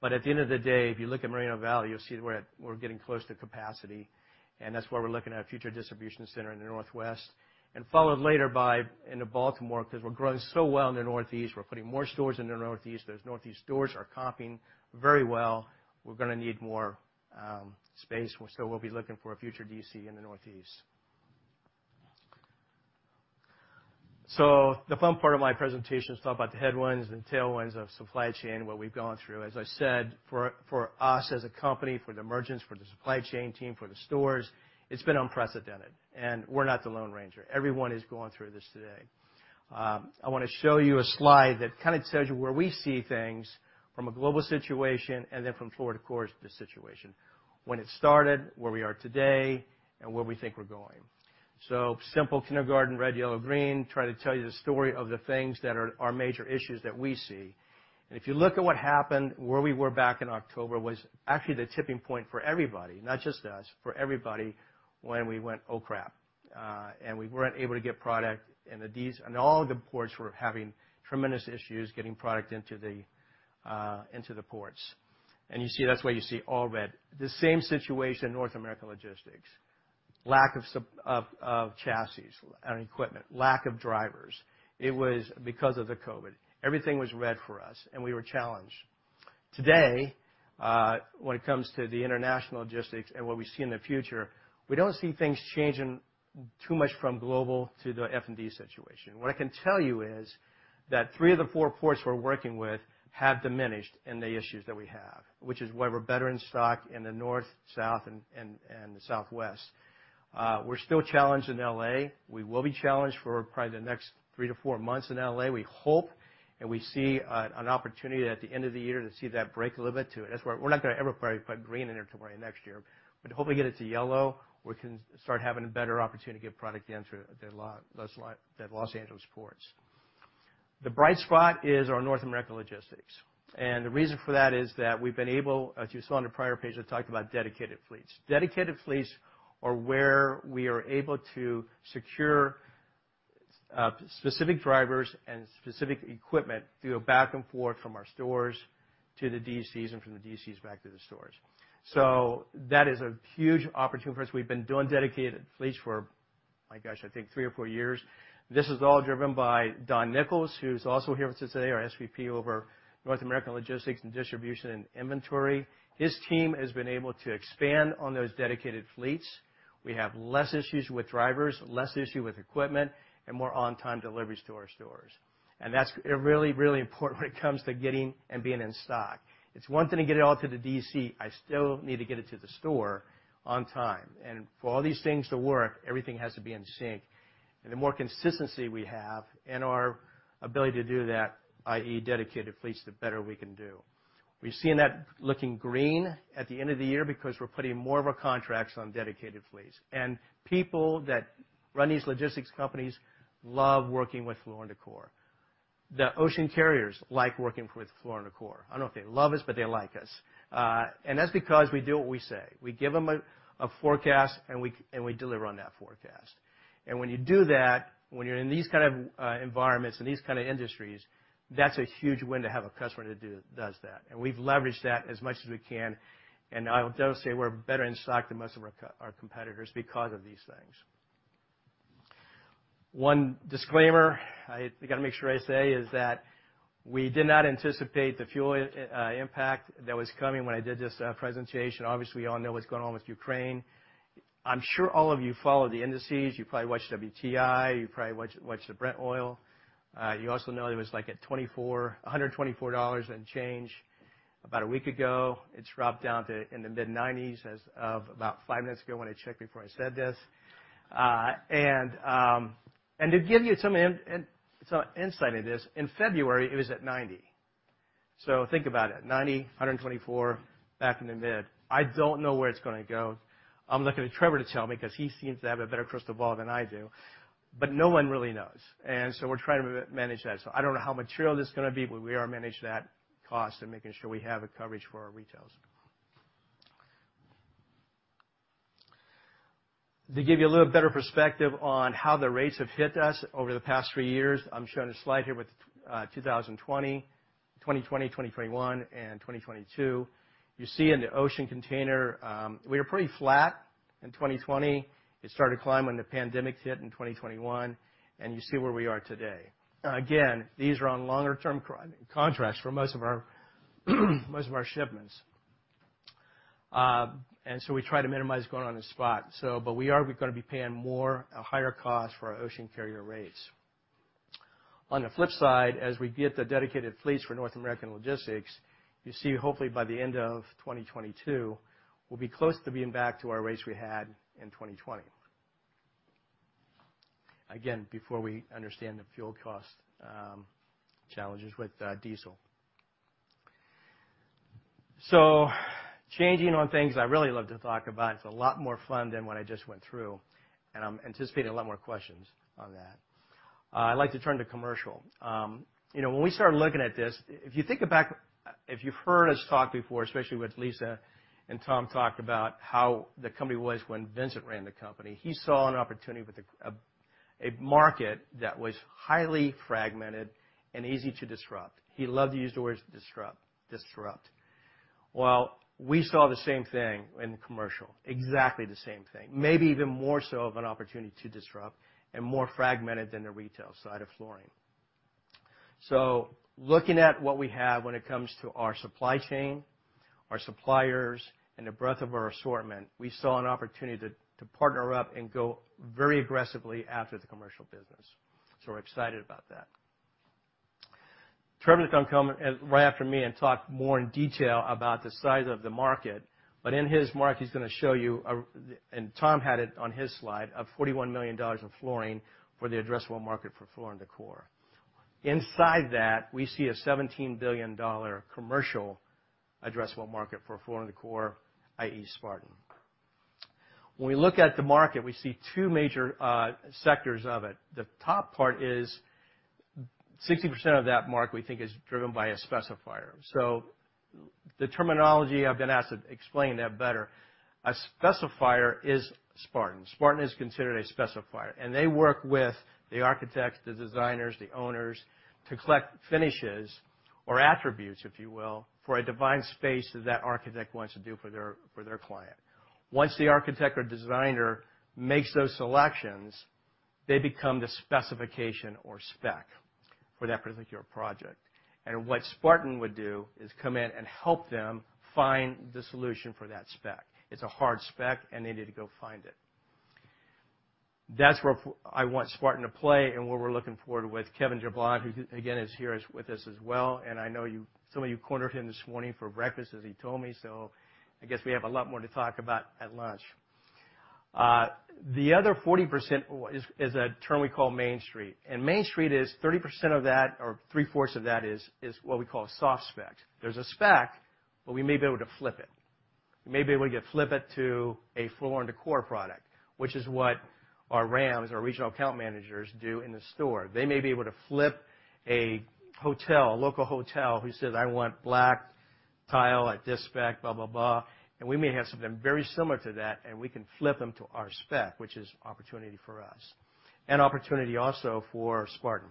But at the end of the day, if you look at Moreno Valley, you'll see that we're getting close to capacity, and that's why we're looking at a future distribution center in the Northwest, followed later by into Baltimore, 'cause we're growing so well in the Northeast. We're putting more stores in the Northeast. Those Northeast stores are comping very well. We're gonna need more space, so we'll be looking for a future DC in the Northeast. The fun part of my presentation is talk about the headwinds and tailwinds of supply chain, what we've gone through. As I said, for us as a company, for the merchants, for the supply chain team, for the stores, it's been unprecedented, and we're not the lone ranger. Everyone is going through this today. I wanna show you a slide that kinda tells you where we see things from a global situation and then from Floor & Decor's situation, when it started, where we are today, and where we think we're going. Simple kindergarten, red, yellow, green, try to tell you the story of the things that are major issues that we see. If you look at what happened, where we were back in October was actually the tipping point for everybody, not just us, for everybody, when we went, "Oh, crap," and we weren't able to get product, and the Ds and all the ports were having tremendous issues getting product into the ports. You see that's why you see all red. The same situation, North America logistics, lack of chassis and equipment, lack of drivers. It was because of the COVID. Everything was red for us, and we were challenged. Today, when it comes to the international logistics and what we see in the future, we don't see things changing too much from global to the F&D situation. What I can tell you is that three of the four ports we're working with have diminished in the issues that we have, which is why we're better in stock in the North, South, and the Southwest. We're still challenged in L.A. We will be challenged for probably the next 3-4 months in L.A. We hope, and we see an opportunity at the end of the year to see that break a little bit too. That's why we're not gonna ever probably put green in there till probably next year. But hopefully get it to yellow. We can start having a better opportunity to get product in through the Los Angeles ports. The bright spot is our North American logistics, and the reason for that is that we've been able, as you saw on the prior page, I talked about dedicated fleets. Dedicated fleets are where we are able to secure, specific drivers and specific equipment to go back and forth from our stores to the DCs and from the DCs back to the stores. That is a huge opportunity for us. We've been doing dedicated fleets for, my gosh, I think three or four years. This is all driven by Don Nichols, who's also here with us today, our SVP over North American Logistics and Distribution and Inventory. His team has been able to expand on those dedicated fleets. We have less issues with drivers, less issue with equipment, and more on-time delivery to our stores. That's really, really important when it comes to getting and being in stock. It's one thing to get it all to the DC. I still need to get it to the store on time. For all these things to work, everything has to be in sync. The more consistency we have and our ability to do that, i.e., dedicated fleets, the better we can do. We've seen that looking green at the end of the year because we're putting more of our contracts on dedicated fleets. People that run these logistics companies love working with Floor & Decor. The ocean carriers like working with Floor & Decor. I don't know if they love us, but they like us. That's because we do what we say. We give them a forecast, and we deliver on that forecast. When you do that, when you're in these kind of environments and these kind of industries, that's a huge win to have a customer does that. We've leveraged that as much as we can. I will dare say we're better in stock than most of our competitors because of these things. One disclaimer, I gotta make sure I say, is that we did not anticipate the fuel impact that was coming when I did this presentation. Obviously, we all know what's going on with Ukraine. I'm sure all of you follow the indices. You probably watch WTI, you probably watch the Brent oil. You also know it was like at $124 and change about a week ago. It's dropped down to the mid-90s as of about 5 minutes ago when I checked before I said this. To give you some insight into this, in February, it was at 90. Think about it, 90, 124, back in the mid. I don't know where it's gonna go. I'm looking at Trevor to tell me 'cause he seems to have a better crystal ball than I do, but no one really knows. We're trying to manage that. I don't know how material this is gonna be, but we are managing that cost and making sure we have the coverage for our retail. To give you a little better perspective on how the rates have hit us over the past 3 years, I'm showing a slide here with 2020. 2020, 2021, and 2022. You see in the ocean container, we were pretty flat in 2020. It started to climb when the pandemic hit in 2021, and you see where we are today. Again, these are on longer-term contracts for most of our shipments. We try to minimize going on the spot. We are gonna be paying more, a higher cost for our ocean carrier rates. On the flip side, as we get the dedicated fleets for North American logistics, you see hopefully by the end of 2022, we'll be close to being back to our rates we had in 2020. Again, before we understand the fuel cost challenges with diesel. Changing on things I really love to talk about, it's a lot more fun than what I just went through, and I'm anticipating a lot more questions on that. I'd like to turn to commercial. You know, when we started looking at this, if you think back, if you've heard us talk before, especially with Lisa and Tom talk about how the company was when Vincent ran the company, he saw an opportunity with a market that was highly fragmented and easy to disrupt. He loved to use the words disrupt. Well, we saw the same thing in commercial. Exactly the same thing. Maybe even more so of an opportunity to disrupt and more fragmented than the retail side of flooring. Looking at what we have when it comes to our supply chain, our suppliers, and the breadth of our assortment, we saw an opportunity to partner up and go very aggressively after the commercial business. We're excited about that. Trevor's gonna come right after me and talk more in detail about the size of the market. In his remarks, he's gonna show you and Tom had it on his slide, of $41 million in flooring for the addressable market for Floor & Decor. Inside that, we see a $17 billion commercial addressable market for Floor & Decor, i.e., Spartan. When we look at the market, we see two major sectors of it. The top part is 60% of that market we think is driven by a specifier. The terminology, I've been asked to explain that better. A specifier is Spartan. Spartan is considered a specifier, and they work with the architects, the designers, the owners to collect finishes or attributes, if you will, for a designed space that architect wants to do for their client. Once the architect or designer makes those selections, they become the specification or spec for that particular project. What Spartan would do is come in and help them find the solution for that spec. It's a hard spec, and they need to go find it. That's where I want Spartan to play and what we're looking forward with Kevin Jablon, who again is here with us as well. I know some of you cornered him this morning for breakfast, as he told me, so I guess we have a lot more to talk about at lunch. The other 40% is a term we call Main Street. Main Street is 30% of that or three-fourths of that is what we call a soft spec. There's a spec, but we may be able to flip it. We may be able to flip it to a Floor & Decor product, which is what our RAMs, our regional account managers, do in the store. They may be able to flip a hotel, a local hotel who says, "I want black tile at this spec, blah, blah." We may have something very similar to that, and we can flip them to our spec, which is opportunity for us and opportunity also for Spartan.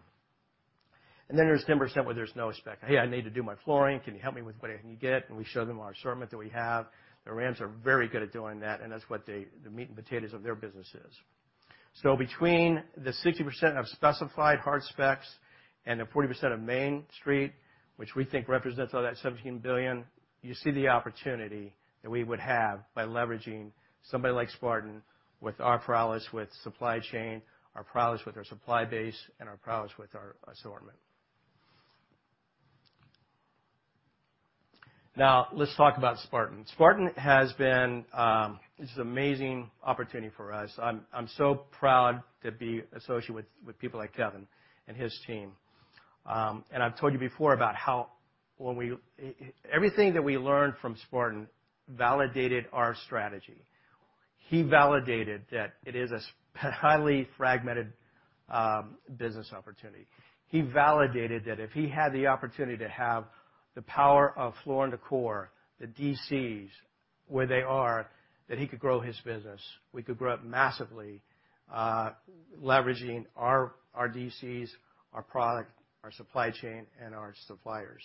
Then there's 10% where there's no spec. "Hey, I need to do my flooring. Can you help me with what I can get?" We show them our assortment that we have. The RAMs are very good at doing that, and that's what the meat and potatoes of their business is. Between the 60% of specified hard specs and the 40% of Main Street, which we think represents all that $17 billion, you see the opportunity that we would have by leveraging somebody like Spartan with our prowess with supply chain, our prowess with our supply base, and our prowess with our assortment. Now, let's talk about Spartan. Spartan has been this amazing opportunity for us. I'm so proud to be associated with people like Kevin and his team. I've told you before about how everything that we learned from Spartan validated our strategy. He validated that it is a highly fragmented business opportunity. He validated that if he had the opportunity to have the power of Floor & Decor, the DCs where they are, that he could grow his business. We could grow it massively leveraging our DCs, our product, our supply chain, and our suppliers.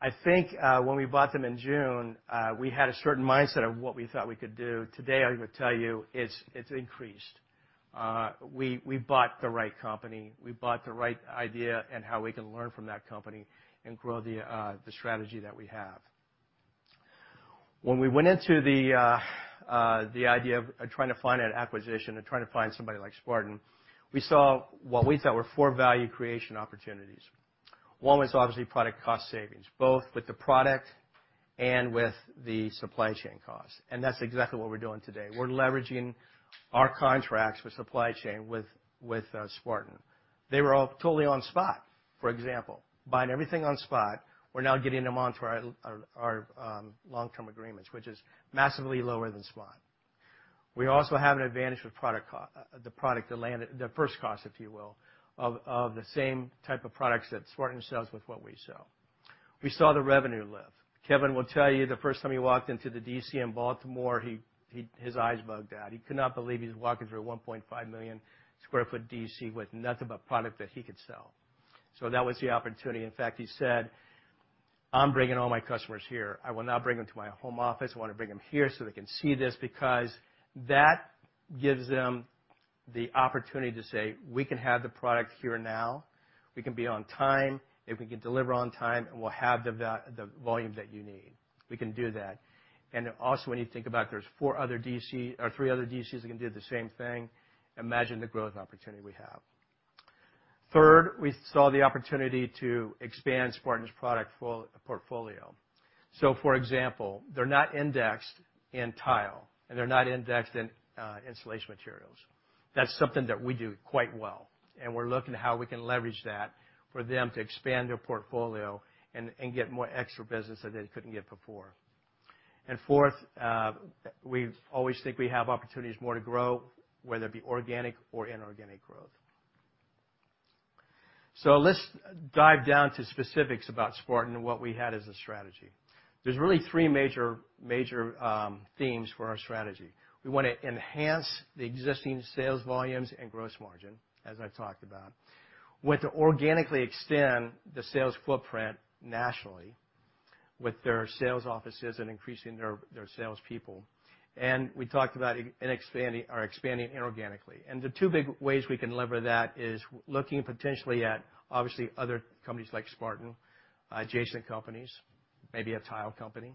I think when we bought them in June we had a certain mindset of what we thought we could do. Today, I'm gonna tell you it's increased. We bought the right company. We bought the right idea and how we can learn from that company and grow the strategy that we have. When we went into the idea of trying to find an acquisition and trying to find somebody like Spartan, we saw what we thought were four value creation opportunities. One was obviously product cost savings, both with the product and with the supply chain costs. That's exactly what we're doing today. We're leveraging our contracts with supply chain with Spartan. They were all totally on spot, for example, buying everything on spot. We're now getting them onto our long-term agreements, which is massively lower than spot. We also have an advantage with the first cost, if you will, of the same type of products that Spartan sells with what we sell. We saw the revenue lift. Kevin will tell you the first time he walked into the DC in Baltimore, his eyes bugged out. He could not believe he was walking through a 1.5 million sq ft DC with nothing but product that he could sell. That was the opportunity. In fact, he said, "I'm bringing all my customers here. I will not bring them to my home office. I wanna bring them here, so they can see this," because that gives them the opportunity to say, we can have the product here now. We can be on time, and we can deliver on time, and we'll have the volume that you need. We can do that. Also, when you think about there's four other DC or three other DCs that can do the same thing, imagine the growth opportunity we have. Third, we saw the opportunity to expand Spartan's product portfolio. For example, they're not indexed in tile, and they're not indexed in insulation materials. That's something that we do quite well, and we're looking at how we can leverage that for them to expand their portfolio and get more extra business that they couldn't get before. Fourth, we always think we have opportunities more to grow, whether it be organic or inorganic growth. Let's dive down to specifics about Spartan and what we had as a strategy. There's really three major themes for our strategy. We wanna enhance the existing sales volumes and gross margin, as I've talked about. We want to organically extend the sales footprint nationally with their sales offices and increasing their salespeople. We talked about expanding inorganically. The two big ways we can lever that is looking potentially at, obviously, other companies like Spartan, adjacent companies, maybe a tile company.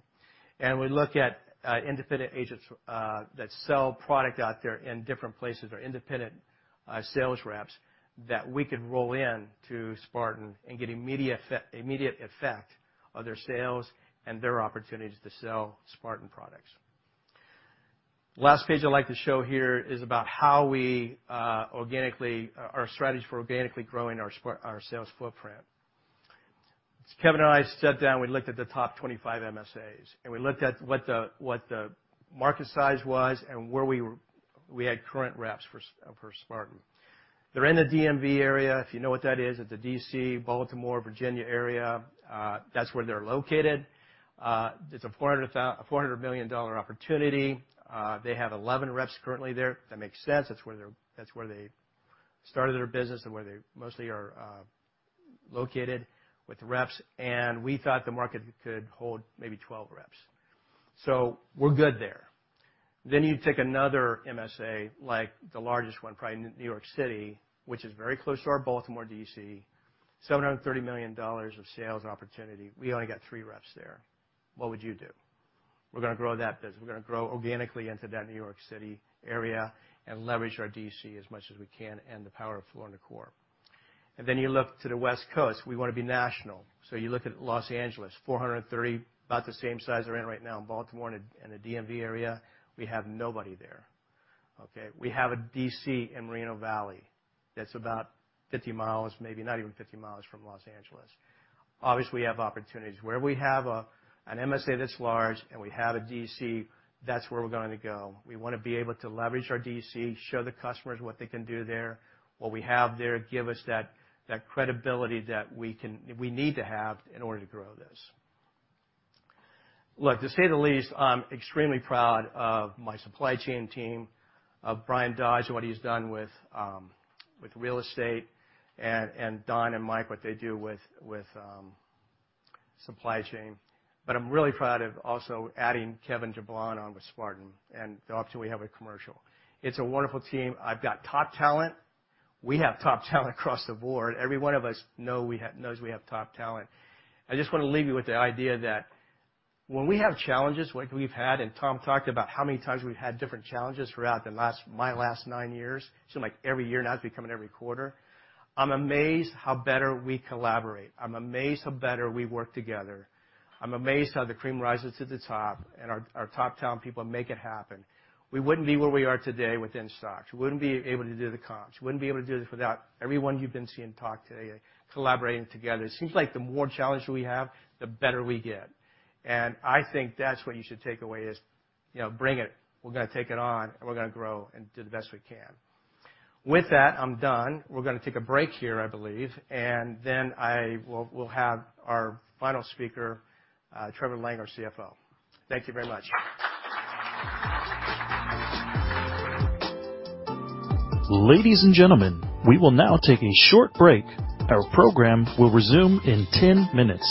We look at independent agents that sell product out there in different places or independent sales reps that we could roll in to Spartan and get immediate effect on their sales and their opportunities to sell Spartan products. Last page I'd like to show here is about our strategy for organically growing our sales footprint. Kevin and I sat down, we looked at the top 25 MSAs, and we looked at what the market size was and where we had current reps for Spartan. They're in the DMV area. If you know what that is, it's a D.C., Baltimore, Virginia area. That's where they're located. It's a $400 million opportunity. They have 11 reps currently there. That makes sense. That's where they started their business and where they mostly are located with the reps. We thought the market could hold maybe 12 reps. We're good there. You take another MSA, like the largest one, probably New York City, which is very close to our Baltimore-D.C., $730 million of sales opportunity. We only got three reps there. What would you do? We're gonna grow that business. We're gonna grow organically into that New York City area and leverage our D.C. as much as we can and the power of Floor & Decor. You look to the West Coast. We wanna be national. You look at Los Angeles, $430, about the same size we're in right now in Baltimore and the DMV area. We have nobody there, okay? We have a DC in Moreno Valley. That's about 50 miles, maybe not even 50 miles from Los Angeles. Obviously, we have opportunities. Where we have an MSA that's large and we have a DC, that's where we're going to go. We wanna be able to leverage our DC, show the customers what they can do there, what we have there, give us that credibility that we need to have in order to grow this. Look, to say the least, I'm extremely proud of my supply chain team, of Bryan Dodge, what he's done with real estate, and Don and Mike, what they do with supply chain. I'm really proud of also adding Kevin Jablon on with Spartan, and the option we have with commercial. It's a wonderful team. I've got top talent. We have top talent across the board. Every one of us knows we have top talent. I just wanna leave you with the idea that when we have challenges like we've had, and Tom talked about how many times we've had different challenges throughout my last nine years, seems like every year, now it's becoming every quarter, I'm amazed how better we collaborate. I'm amazed how better we work together. I'm amazed how the cream rises to the top, and our top talent people make it happen. We wouldn't be where we are today within stocks. We wouldn't be able to do the comps. We wouldn't be able to do this without everyone you've been seeing talk today collaborating together. It seems like the more challenge we have, the better we get. I think that's what you should take away is, you know, bring it. We're gonna take it on, and we're gonna grow and do the best we can. With that, I'm done. We're gonna take a break here, I believe, and then we'll have our final speaker, Trevor Lang, our CFO. Thank you very much. Ladies and gentlemen, we will now take a short break. Our program will resume in 10 minutes.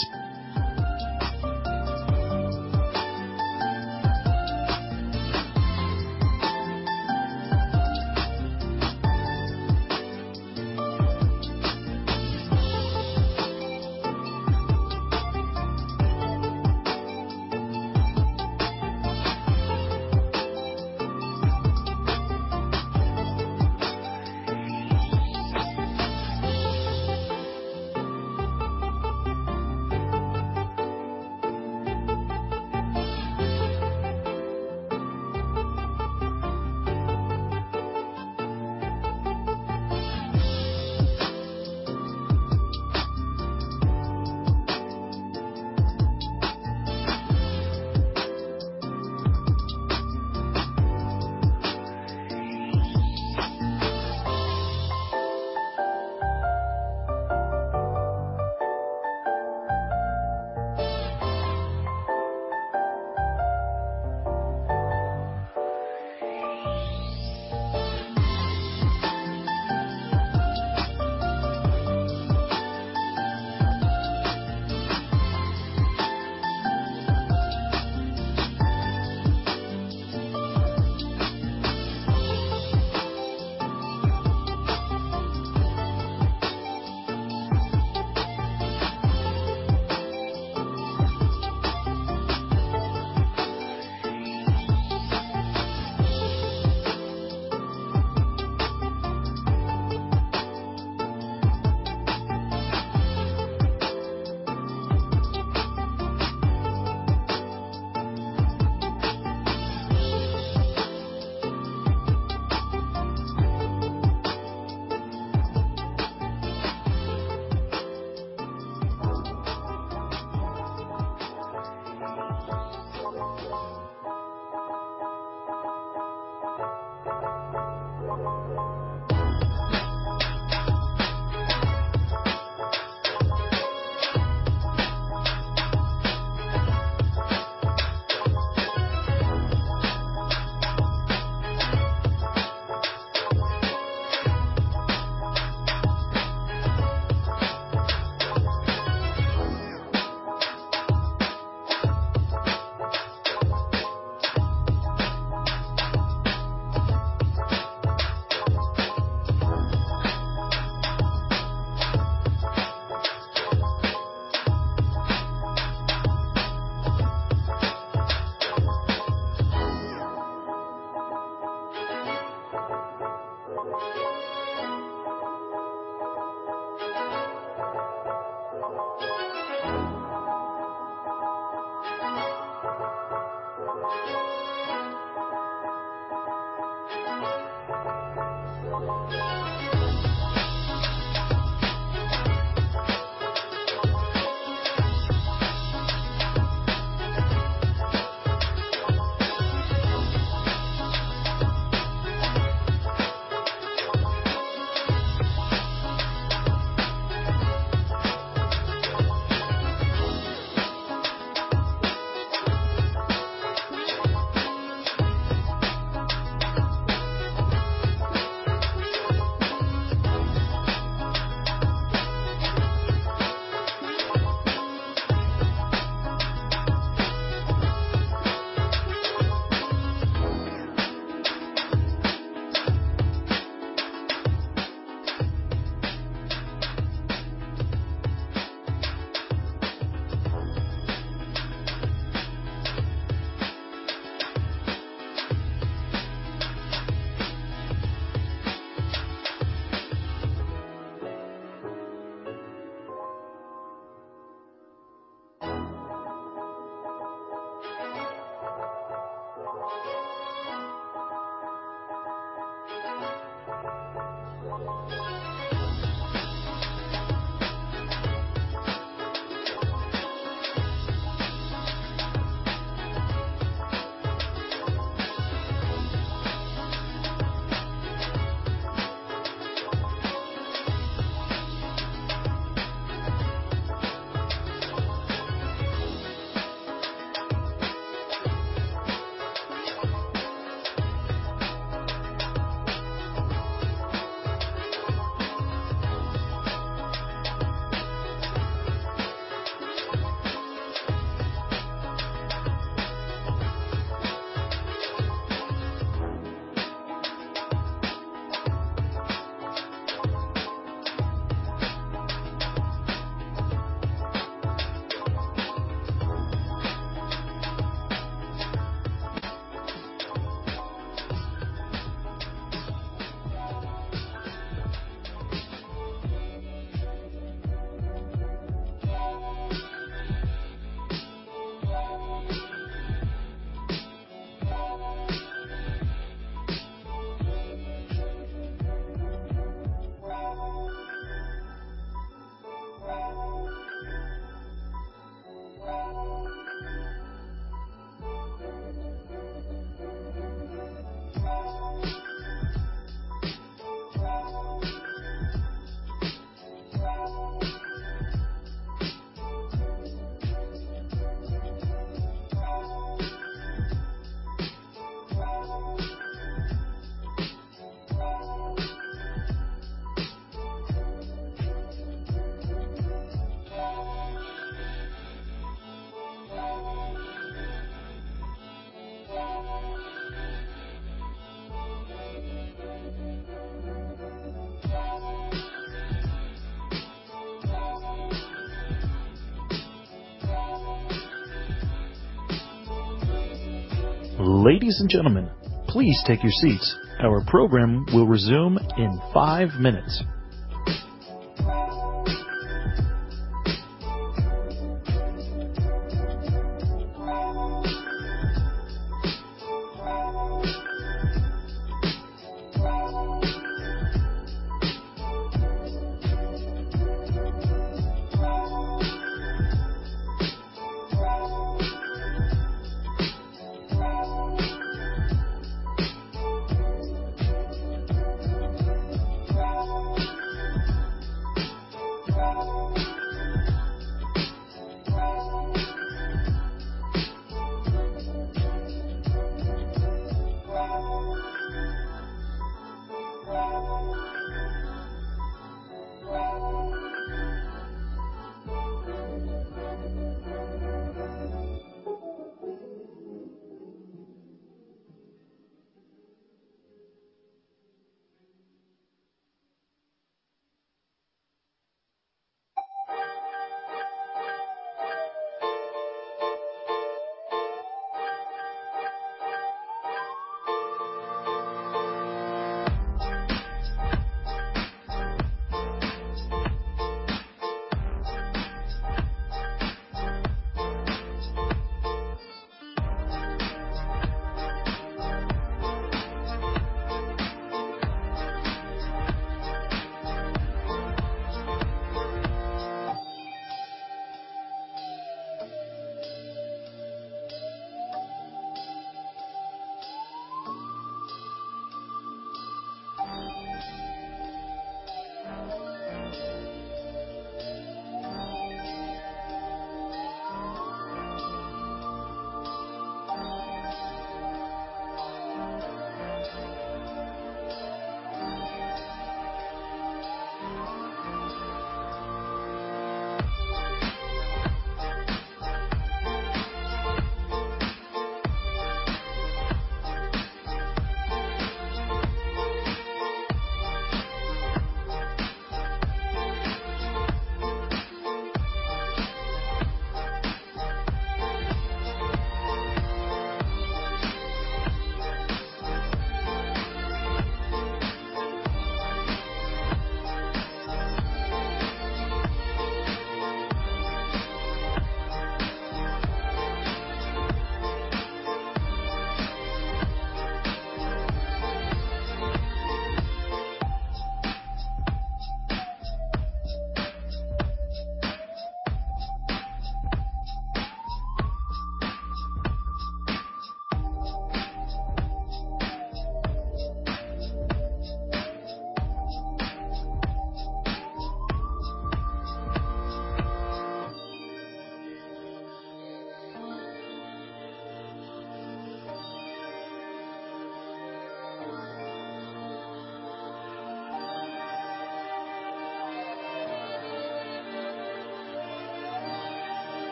Ladies and gentlemen, please take your seats. Our program will resume in 5 minutes.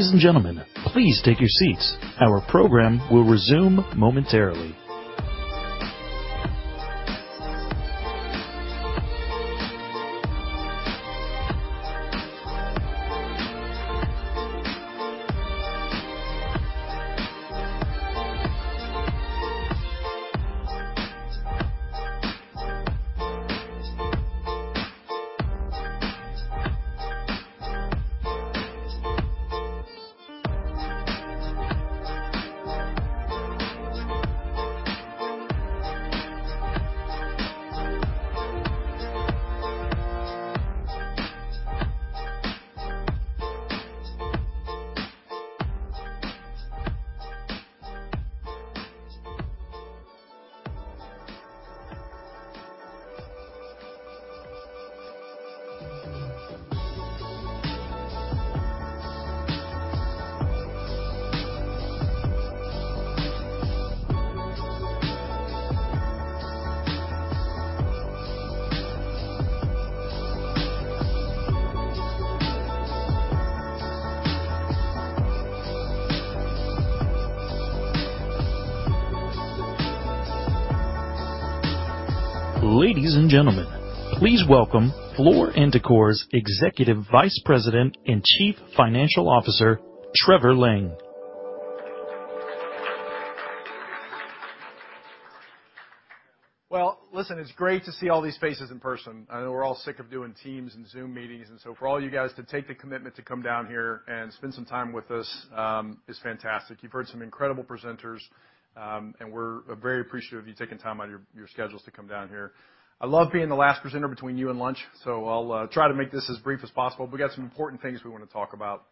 Ladies and gentlemen, please take your seats. Our program will resume momentarily. Ladies and gentlemen, please welcome Floor & Decor's Executive Vice President and Chief Financial Officer, Trevor Lang. Well, listen, it's great to see all these faces in person. I know we're all sick of doing Teams and Zoom meetings, and so for all you guys to take the commitment to come down here and spend some time with us is fantastic. You've heard some incredible presenters, and we're very appreciative of you taking time out of your schedules to come down here. I love being the last presenter between you and lunch, so I'll try to make this as brief as possible, but we've got some important things we wanna talk about.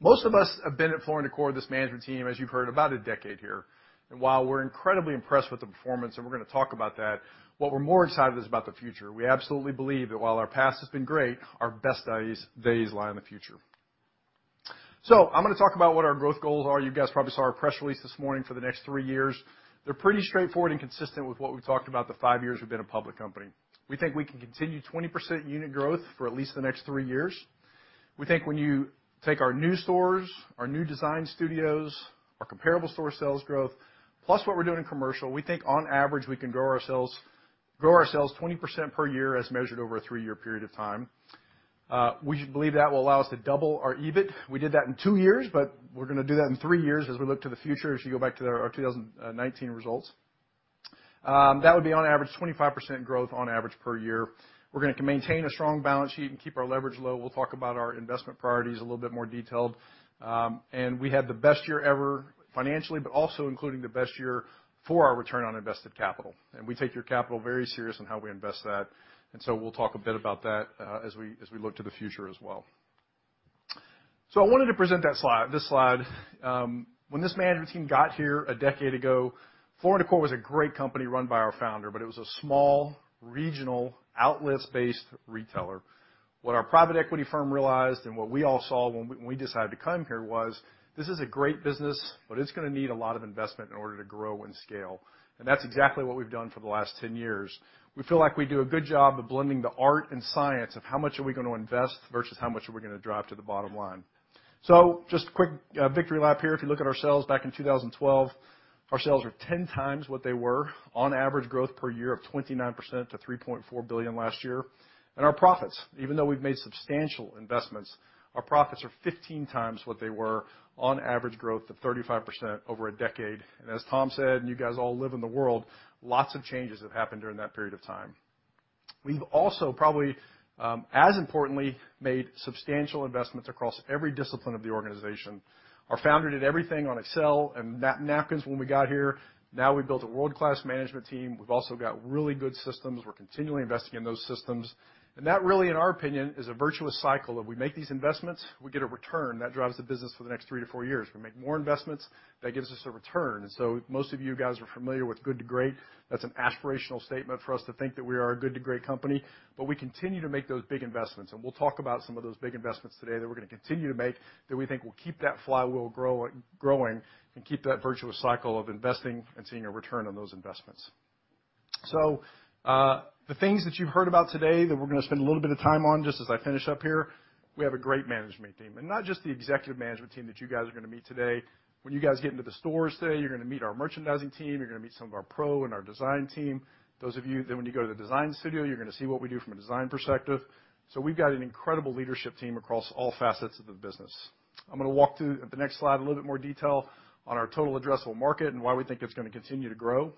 Most of us have been at Floor & Decor, this management team, as you've heard, about a decade here. While we're incredibly impressed with the performance, and we're gonna talk about that, what we're more excited is about the future. We absolutely believe that while our past has been great, our best days lie in the future. I'm gonna talk about what our growth goals are. You guys probably saw our press release this morning for the next three years. They're pretty straightforward and consistent with what we've talked about the five years we've been a public company. We think we can continue 20% unit growth for at least the next three years. We think when you take our new stores, our new design studios, our comparable store sales growth, plus what we're doing in commercial, we think on average, we can grow our sales 20% per year as measured over a three-year period of time. We believe that will allow us to double our EBIT. We did that in two years, but we're gonna do that in three years as we look to the future as you go back to our 2019 results. That would be on average 25% growth on average per year. We're gonna maintain a strong balance sheet and keep our leverage low. We'll talk about our investment priorities a little bit more detailed. We had the best year ever financially, but also including the best year for our return on invested capital. We take your capital very serious on how we invest that. We'll talk a bit about that, as we look to the future as well. I wanted to present that slide, this slide. When this management team got here a decade ago, Floor & Decor was a great company run by our founder, but it was a small, regional, outlet-based retailer. What our private equity firm realized and what we all saw when we decided to come here was, this is a great business, but it's gonna need a lot of investment in order to grow and scale. That's exactly what we've done for the last 10 years. We feel like we do a good job of blending the art and science of how much are we gonna invest versus how much are we gonna drive to the bottom line. Just a quick victory lap here. If you look at our sales back in 2012, our sales are 10x what they were on average growth per year of 29% to $3.4 billion last year. Our profits, even though we've made substantial investments, our profits are 15x what they were on average growth of 35% over a decade. As Tom said, you guys all live in the world, lots of changes have happened during that period of time. We've also, probably, as importantly, made substantial investments across every discipline of the organization. Our founder did everything on Excel and napkins when we got here. Now we've built a world-class management team. We've also got really good systems. We're continually investing in those systems. That really, in our opinion, is a virtuous cycle of we make these investments, we get a return. That drives the business for the next 3-4 years. We make more investments. That gives us a return. Most of you guys are familiar with Good to Great. That's an aspirational statement for us to think that we are a good to great company, but we continue to make those big investments. We'll talk about some of those big investments today that we're gonna continue to make that we think will keep that flywheel growing and keep that virtuous cycle of investing and seeing a return on those investments. The things that you've heard about today that we're gonna spend a little bit of time on just as I finish up here, we have a great management team. Not just the executive management team that you guys are gonna meet today. When you guys get into the stores today, you're gonna meet our merchandising team, you're gonna meet some of our pro and our design team. Those of you, then when you go to the design studio, you're gonna see what we do from a design perspective. We've got an incredible leadership team across all facets of the business. I'm gonna walk through the next slide a little bit more detail on our total addressable market and why we think it's gonna continue to grow.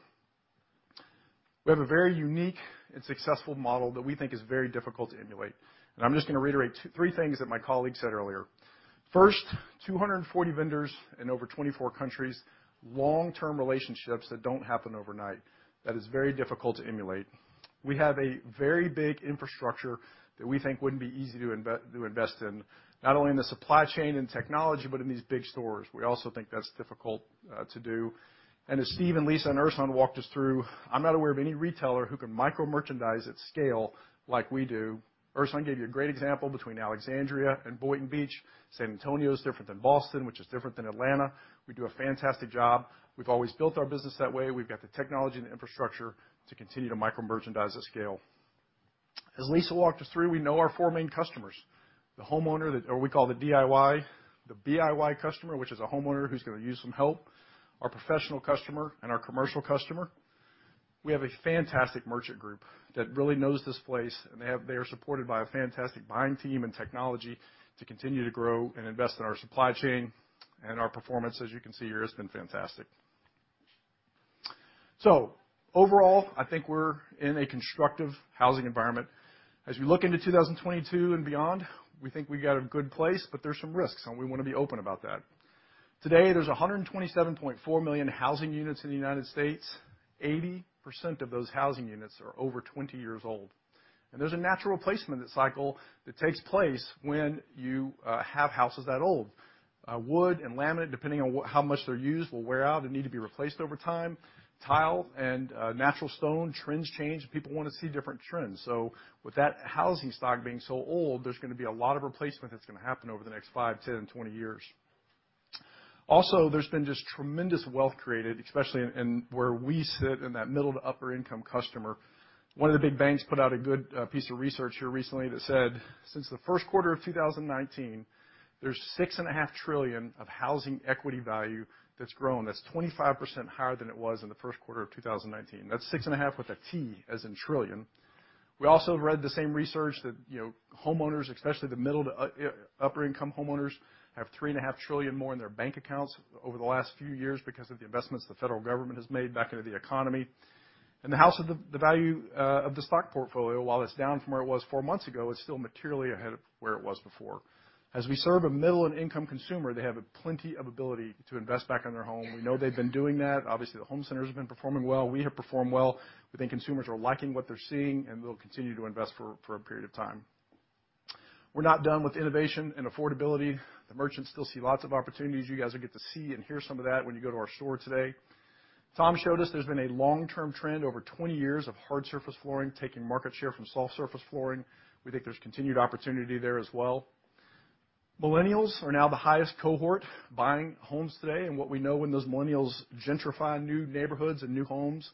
We have a very unique and successful model that we think is very difficult to emulate. I'm just gonna reiterate three things that my colleague said earlier. First, 240 vendors in over 24 countries, long-term relationships that don't happen overnight. That is very difficult to emulate. We have a very big infrastructure that we think wouldn't be easy to invest in, not only in the supply chain and technology, but in these big stores. We also think that's difficult to do. As Steve and Lisa and Ersan walked us through, I'm not aware of any retailer who can micro-merchandise at scale like we do. Ersan gave you a great example between Alexandria and Boynton Beach. San Antonio is different than Boston, which is different than Atlanta. We do a fantastic job. We've always built our business that way. We've got the technology and infrastructure to continue to micro-merchandise at scale. As Lisa walked us through, we know our four main customers, the homeowner that or we call the DIY, the BIY customer, which is a homeowner who's gonna use some help, our professional customer, and our commercial customer. We have a fantastic merchant group that really knows this place, and they are supported by a fantastic buying team and technology to continue to grow and invest in our supply chain. Our performance, as you can see here, has been fantastic. So overall, I think we're in a constructive housing environment. As we look into 2022 and beyond, we think we've got a good place, but there's some risks, and we wanna be open about that. Today, there's 127.4 million housing units in the United States. 80% of those housing units are over 20 years old. There's a natural replacement cycle that takes place when you have houses that old. Wood and laminate, depending on how much they're used, will wear out and need to be replaced over time. Tile and natural stone trends change. People wanna see different trends. With that housing stock being so old, there's gonna be a lot of replacement that's gonna happen over the next 5, 10, 20 years. Also, there's been just tremendous wealth created, especially in where we sit in that middle to upper income customer. One of the big banks put out a good piece of research here recently that said, since the first quarter of 2019, there's $6.5 trillion of housing equity value that's grown. That's 25% higher than it was in the first quarter of 2019. That's 6.5 with a T, as in trillion. We also read the same research that, you know, homeowners, especially the middle to upper income homeowners, have $3.5 trillion more in their bank accounts over the last few years because of the investments the federal government has made back into the economy. In the household, the value of the stock portfolio, while it's down from where it was 4 months ago, is still materially ahead of where it was before. As we serve a middle and upper income consumer, they have plenty of ability to invest back in their home. We know they've been doing that. Obviously, the home centers have been performing well. We have performed well. We think consumers are liking what they're seeing, and they'll continue to invest for a period of time. We're not done with innovation and affordability. The merchants still see lots of opportunities. You guys will get to see and hear some of that when you go to our store today. Tom showed us there's been a long-term trend over 20 years of hard surface flooring taking market share from soft surface flooring. We think there's continued opportunity there as well. Millennials are now the highest cohort buying homes today. What we know when those millennials gentrify new neighborhoods and new homes,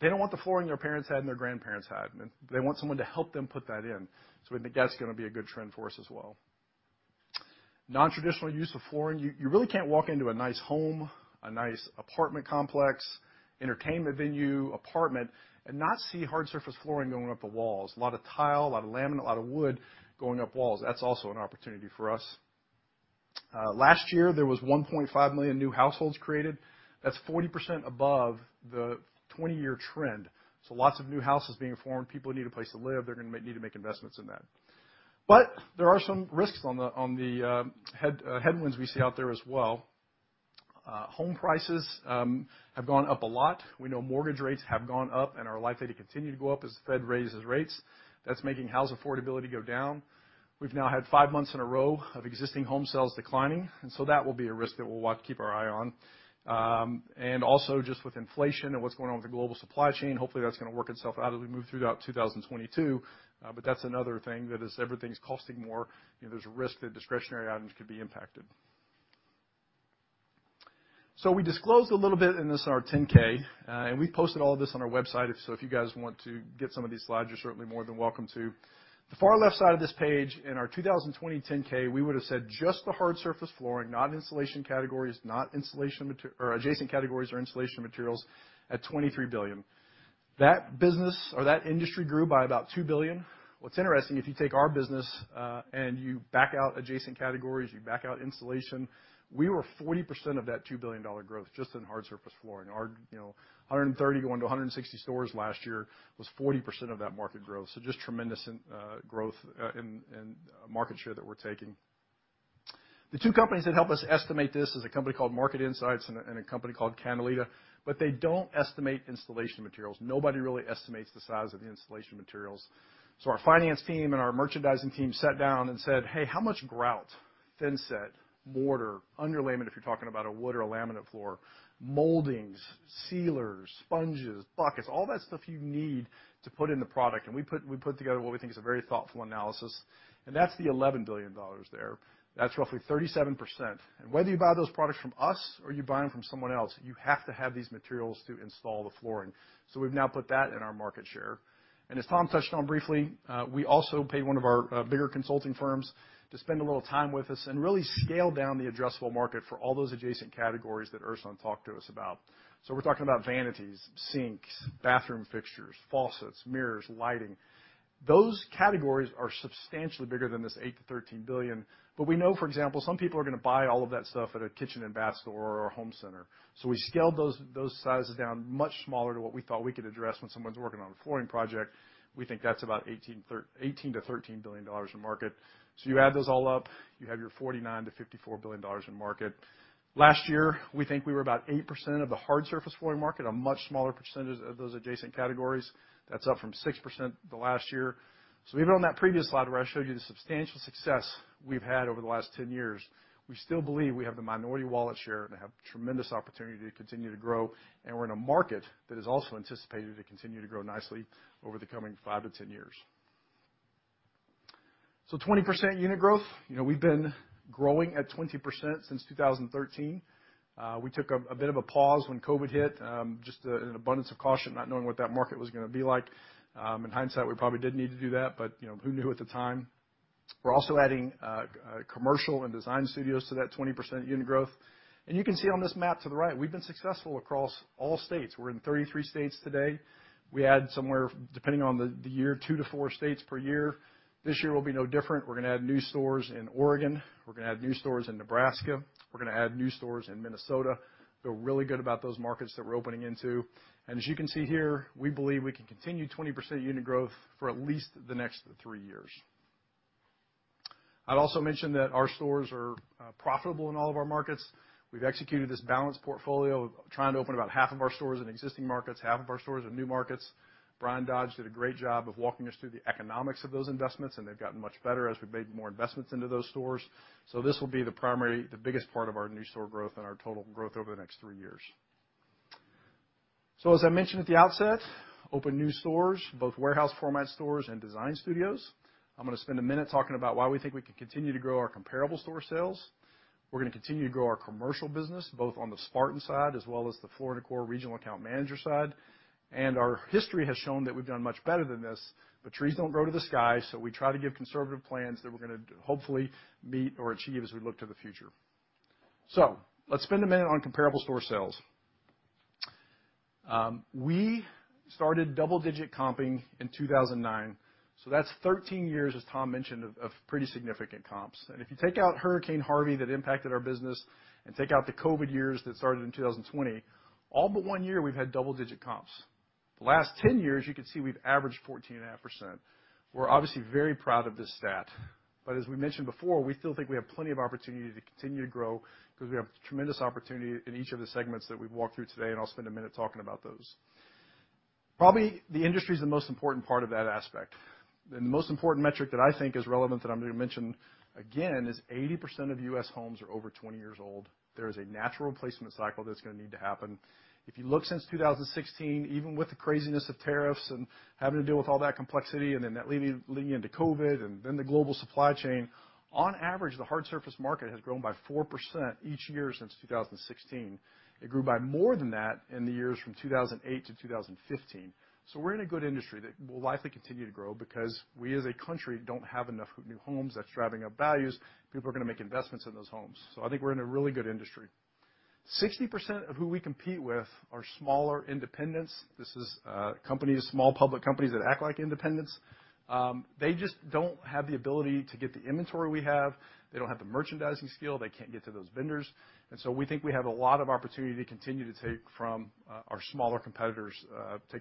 they don't want the flooring their parents had and their grandparents had. They want someone to help them put that in. We think that's gonna be a good trend for us as well. Nontraditional use of flooring. You really can't walk into a nice home, a nice apartment complex, entertainment venue, apartment, and not see hard surface flooring going up the walls. A lot of tile, a lot of laminate, a lot of wood going up walls. That's also an opportunity for us. Last year, there was 1.5 million new households created. That's 40% above the 20-year trend. Lots of new houses being formed. People need a place to live. They're gonna need to make investments in that. There are some risks on the headwinds we see out there as well. Home prices have gone up a lot. We know mortgage rates have gone up and are likely to continue to go up as the Fed raises rates. That's making house affordability go down. We've now had five months in a row of existing home sales declining, and so that will be a risk that we'll watch, keep our eye on. Also just with inflation and what's going on with the global supply chain. Hopefully, that's gonna work itself out as we move throughout 2022. That's another thing that is everything's costing more. You know, there's risk that discretionary items could be impacted. We disclosed a little bit in this, our 10-K, and we posted all this on our website. If you guys want to get some of these slides, you're certainly more than welcome to. The far left side of this page in our 2021 10-K, we would have said just the hard surface flooring, not installation categories, or adjacent categories or installation materials at $23 billion. That business or that industry grew by about $2 billion. What's interesting, if you take our business, and you back out adjacent categories, you back out installation, we were 40% of that $2 billion growth just in hard surface flooring. Our, you know, 130 going to 160 stores last year was 40% of that market growth. Just tremendous in growth in market share that we're taking. The two companies that help us estimate this is a company called Market Insights and a company called Catalina, but they don't estimate installation materials. Nobody really estimates the size of the installation materials. Our finance team and our merchandising team sat down and said, "Hey, how much grout, thinset, mortar, underlayment, if you're talking about a wood or a laminate floor, moldings, sealers, sponges, buckets, all that stuff you need to put in the product." We put together what we think is a very thoughtful analysis, and that's the $11 billion there. That's roughly 37%. Whether you buy those products from us or you buy them from someone else, you have to have these materials to install the flooring. We've now put that in our market share. As Tom touched on briefly, we also pay one of our bigger consulting firms to spend a little time with us and really scale down the addressable market for all those adjacent categories that Ersan talked to us about. We're talking about vanities, sinks, bathroom fixtures, faucets, mirrors, lighting. Those categories are substantially bigger than this $8 billion-$13 billion. We know, for example, some people are gonna buy all of that stuff at a kitchen and bath store or a home center. We scaled those sizes down much smaller to what we thought we could address when someone's working on a flooring project. We think that's about $13 billion-$18 billion in market. You add those all up, you have your $49 billion-$54 billion in market. Last year, we think we were about 8% of the hard surface flooring market, a much smaller percentage of those adjacent categories. That's up from 6% the last year. Even on that previous slide where I showed you the substantial success we've had over the last 10 years, we still believe we have the minority wallet share and have tremendous opportunity to continue to grow. We're in a market that is also anticipated to continue to grow nicely over the coming 5 to 10 years. 20% unit growth. You know, we've been growing at 20% since 2013. We took a bit of a pause when COVID hit, just an abundance of caution, not knowing what that market was gonna be like. In hindsight, we probably didn't need to do that, but you know, who knew at the time? We're also adding commercial and design studios to that 20% unit growth. You can see on this map to the right, we've been successful across all states. We're in 33 states today. We add somewhere, depending on the year, 2-4 states per year. This year will be no different. We're gonna add new stores in Oregon, we're gonna add new stores in Nebraska, we're gonna add new stores in Minnesota. Feel really good about those markets that we're opening into. As you can see here, we believe we can continue 20% unit growth for at least the next 3 years. I'd also mention that our stores are profitable in all of our markets. We've executed this balanced portfolio, trying to open about half of our stores in existing markets, half of our stores in new markets. Bryan Dodge did a great job of walking us through the economics of those investments, and they've gotten much better as we've made more investments into those stores. This will be the primary, the biggest part of our new store growth and our total growth over the next three years. As I mentioned at the outset, open new stores, both warehouse format stores and design studios. I'm gonna spend a minute talking about why we think we can continue to grow our comparable store sales. We're gonna continue to grow our commercial business, both on the Spartan side as well as the Floor & Decor regional account manager side. Our history has shown that we've done much better than this, but trees don't grow to the sky, so we try to give conservative plans that we're gonna hopefully meet or achieve as we look to the future. Let's spend a minute on comparable store sales. We started double-digit comping in 2009, so that's 13 years, as Tom mentioned, of pretty significant comps. If you take out Hurricane Harvey that impacted our business and take out the COVID years that started in 2020, all but one year we've had double-digit comps. The last 10 years, you can see we've averaged 14.5%. We're obviously very proud of this stat. As we mentioned before, we still think we have plenty of opportunity to continue to grow because we have tremendous opportunity in each of the segments that we've walked through today, and I'll spend a minute talking about those. Probably, the industry is the most important part of that aspect. The most important metric that I think is relevant that I'm gonna mention again is 80% of U.S. homes are over 20 years old. There is a natural replacement cycle that's gonna need to happen. If you look since 2016, even with the craziness of tariffs and having to deal with all that complexity, and then that leading into COVID and then the global supply chain, on average, the hard surface market has grown by 4% each year since 2016. It grew by more than that in the years from 2008 to 2015. We're in a good industry that will likely continue to grow because we, as a country, don't have enough new homes. That's driving up values. People are gonna make investments in those homes. I think we're in a really good industry. 60% of who we compete with are smaller independents. This is companies, small public companies that act like independents. They just don't have the ability to get the inventory we have. They don't have the merchandising skill. They can't get to those vendors. We think we have a lot of opportunity to continue to take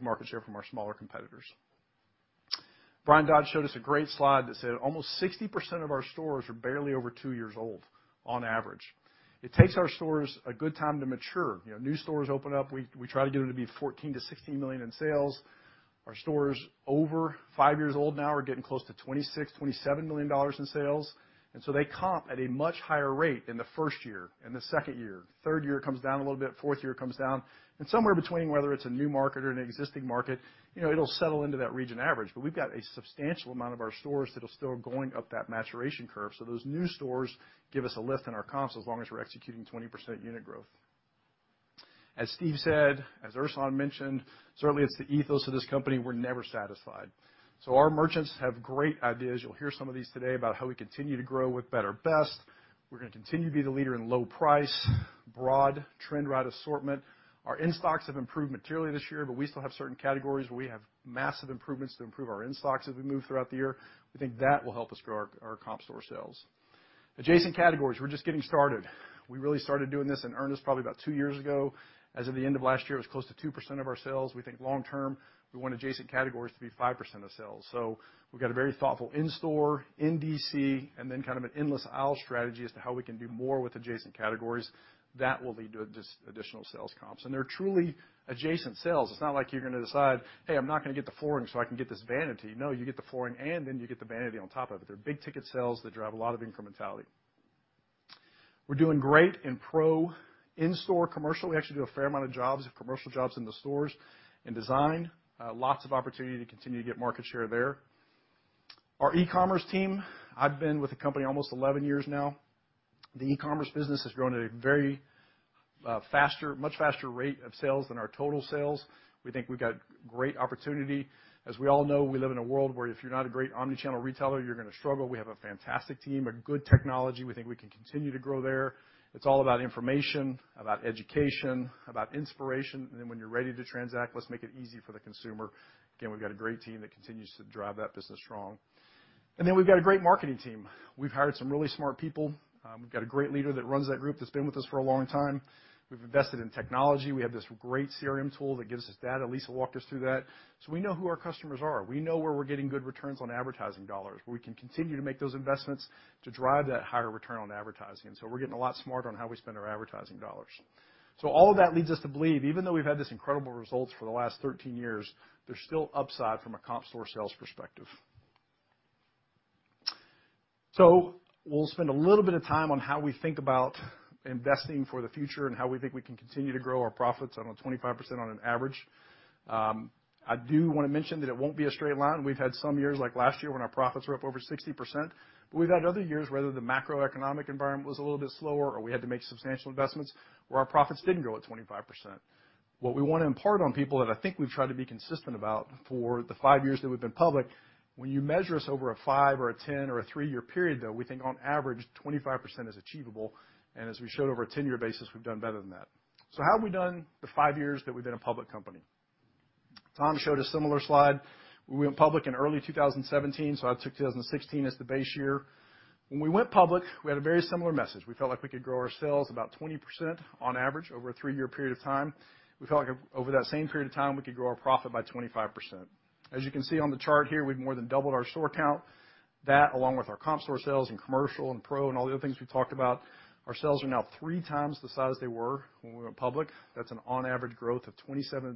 market share from our smaller competitors. Bryan Dodge showed us a great slide that said almost 60% of our stores are barely over two years old on average. It takes our stores a good time to mature. You know, new stores open up, we try to get them to be $14 million-$16 million in sales. Our stores over 5 years old now are getting close to $26 million-$27 million in sales. They comp at a much higher rate in the first year, in the second year. Third year, it comes down a little bit. Fourth year, it comes down. Somewhere between, whether it's a new market or an existing market, you know, it'll settle into that region average. We've got a substantial amount of our stores that are still going up that maturation curve. Those new stores give us a lift in our comps as long as we're executing 20% unit growth. As Steve said, as Ersan mentioned, certainly it's the ethos of this company. We're never satisfied. Our merchants have great ideas. You'll hear some of these today about how we continue to grow with better best. We're gonna continue to be the leader in low price, broad trend-right assortment. Our in-stocks have improved materially this year, but we still have certain categories where we have massive improvements to improve our in-stocks as we move throughout the year. We think that will help us grow our comp store sales. Adjacent categories, we're just getting started. We really started doing this in earnest probably about two years ago. As of the end of last year, it was close to 2% of our sales. We think long term, we want adjacent categories to be 5% of sales. We've got a very thoughtful in-store, in DC, and then kind of an endless aisle strategy as to how we can do more with adjacent categories that will lead to just additional sales comps. They're truly adjacent sales. It's not like you're gonna decide, "Hey, I'm not gonna get the flooring so I can get this vanity." No, you get the flooring and then you get the vanity on top of it. They're big-ticket sales that drive a lot of incrementality. We're doing great in pro in-store commercial. We actually do a fair amount of jobs, commercial jobs in the stores in design. Lots of opportunity to continue to get market share there. Our e-commerce team, I've been with the company almost 11 years now. The e-commerce business has grown at a very much faster rate of sales than our total sales. We think we've got great opportunity. As we all know, we live in a world where if you're not a great omni-channel retailer, you're gonna struggle. We have a fantastic team, a good technology. We think we can continue to grow there. It's all about information, about education, about inspiration. Then when you're ready to transact, let's make it easy for the consumer. Again, we've got a great team that continues to drive that business strong. Then we've got a great marketing team. We've hired some really smart people. We've got a great leader that runs that group that's been with us for a long time. We've invested in technology. We have this great CRM tool that gives us data. Lisa walked us through that. We know who our customers are. We know where we're getting good returns on advertising dollars, where we can continue to make those investments to drive that higher return on advertising. We're getting a lot smarter on how we spend our advertising dollars. All of that leads us to believe, even though we've had this incredible results for the last 13 years, there's still upside from a comp store sales perspective. We'll spend a little bit of time on how we think about investing for the future and how we think we can continue to grow our profits on a 25% on an average. I do wanna mention that it won't be a straight line. We've had some years, like last year, when our profits were up over 60%. We've had other years where the macroeconomic environment was a little bit slower or we had to make substantial investments where our profits didn't grow at 25%. What we wanna impart on people that I think we've tried to be consistent about for the 5 years that we've been public, when you measure us over a 5- or 10- or 3-year period, though, we think on average 25% is achievable. As we showed over a 10-year basis, we've done better than that. How have we done the 5 years that we've been a public company? Tom showed a similar slide. We went public in early 2017, so I took 2016 as the base year. When we went public, we had a very similar message. We felt like we could grow our sales about 20% on average over a 3-year period of time. We felt like over that same period of time, we could grow our profit by 25%. As you can see on the chart here, we've more than doubled our store count. That, along with our comp store sales and commercial and pro and all the other things we talked about, our sales are now 3x the size they were when we went public. That's an average growth of 27%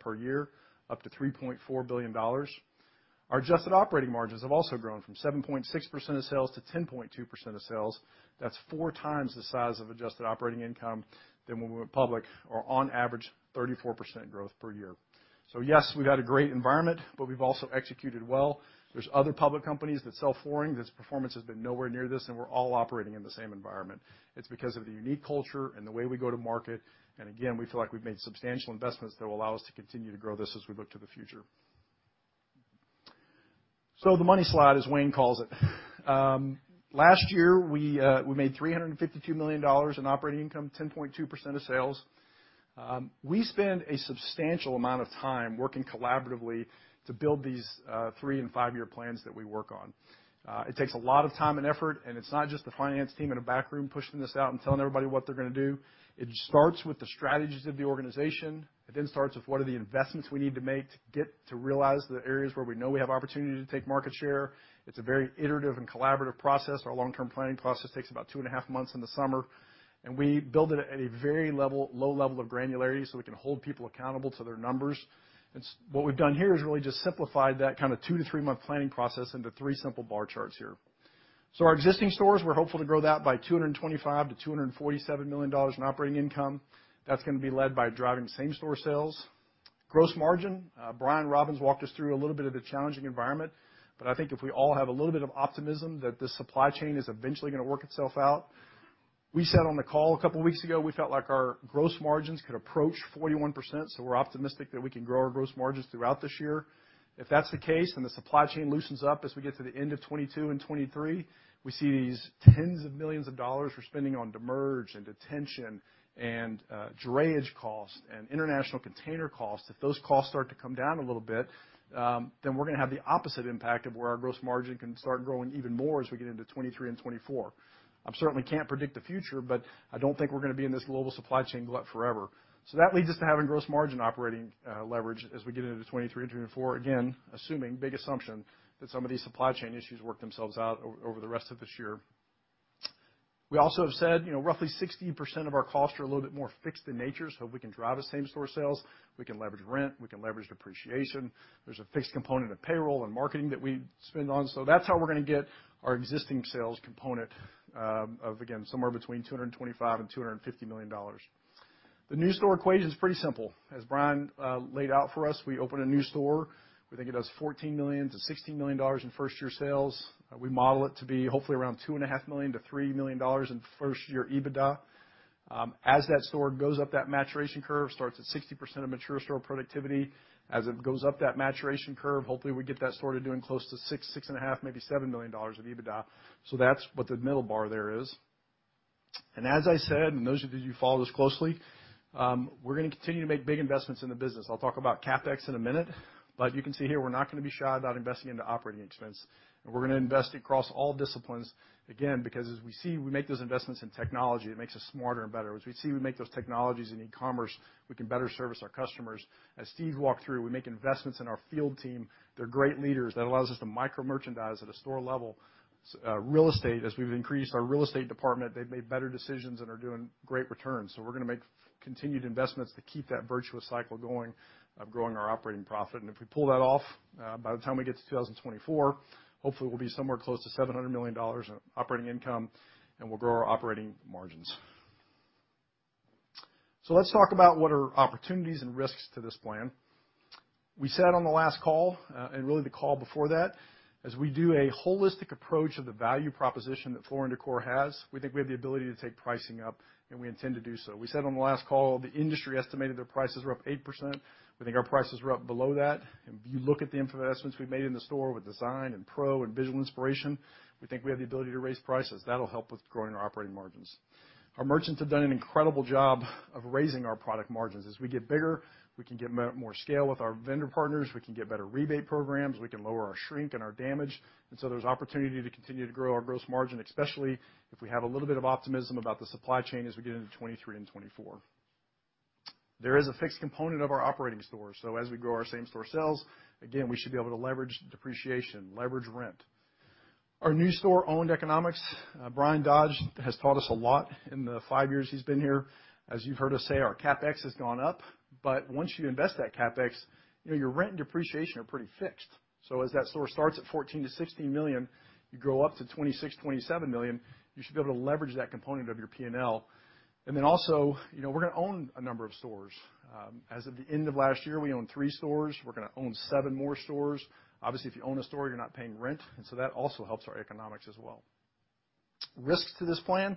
per year, up to $3.4 billion. Our adjusted operating margins have also grown from 7.6% of sales to 10.2% of sales. That's 4x the size of adjusted operating income than when we went public or on average, 34% growth per year. Yes, we've had a great environment, but we've also executed well. There are other public companies that sell flooring, their performance has been nowhere near this, and we're all operating in the same environment. It's because of the unique culture and the way we go to market. Again, we feel like we've made substantial investments that will allow us to continue to grow this as we look to the future. The money slide, as Wayne calls it. Last year, we made $352 million in operating income, 10.2% of sales. We spend a substantial amount of time working collaboratively to build these 3- and 5-year plans that we work on. It takes a lot of time and effort, and it's not just the finance team in a back room pushing this out and telling everybody what they're gonna do. It starts with the strategies of the organization. It then starts with what are the investments we need to make to get to realize the areas where we know we have opportunity to take market share. It's a very iterative and collaborative process. Our long-term planning process takes about 2.5 months in the summer, and we build it at a low level of granularity so we can hold people accountable to their numbers. What we've done here is really just simplified that kind of 2- to 3-month planning process into three simple bar charts here. Our existing stores, we're hopeful to grow that by $225 million-$247 million in operating income. That's gonna be led by driving same-store sales. Gross margin, Brian Robbins walked us through a little bit of the challenging environment, but I think if we all have a little bit of optimism that the supply chain is eventually gonna work itself out. We said on the call a couple of weeks ago, we felt like our gross margins could approach 41%, so we're optimistic that we can grow our gross margins throughout this year. If that's the case, and the supply chain loosens up as we get to the end of 2022 and 2023, we see these $10s of millions we're spending on demurrage and detention and drayage cost and international container cost. If those costs start to come down a little bit, then we're gonna have the opposite impact of where our gross margin can start growing even more as we get into 2023 and 2024. I certainly can't predict the future, but I don't think we're gonna be in this global supply chain glut forever. That leads us to having gross margin operating leverage as we get into 2023 and 2024. Again, assuming, big assumption, that some of these supply chain issues work themselves out over the rest of this year. We also have said, you know, roughly 60% of our costs are a little bit more fixed in nature, so if we can drive the same-store sales, we can leverage rent, we can leverage depreciation. There's a fixed component of payroll and marketing that we spend on. That's how we're gonna get our existing sales component, of, again, somewhere between $225 million-$250 million. The new store equation is pretty simple. As Brian laid out for us, we open a new store. We think it does $14 million-$16 million in first-year sales. We model it to be hopefully around $2.5 million-$3 million in first-year EBITDA. As that store goes up that maturation curve, starts at 60% of mature store productivity. As it goes up that maturation curve, hopefully we get that store to doing close to $6 million, $6.5 million, maybe $7 million of EBITDA. That's what the middle bar there is. As I said, and those of you who follow this closely, we're gonna continue to make big investments in the business. I'll talk about CapEx in a minute, but you can see here we're not gonna be shy about investing into operating expense. We're gonna invest across all disciplines, again, because as we see, we make those investments in technology, it makes us smarter and better. As we see, we make those technologies in e-commerce, we can better service our customers. As Steve walked through, we make investments in our field team. They're great leaders. That allows us to micro-merchandise at a store level. Real estate, as we've increased our real estate department, they've made better decisions and are doing great returns. We're gonna make continued investments to keep that virtuous cycle going of growing our operating profit. If we pull that off, by the time we get to 2024, hopefully, we'll be somewhere close to $700 million in operating income, and we'll grow our operating margins. Let's talk about what are opportunities and risks to this plan. We said on the last call and really the call before that, as we do a holistic approach of the value proposition that Floor & Decor has, we think we have the ability to take pricing up, and we intend to do so. We said on the last call, the industry estimated their prices are up 8%. We think our prices are up below that. If you look at the investments we've made in the store with design and pro and visual inspiration, we think we have the ability to raise prices. That'll help with growing our operating margins. Our merchants have done an incredible job of raising our product margins. As we get bigger, we can get more scale with our vendor partners. We can get better rebate programs. We can lower our shrink and our damage. There's opportunity to continue to grow our gross margin, especially if we have a little bit of optimism about the supply chain as we get into 2023 and 2024. There is a fixed component of our operating stores. As we grow our same-store sales, again, we should be able to leverage depreciation, leverage rent. Our new store-owned economics, Bryan Dodge has taught us a lot in the 5 years he's been here. As you've heard us say, our CapEx has gone up. Once you invest that CapEx, you know, your rent and depreciation are pretty fixed. As that store starts at $14 million-$16 million, you grow up to $26 million, $27 million, you should be able to leverage that component of your P&L. You know, we're gonna own a number of stores. As of the end of last year, we owned three stores. We're gonna own seven more stores. Obviously, if you own a store, you're not paying rent, and so that also helps our economics as well. Risks to this plan,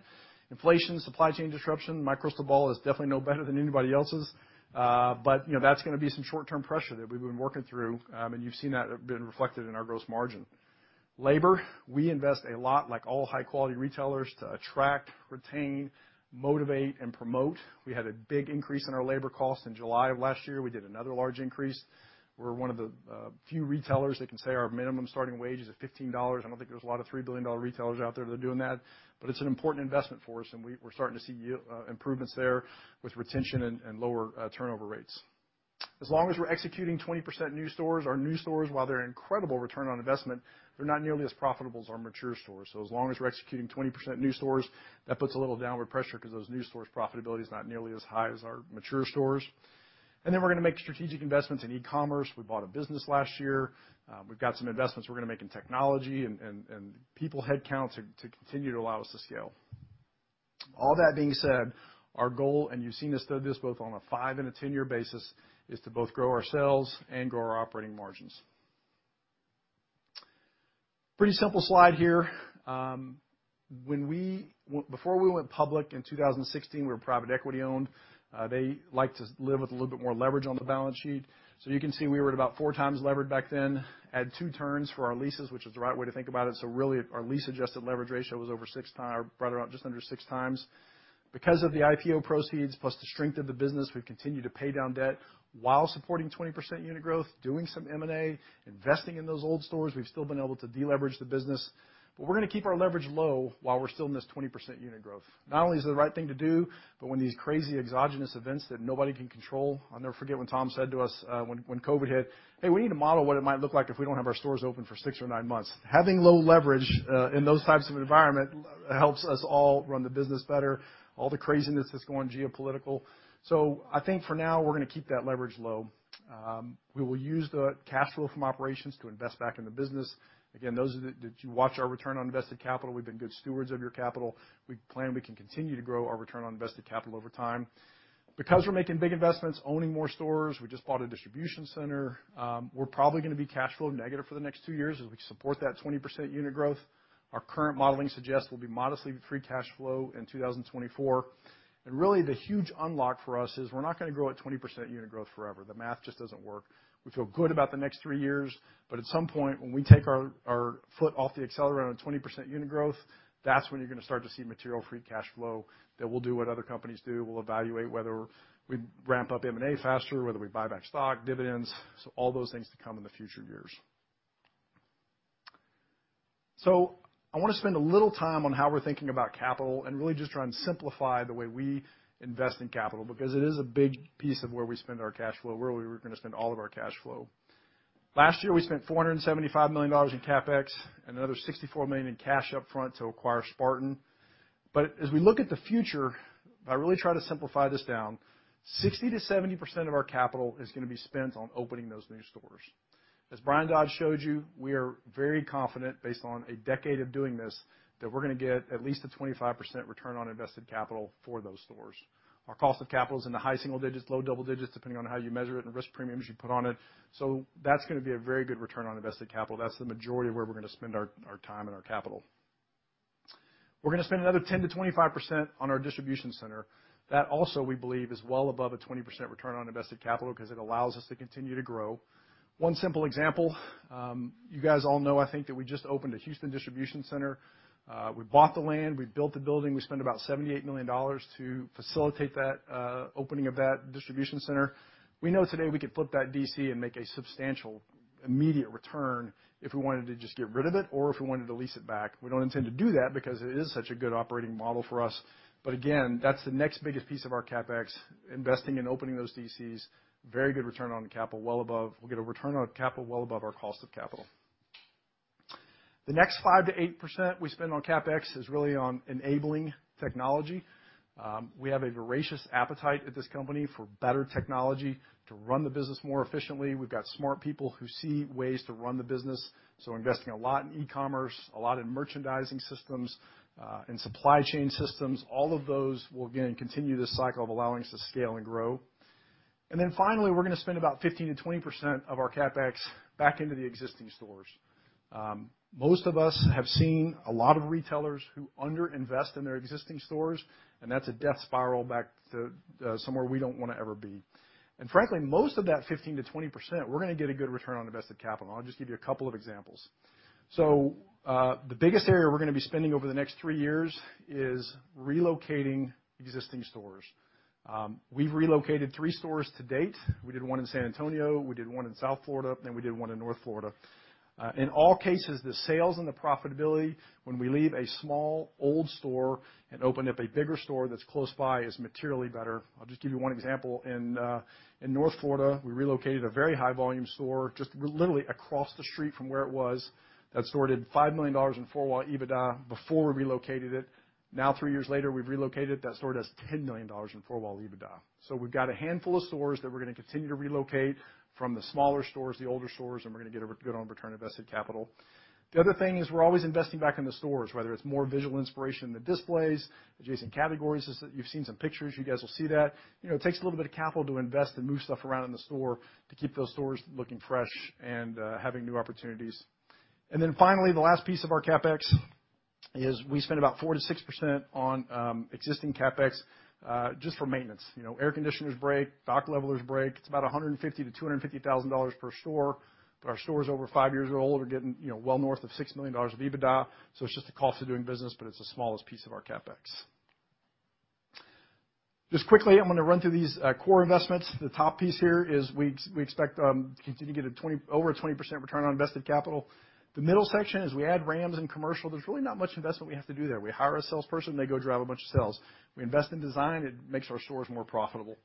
inflation, supply chain disruption. My crystal ball is definitely no better than anybody else's. You know, that's gonna be some short-term pressure that we've been working through, and you've seen that been reflected in our gross margin. Labor, we invest a lot like all high-quality retailers to attract, retain, motivate, and promote. We had a big increase in our labor costs in July of last year. We did another large increase. We're one of the few retailers that can say our minimum starting wage is $15. I don't think there's a lot of $3 billion retailers out there that are doing that, but it's an important investment for us, and we're starting to see real improvements there with retention and lower turnover rates. As long as we're executing 20% new stores, our new stores, while they're incredible return on investment, they're not nearly as profitable as our mature stores. As long as we're executing 20% new stores, that puts a little downward pressure because those new stores' profitability is not nearly as high as our mature stores. Then we're gonna make strategic investments in e-commerce. We bought a business last year. We've got some investments we're gonna make in technology and people headcount to continue to allow us to scale. All that being said, our goal, and you've seen us do this both on a 5- and 10-year basis, is to both grow our sales and grow our operating margins. Pretty simple slide here. Before we went public in 2016, we were private equity owned. They liked to live with a little bit more leverage on the balance sheet. So you can see we were at about 4x levered back then. Had 2 turns for our leases, which is the right way to think about it. So really, our lease-adjusted leverage ratio was over six or rather about just under 6x. Because of the IPO proceeds plus the strength of the business, we've continued to pay down debt while supporting 20% unit growth, doing some M&A, investing in those old stores. We've still been able to deleverage the business. We're gonna keep our leverage low while we're still in this 20% unit growth. Not only is it the right thing to do, but when these crazy exogenous events that nobody can control, I'll never forget when Tom said to us, when COVID hit, "Hey, we need to model what it might look like if we don't have our stores open for 6 or 9 months." Having low leverage in those types of environment helps us all run the business better, all the craziness that's going geopolitical. I think for now, we're gonna keep that leverage low. We will use the cash flow from operations to invest back in the business. Again, those of you that watch our return on invested capital, we've been good stewards of your capital. We plan we can continue to grow our return on invested capital over time. Because we're making big investments, owning more stores, we just bought a distribution center, we're probably gonna be cash flow negative for the next 2 years as we support that 20% unit growth. Our current modeling suggests we'll be modestly free cash flow in 2024. Really the huge unlock for us is we're not gonna grow at 20% unit growth forever. The math just doesn't work. We feel good about the next 3 years, but at some point, when we take our foot off the accelerator on 20% unit growth, that's when you're gonna start to see material free cash flow that we'll do what other companies do. We'll evaluate whether we ramp up M&A faster, whether we buy back stock, dividends. All those things to come in the future years. I wanna spend a little time on how we're thinking about capital and really just try and simplify the way we invest in capital, because it is a big piece of where we spend our cash flow, where we were gonna spend all of our cash flow. Last year, we spent $475 million in CapEx and another $64 million in cash up front to acquire Spartan. As we look at the future, if I really try to simplify this down, 60%-70% of our capital is gonna be spent on opening those new stores. As Bryan Dodge showed you, we are very confident based on a decade of doing this, that we're gonna get at least a 25% return on invested capital for those stores. Our cost of capital is in the high single digits, low double digits, depending on how you measure it and risk premiums you put on it. That's gonna be a very good return on invested capital. That's the majority of where we're gonna spend our time and our capital. We're gonna spend another 10%-25% on our distribution center. That also, we believe, is well above a 20% return on invested capital because it allows us to continue to grow. One simple example, you guys all know, I think, that we just opened a Houston distribution center. We bought the land, we built the building, we spent about $78 million to facilitate that opening of that distribution center. We know today we could flip that DC and make a substantial immediate return if we wanted to just get rid of it or if we wanted to lease it back. We don't intend to do that because it is such a good operating model for us. Again, that's the next biggest piece of our CapEx, investing in opening those DCs. Very good return on capital, well above. We'll get a return on capital well above our cost of capital. The next 5%-8% we spend on CapEx is really on enabling technology. We have a voracious appetite at this company for better technology to run the business more efficiently. We've got smart people who see ways to run the business, so investing a lot in e-commerce, a lot in merchandising systems, and supply chain systems. All of those will, again, continue this cycle of allowing us to scale and grow. Then finally, we're gonna spend about 15%-20% of our CapEx back into the existing stores. Most of us have seen a lot of retailers who under-invest in their existing stores, and that's a death spiral back to somewhere we don't wanna ever be. Frankly, most of that 15%-20%, we're gonna get a good return on invested capital. I'll just give you a couple of examples. The biggest area we're gonna be spending over the next 3 years is relocating existing stores. We've relocated 3 stores to date. We did one in San Antonio, we did one in South Florida, and then we did one in North Florida. In all cases, the sales and the profitability when we leave a small old store and open up a bigger store that's close by is materially better. I'll just give you one example. In North Florida, we relocated a very high volume store just literally across the street from where it was. That store did $5 million in four-wall EBITDA before we relocated it. Now, three years later, we've relocated it. That store does $10 million in four-wall EBITDA. We've got a handful of stores that we're gonna continue to relocate from the smaller stores, the older stores, and we're gonna get a good return on invested capital. The other thing is we're always investing back in the stores, whether it's more visual inspiration in the displays, adjacent categories. You've seen some pictures. You guys will see that. You know, it takes a little bit of capital to invest and move stuff around in the store to keep those stores looking fresh and having new opportunities. Finally, the last piece of our CapEx is we spend about 4%-6% on existing CapEx just for maintenance. You know, air conditioners break, dock levelers break. It's about $150,000-$250,000 per store. But our stores over five years old are getting, you know, well north of $6 million of EBITDA, so it's just the cost of doing business, but it's the smallest piece of our CapEx. Just quickly, I'm gonna run through these core investments. The top piece here is we expect to continue to get over a 20% return on invested capital. The middle section is we add RAMs and commercial. There's really not much investment we have to do there. We hire a salesperson, they go drive a bunch of sales. We invest in design, it makes our stores more profitable.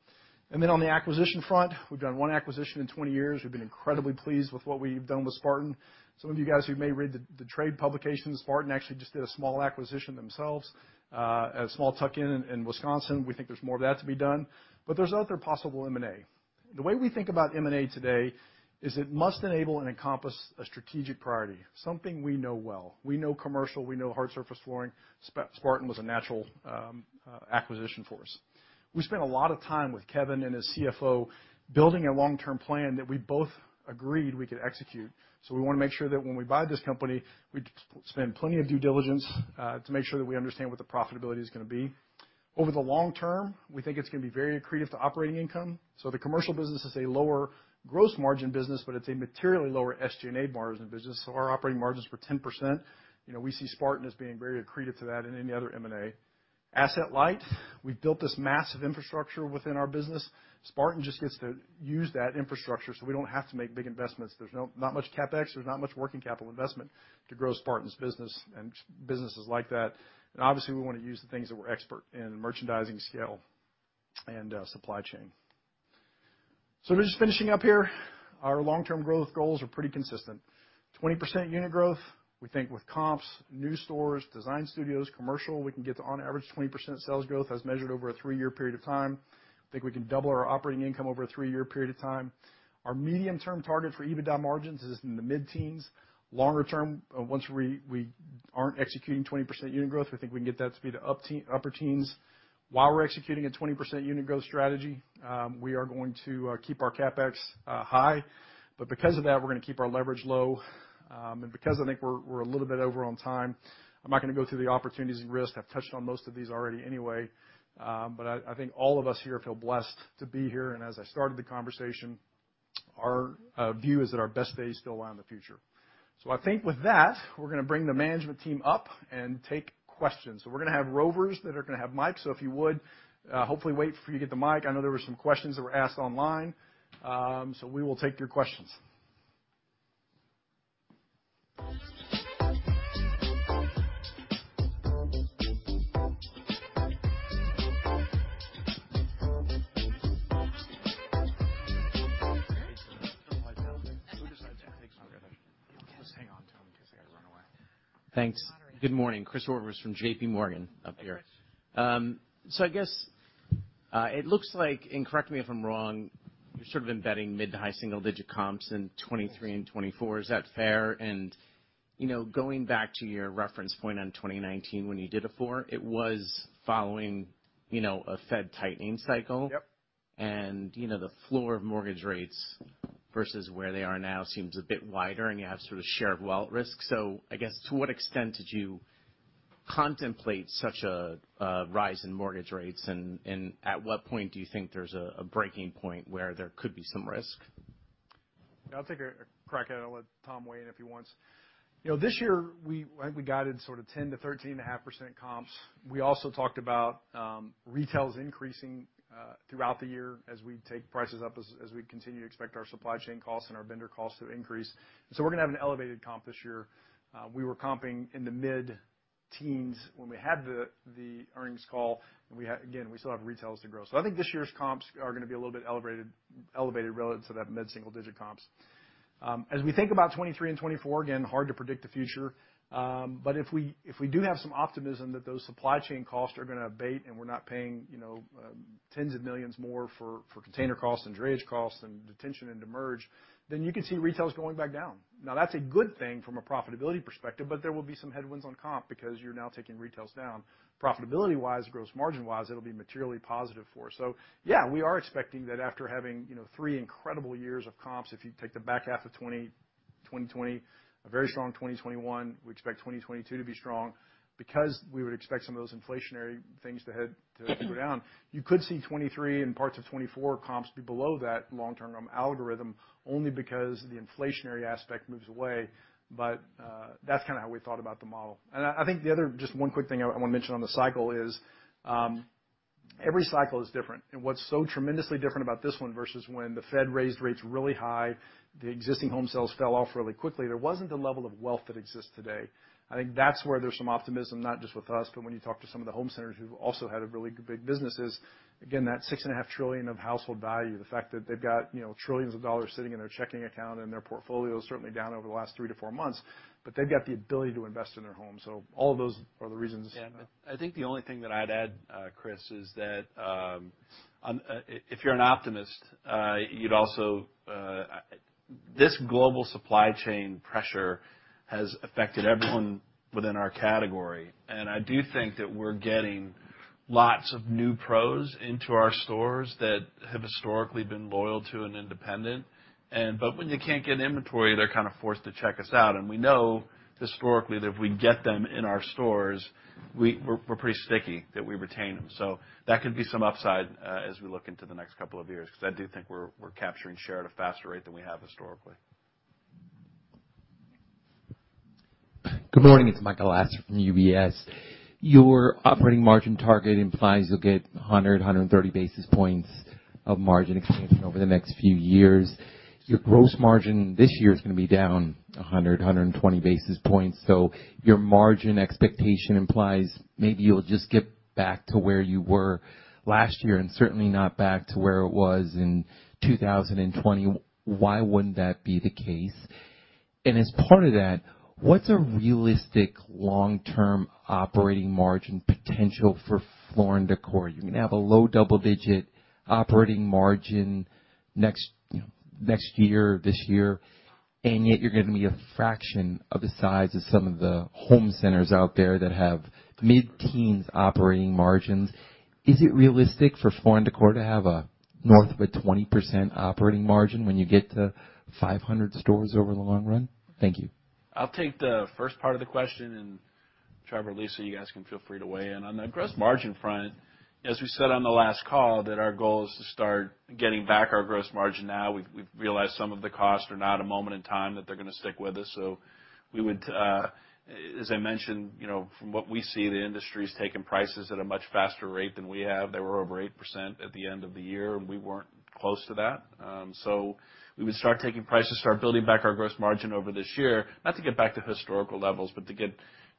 On the acquisition front, we've done 1 acquisition in 20 years. We've been incredibly pleased with what we've done with Spartan. Some of you guys who may read the trade publications, Spartan actually just did a small acquisition themselves, a small tuck-in, in Wisconsin. We think there's more of that to be done, but there's other possible M&A. The way we think about M&A today is it must enable and encompass a strategic priority, something we know well. We know commercial, we know hard surface flooring. Spartan was a natural acquisition for us. We spent a lot of time with Kevin and his CFO building a long-term plan that we both agreed we could execute. We wanna make sure that when we buy this company, we spend plenty of due diligence to make sure that we understand what the profitability is gonna be. Over the long term, we think it's gonna be very accretive to operating income. The commercial business is a lower gross margin business, but it's a materially lower SG&A margin business, so our operating margins for 10%. You know, we see Spartan as being very accretive to that and any other M&A. Asset light, we've built this massive infrastructure within our business. Spartan just gets to use that infrastructure, so we don't have to make big investments. There's not much CapEx, there's not much working capital investment to grow Spartan's business and businesses like that. Obviously, we wanna use the things that we're expert in, merchandising scale and supply chain. Just finishing up here, our long-term growth goals are pretty consistent. 20% unit growth. We think with comps, new stores, design studios, commercial, we can get to on average 20% sales growth as measured over a three-year period of time. We think we can double our operating income over a three-year period of time. Our medium-term target for EBITDA margins is in the mid-teens%. Longer term, once we aren't executing 20% unit growth, we think we can get that to be the upper teens%. While we're executing a 20% unit growth strategy, we are going to keep our CapEx high. Because of that, we're gonna keep our leverage low. Because I think we're a little bit over on time, I'm not gonna go through the opportunities and risks. I've touched on most of these already anyway. I think all of us here feel blessed to be here. As I started the conversation, our view is that our best days still lie in the future. I think with that, we're gonna bring the management team up and take questions. We're gonna have rovers that are gonna have mics. If you would, hopefully wait for you to get the mic. I know there were some questions that were asked online, so we will take your questions. Who decides to take Tom? Just hang on to him in case I gotta run away. Thanks. Good morning. Chris Roberts from JPMorgan up here. Hey, Chris. I guess it looks like, and correct me if I'm wrong, you're sort of embedding mid- to high-single-digit comps in 2023 and 2024. Is that fair? You know, going back to your reference point on 2019 when you did a 4%, it was following, you know, a Fed tightening cycle. Yep. You know, the floor of mortgage rates versus where they are now seems a bit wider, and you have sort of share of wallet risk. I guess to what extent did you contemplate such a rise in mortgage rates? At what point do you think there's a breaking point where there could be some risk? I'll take a crack at it. I'll let Tom weigh in if he wants. You know, this year, I think we guided sort of 10%-13.5% comps. We also talked about retails increasing throughout the year as we take prices up, as we continue to expect our supply chain costs and our vendor costs to increase. We're gonna have an elevated comp this year. We were comping in the mid-teens when we had the earnings call. We had. Again, we still have retails to grow. I think this year's comps are gonna be a little bit elevated relative to that mid-single-digit comps. As we think about 2023 and 2024, again, hard to predict the future. If we do have some optimism that those supply chain costs are gonna abate and we're not paying, you know, $10s of millions more for container costs and drayage costs and detention and demurrage, then you can see retails going back down. Now, that's a good thing from a profitability perspective, there will be some headwinds on comp because you're now taking retails down. Profitability-wise, gross margin-wise, it'll be materially positive for us. Yeah, we are expecting that after having, you know, three incredible years of comps, if you take the back half of 2020, a very strong 2021, we expect 2022 to be strong. Because we would expect some of those inflationary things to go down, you could see 2023 and parts of 2024 comps be below that long-term algorithm only because the inflationary aspect moves away. That's kinda how we thought about the model. I think the other just one quick thing I wanna mention on the cycle is, every cycle is different. What's so tremendously different about this one versus when the Fed raised rates really high, the existing home sales fell off really quickly, there wasn't the level of wealth that exists today. I think that's where there's some optimism, not just with us, but when you talk to some of the home centers who've also had a really big businesses. Again, that $6.5 trillion of household value, the fact that they've got, you know, trillions of dollars sitting in their checking account and their portfolio's certainly down over the last 3-4 months, but they've got the ability to invest in their homes. All of those are the reasons. Yeah. I think the only thing that I'd add, Chris, is that, if you're an optimist, you'd also. This global supply chain pressure has affected everyone within our category. I do think that we're getting- Lots of new pros into our stores that have historically been loyal to an independent. When you can't get inventory, they're kind of forced to check us out. We know historically that if we get them in our stores, we're pretty sticky that we retain them. That could be some upside, as we look into the next couple of years, because I do think we're capturing share at a faster rate than we have historically. Good morning. It's Michael Lasser from UBS. Your operating margin target implies you'll get 130 basis points of margin expansion over the next few years. Your gross margin this year is gonna be down 120 basis points. Your margin expectation implies maybe you'll just get back to where you were last year and certainly not back to where it was in 2020. Why wouldn't that be the case? As part of that, what's a realistic long-term operating margin potential for Floor & Decor? You're gonna have a low double-digit operating margin next, you know, next year or this year, and yet you're gonna be a fraction of the size of some of the home centers out there that have mid-teens operating margins. Is it realistic for Floor & Decor to have north of 20% operating margin when you get to 500 stores over the long run? Thank you. I'll take the first part of the question, and Trevor or Lisa, you guys can feel free to weigh in. On the gross margin front, as we said on the last call, that our goal is to start getting back our gross margin. Now we've realized some of the costs are not a moment in time that they're gonna stick with us. We would, as I mentioned, you know, from what we see, the industry's taking prices at a much faster rate than we have. They were over 8% at the end of the year, and we weren't close to that. We would start taking prices, start building back our gross margin over this year, not to get back to historical levels, but to get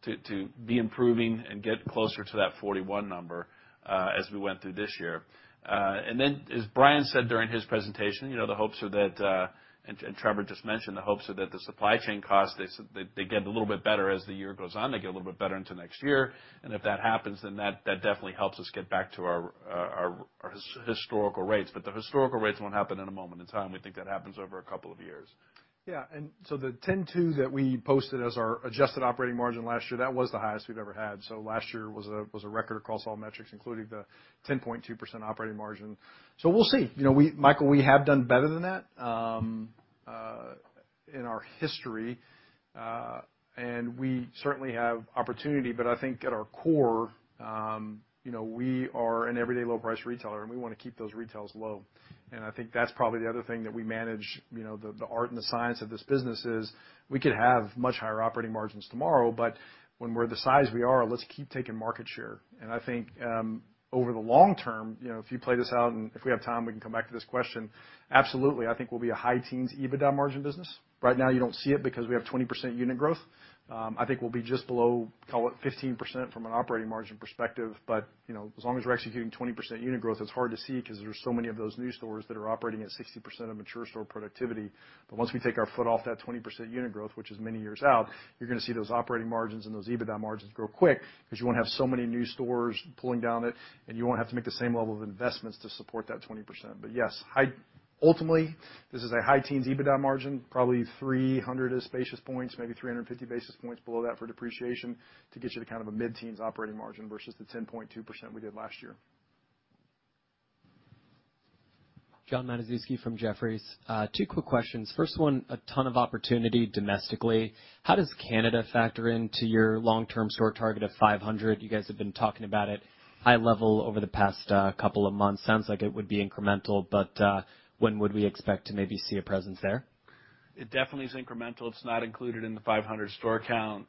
to be improving and get closer to that 41 number, as we went through this year. As Brian said during his presentation, you know, the hopes are that, and Trevor just mentioned, the hopes are that the supply chain costs get a little bit better as the year goes on. They get a little bit better into next year. If that happens, that definitely helps us get back to our historical rates. The historical rates won't happen in a moment in time. We think that happens over a couple of years. Yeah. The 10.2 that we posted as our adjusted operating margin last year, that was the highest we've ever had. Last year was a record across all metrics, including the 10.2% operating margin. We'll see. You know, Michael, we have done better than that in our history, and we certainly have opportunity. I think at our core, you know, we are an everyday low price retailer, and we wanna keep those retails low. I think that's probably the other thing that we manage. You know, the art and the science of this business is we could have much higher operating margins tomorrow, but when we're the size we are, let's keep taking market share. I think, over the long term, you know, if you play this out and if we have time, we can come back to this question. Absolutely, I think we'll be a high teens EBITDA margin business. Right now you don't see it because we have 20% unit growth. I think we'll be just below, call it 15% from an operating margin perspective. You know, as long as we're executing 20% unit growth, it's hard to see 'cause there's so many of those new stores that are operating at 60% of mature store productivity. Once we take our foot off that 20% unit growth, which is many years out, you're gonna see those operating margins and those EBITDA margins grow quick 'cause you won't have so many new stores pulling it down, and you won't have to make the same level of investments to support that 20%. Yes, ultimately, this is a high teens EBITDA margin, probably 300 basis points, maybe 350 basis points below that for depreciation to get you to kind of a mid-teens operating margin versus the 10.2% we did last year. Jonathan Matuszewski from Jefferies. Two quick questions. First one, a ton of opportunity domestically. How does Canada factor into your long-term store target of 500? You guys have been talking about it high level over the past, couple of months. Sounds like it would be incremental, but, when would we expect to maybe see a presence there? It definitely is incremental. It's not included in the 500 store count.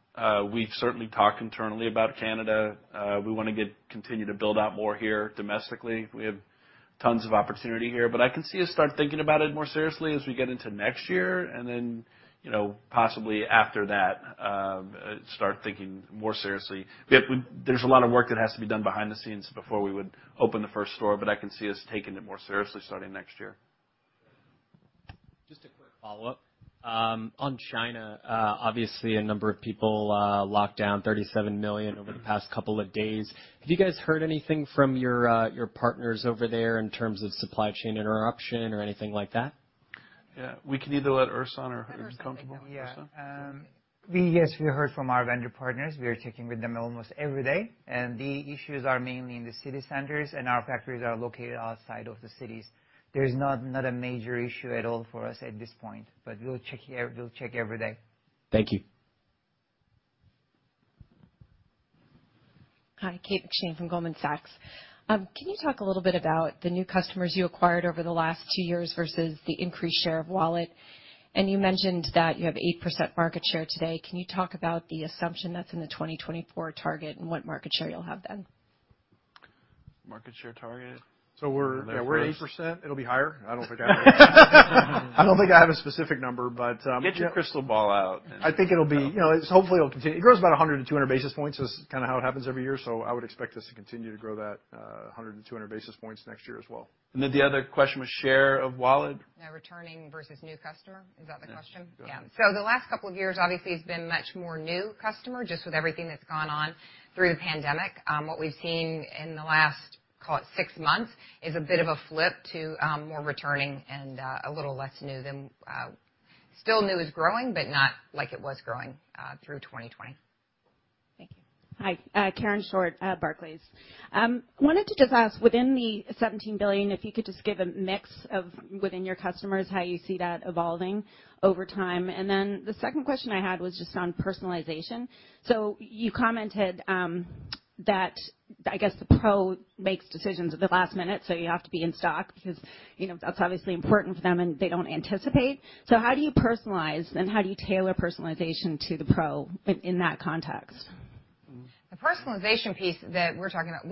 We've certainly talked internally about Canada. We continue to build out more here domestically. We have tons of opportunity here, but I can see us start thinking about it more seriously as we get into next year. Then, you know, possibly after that, start thinking more seriously. There's a lot of work that has to be done behind the scenes before we would open the first store, but I can see us taking it more seriously starting next year. Just a quick follow-up. On China, obviously a number of people locked down, 37 million over the past couple of days. Have you guys heard anything from your partners over there in terms of supply chain interruption or anything like that? Yeah. We can either let Ersan or. Are you comfortable, Ersan? Yes, we heard from our vendor partners. We are checking with them almost every day. The issues are mainly in the city centers, and our factories are located outside of the cities. There's not a major issue at all for us at this point. We'll check every day. Thank you. Hi, Kate McShane from Goldman Sachs. Can you talk a little bit about the new customers you acquired over the last 2 years versus the increased share of wallet? You mentioned that you have 8% market share today. Can you talk about the assumption that's in the 2024 target and what market share you'll have then? Market share target. We're 8%. It'll be higher. I don't think I have a specific number, but Get your crystal ball out. I think it'll be. You know, hopefully it'll continue. It grows about 100-200 basis points. This is kinda how it happens every year, so I would expect this to continue to grow that 100-200 basis points next year as well. The other question was share of wallet. Yeah, returning versus new customer. Is that the question? Yeah. Yeah. The last couple of years obviously has been much more new customer, just with everything that's gone on through the pandemic. What we've seen in the last call it six months is a bit of a flip to more returning and a little less new than. Still new is growing, but not like it was growing through 2020. Thank you. Hi, Karen Short at Barclays. Wanted to just ask within the $17 billion, if you could just give a mix of within your customers, how you see that evolving over time. Then the second question I had was just on personalization. So you commented that I guess the pro makes decisions at the last minute, so you have to be in stock because, you know, that's obviously important for them and they don't anticipate. So how do you personalize, and how do you tailor personalization to the pro in that context? The personalization piece that we're talking about,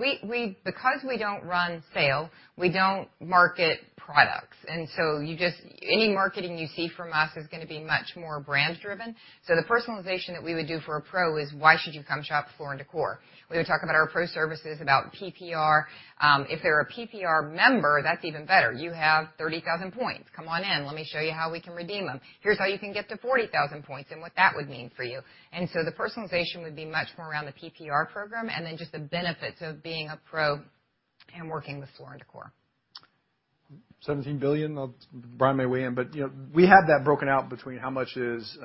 because we don't run sales, we don't market products. You just any marketing you see from us is gonna be much more brand driven. The personalization that we would do for a pro is why should you come shop Floor & Decor? We would talk about our pro services, about PPR. If they're a PPR member, that's even better. You have 30,000 points. Come on in. Let me show you how we can redeem them. Here's how you can get to 40,000 points and what that would mean for you. The personalization would be much more around the PPR program and then just the benefits of being a pro and working with Floor & Decor. $17 billion. Well, Bryan may weigh in, but you know, we have that broken out between how much is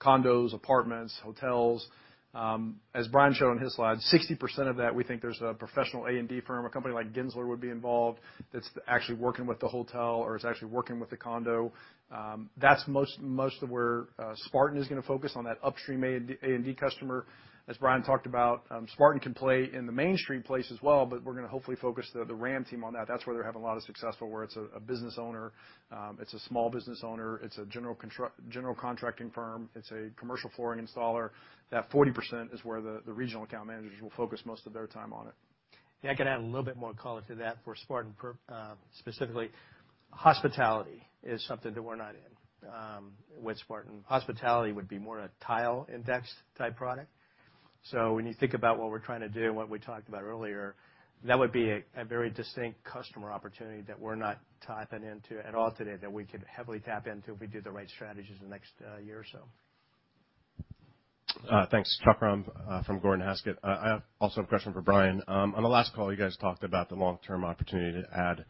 condos, apartments, hotels. As Bryan showed on his slide, 60% of that, we think there's a professional A&D firm. A company like Gensler would be involved that's actually working with the hotel or is actually working with the condo. That's most of where Spartan is gonna focus on that upstream A&D customer. As Bryan talked about, Spartan can play in the mainstream space as well, but we're gonna hopefully focus the RAM team on that. That's where they're having a lot of success, where it's a business owner, it's a small business owner, it's a general contracting firm, it's a commercial flooring installer. That 40% is where the regional account managers will focus most of their time on it. Yeah, I can add a little bit more color to that for Spartan specifically. Hospitality is something that we're not in with Spartan. Hospitality would be more a tile index type product. When you think about what we're trying to do and what we talked about earlier, that would be a very distinct customer opportunity that we're not tapping into at all today that we could heavily tap into if we do the right strategies in the next year or so. Thanks. Chuck Grom from Gordon Haskett. I also have a question for Brian. On the last call, you guys talked about the long-term opportunity to add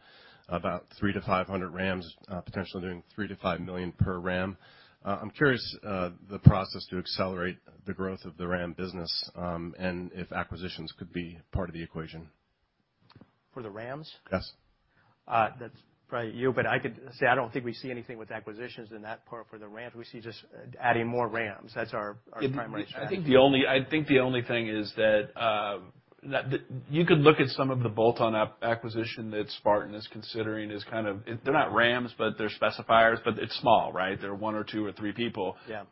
about 300-500 RAMs, potentially doing $3 million-$5 million per RAM. I'm curious about the process to accelerate the growth of the RAM business, and if acquisitions could be part of the equation. For the RAMs? Yes. That's probably you, but I could say I don't think we see anything with acquisitions in that part for the RAMs. We see just adding more RAMs. That's our primary strategy. I think the only thing is that you could look at some of the bolt-on acquisitions that Spartan is considering is kind of they're not RAMs, but they're specifiers, but it's small, right? They're one or two or three people. Yeah.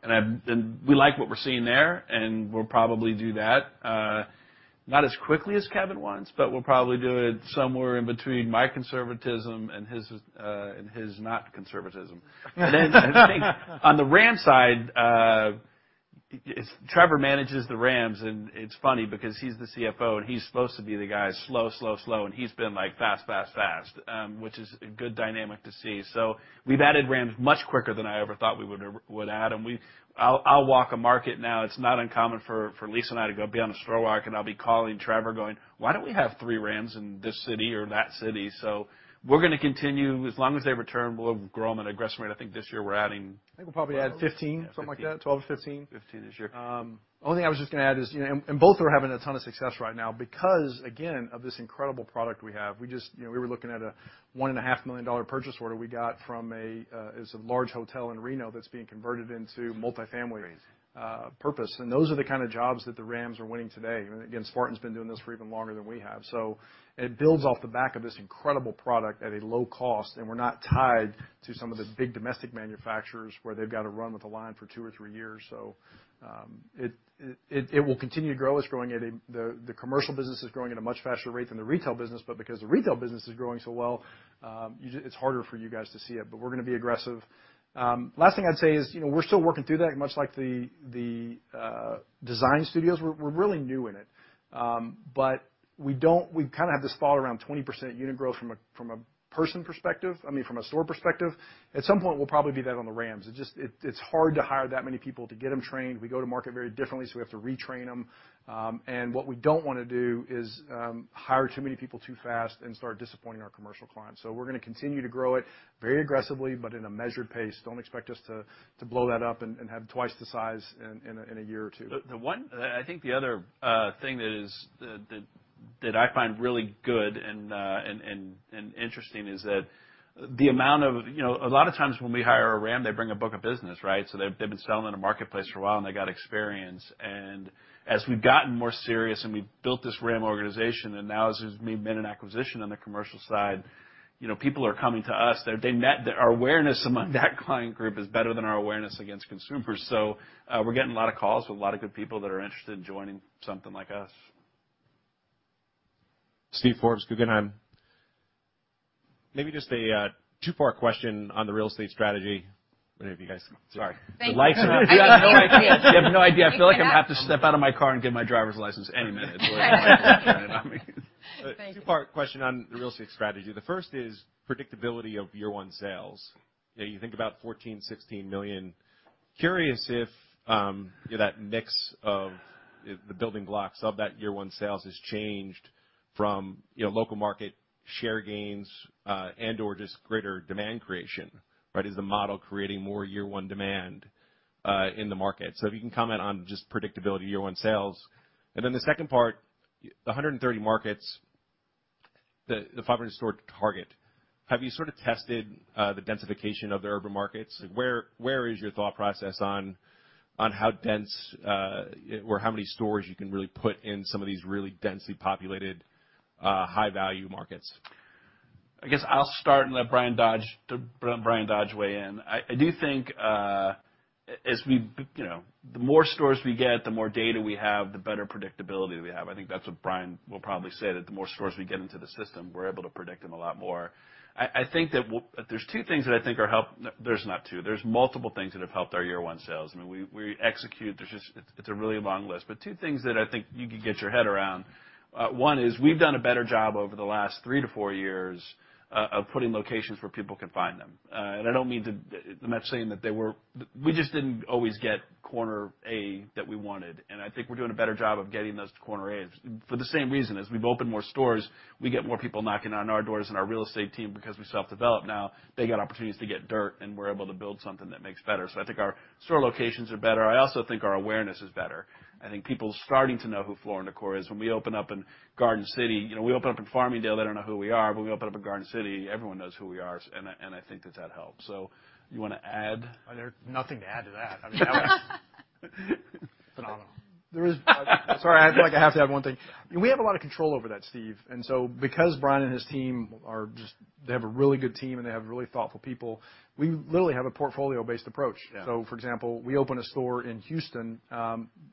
We like what we're seeing there, and we'll probably do that, not as quickly as Kevin wants, but we'll probably do it somewhere in between my conservatism and his, and his not conservatism. I think on the RAM side, Trevor manages the RAMs, and it's funny because he's the CFO, and he's supposed to be the guy, slow, slow, and he's been, like, fast, fast, fast, which is a good dynamic to see. We've added RAMs much quicker than I ever thought we would add. I'll walk a market now. It's not uncommon for Lisa and I to go be on a store walk, and I'll be calling Trevor going, "Why don't we have three RAMs in this city or that city?" We're gonna continue. As long as they return, we'll grow them at aggressive rate. I think this year we're adding I think we'll probably add 15, something like that. 12-15. 15 this year. Only thing I was just gonna add is, you know, both are having a ton of success right now because, again, of this incredible product we have. We just, you know, we were looking at a $1.5 million purchase order we got from a, it's a large hotel in Reno that's being converted into multifamily. Crazy... purpose. Those are the kind of jobs that the RAMs are winning today. Again, Spartan's been doing this for even longer than we have. It builds off the back of this incredible product at a low cost, and we're not tied to some of the big domestic manufacturers where they've got to run with a line for two or three years. It will continue to grow. It's growing at a the commercial business is growing at a much faster rate than the retail business, but because the retail business is growing so well, you know, it's harder for you guys to see it, but we're gonna be aggressive. Last thing I'd say is, you know, we're still working through that, much like the design studios. We're really new in it. We kinda have to post around 20% unit growth from a person perspective, I mean, from a store perspective. At some point, we'll probably do that on the RAMs. It's hard to hire that many people to get them trained. We go to market very differently, so we have to retrain them. What we don't wanna do is hire too many people too fast and start disappointing our commercial clients. We're gonna continue to grow it very aggressively, but in a measured pace. Don't expect us to blow that up and have twice the size in a year or two. I think the other thing that I find really good and interesting is that you know, a lot of times when we hire a RAM, they bring a book of business, right? They've been selling in a marketplace for a while, and they got experience. As we've gotten more serious and we've built this RAM organization and now there has been an acquisition on the commercial side, you know, people are coming to us. Our awareness among that client group is better than our awareness against consumers. We're getting a lot of calls with a lot of good people that are interested in joining something like us. Steve Forbes, Guggenheim. Maybe just a two-part question on the real estate strategy. One of you guys. Sorry. Thank you. The lights are on. You have no idea. I feel like I'm gonna have to step out of my car and give my driver's license any minute. Two-part question on the real estate strategy. The first is predictability of year one sales. Yeah, you think about $14 million-$16 million. Curious if that mix of the building blocks of that year-one sales has changed from local market share gains and/or just greater demand creation. Right? Is the model creating more year-one demand in the market? So if you can comment on just predictability year-one sales. Then the second part, the 130 markets, the 500-store target, have you sort of tested the densification of the urban markets? Where is your thought process on how dense or how many stores you can really put in some of these really densely populated high-value markets? I guess I'll start and let Bryan Dodge weigh in. I do think, you know, the more stores we get, the more data we have, the better predictability we have. I think that's what Bryan will probably say, that the more stores we get into the system, we're able to predict them a lot more. I think there's two things that I think. There's not two. There's multiple things that have helped our year-one sales. I mean, we execute. It's a really long list. Two things that I think you could get your head around. One is we've done a better job over the last three to four years of putting locations where people can find them. I'm not saying that they were. We just didn't always get corner A that we wanted, and I think we're doing a better job of getting those corner As. For the same reason, as we've opened more stores, we get more people knocking on our doors and our real estate team, because we self-develop now, they get opportunities to get dirt, and we're able to build something that makes better. I think our store locations are better. I also think our awareness is better. I think people starting to know who Floor & Decor is. When we open up in Garden City, you know, we open up in Farmingdale, they don't know who we are, but when we open up in Garden City, everyone knows who we are, and I think that helps. You wanna add? There's nothing to add to that. I mean, that was phenomenal. Sorry, I feel like I have to add one thing. We have a lot of control over that, Steve. Because Brian and his team are just, they have a really good team, and they have really thoughtful people, we literally have a portfolio-based approach. Yeah. For example, we open a store in Houston,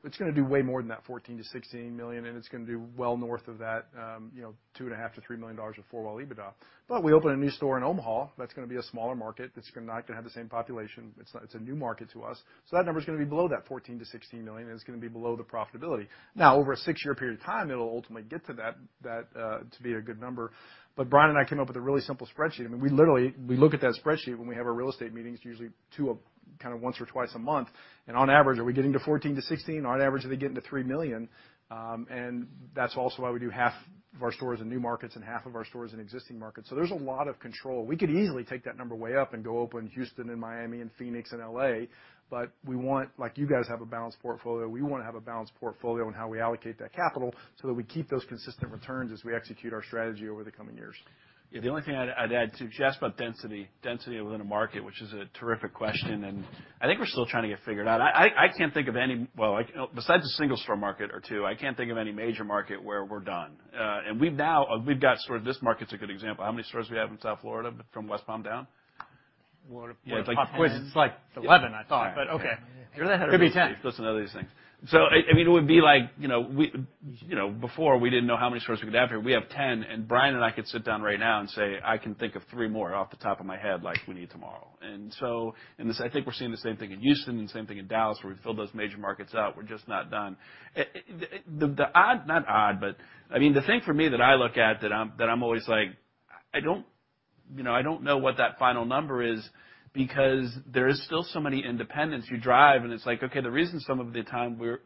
it's gonna do way more than that $14 million-$16 million, and it's gonna do well north of that, you know, $2.5 million-$3 million of full-well EBITDA. We open a new store in Omaha, that's gonna be a smaller market. That's not gonna have the same population. It's a new market to us. That number is gonna be below that $14 million-$16 million, and it's gonna be below the profitability. Now, over a 6-year period of time, it'll ultimately get to that to be a good number. Bryan and I came up with a really simple spreadsheet. I mean, we literally, we look at that spreadsheet when we have our real estate meetings, usually kinda once or twice a month. On average, are we getting to 14-16? On average, are they getting to 3 million? That's also why we do half of our stores in new markets and half of our stores in existing markets. There's a lot of control. We could easily take that number way up and go open Houston and Miami and Phoenix and L.A., but we want like you guys have a balanced portfolio, we wanna have a balanced portfolio on how we allocate that capital so that we keep those consistent returns as we execute our strategy over the coming years. Yeah, the only thing I'd add to just about density within a market, which is a terrific question, and I think we're still trying to get figured out. I can't think of any. Well, like, besides a single store market or two, I can't think of any major market where we're done. And we've now got stores. This market's a good example. How many stores do we have in South Florida from West Palm down? More than 10. Yeah, it's like. It's like 11, I thought, but okay. You're the head of real estate. Could be 10. Listen to these things. I mean, it would be like, you know, we, you know, before we didn't know how many stores we could have here. We have 10, and Brian and I could sit down right now and say, "I can think of 3 more off the top of my head, like we need tomorrow." This, I think we're seeing the same thing in Houston and same thing in Dallas, where we filled those major markets out. We're just not done. The thing for me that I look at that I'm always like, I don't, you know, I don't know what that final number is because there is still so many independents. You drive, and it's like, okay, the reason some of the time we're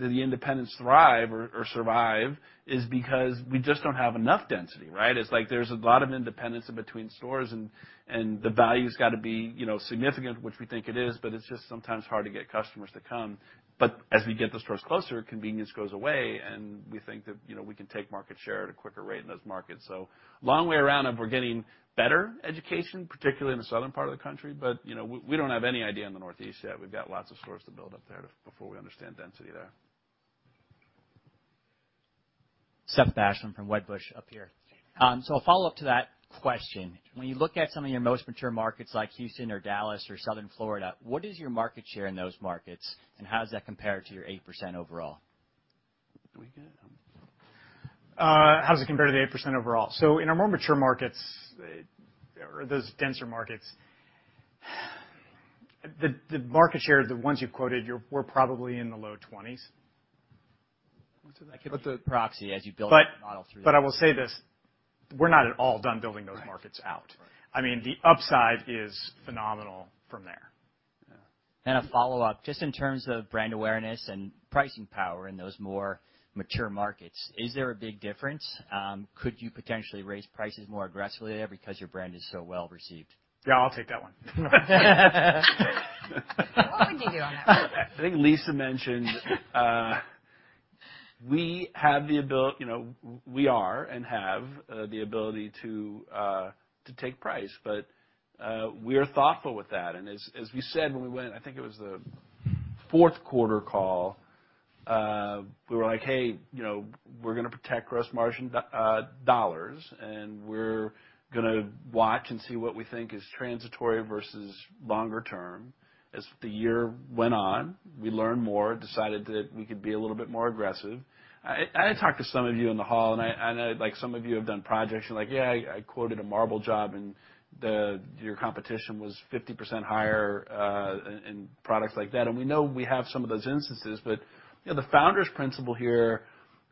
the independents thrive or survive is because we just don't have enough density, right? It's like there's a lot of independents in between stores and the value's gotta be, you know, significant, which we think it is, but it's just sometimes hard to get customers to come. As we get the stores closer, convenience goes away, and we think that, you know, we can take market share at a quicker rate in those markets. Long way around, and we're getting better education, particularly in the southern part of the country, but, you know, we don't have any idea in the northeast yet. We've got lots of stores to build up there to before we understand density there. Seth Basham from Wedbush up here. A follow-up to that question. When you look at some of your most mature markets like Houston or Dallas or Southern Florida, what is your market share in those markets, and how does that compare to your 8% overall? Do we get it? How does it compare to the 8% overall? In our more mature markets or those denser markets, the market share, the ones you've quoted, we're probably in the low 20s%. I can put the proxy as you build the model through. I will say this, we're not at all done building those markets out. Right. I mean, the upside is phenomenal from there. Yeah. A follow up, just in terms of brand awareness and pricing power in those more mature markets, is there a big difference? Could you potentially raise prices more aggressively there because your brand is so well-received? Yeah, I'll take that one. What would you do on that one? I think Lisa mentioned, you know, we are and have the ability to take price, but we're thoughtful with that. As we said, when we went, I think it was the fourth quarter call, we were like, "Hey, you know, we're gonna protect gross margin dollars, and we're gonna watch and see what we think is transitory versus longer term." As the year went on, we learned more, decided that we could be a little bit more aggressive. I talked to some of you in the hall, and I like, some of you have done projects. You're like, "Yeah, I quoted a marble job, and the, your competition was 50% higher, in products like that." We know we have some of those instances, but, you know, the founder's principle here,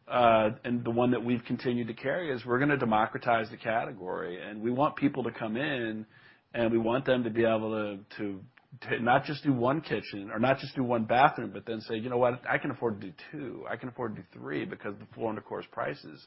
and the one that we've continued to carry is we're gonna democratize the category, and we want people to come in, and we want them to be able to not just do one kitchen or not just do one bathroom, but then say, "You know what? I can afford to do two. I can afford to do three because of the Floor & Decor's prices."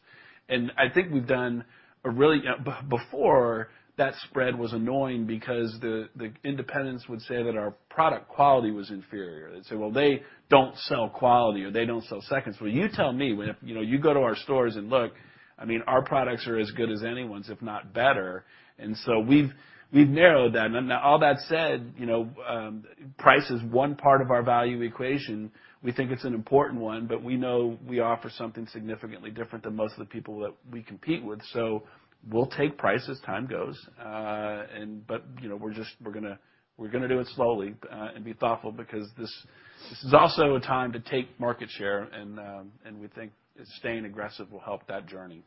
I think we've done a really before, that spread was annoying because the independents would say that our product quality was inferior. They'd say, "Well, they don't sell quality," or, "They don't sell seconds." Well, you tell me. When you know you go to our stores and look, I mean, our products are as good as anyone's, if not better. We've narrowed that. Now, all that said, you know, price is one part of our value equation. We think it's an important one, but we know we offer something significantly different than most of the people that we compete with. We'll take price as time goes. You know, we're just gonna do it slowly and be thoughtful because this is also a time to take market share and we think staying aggressive will help that journey.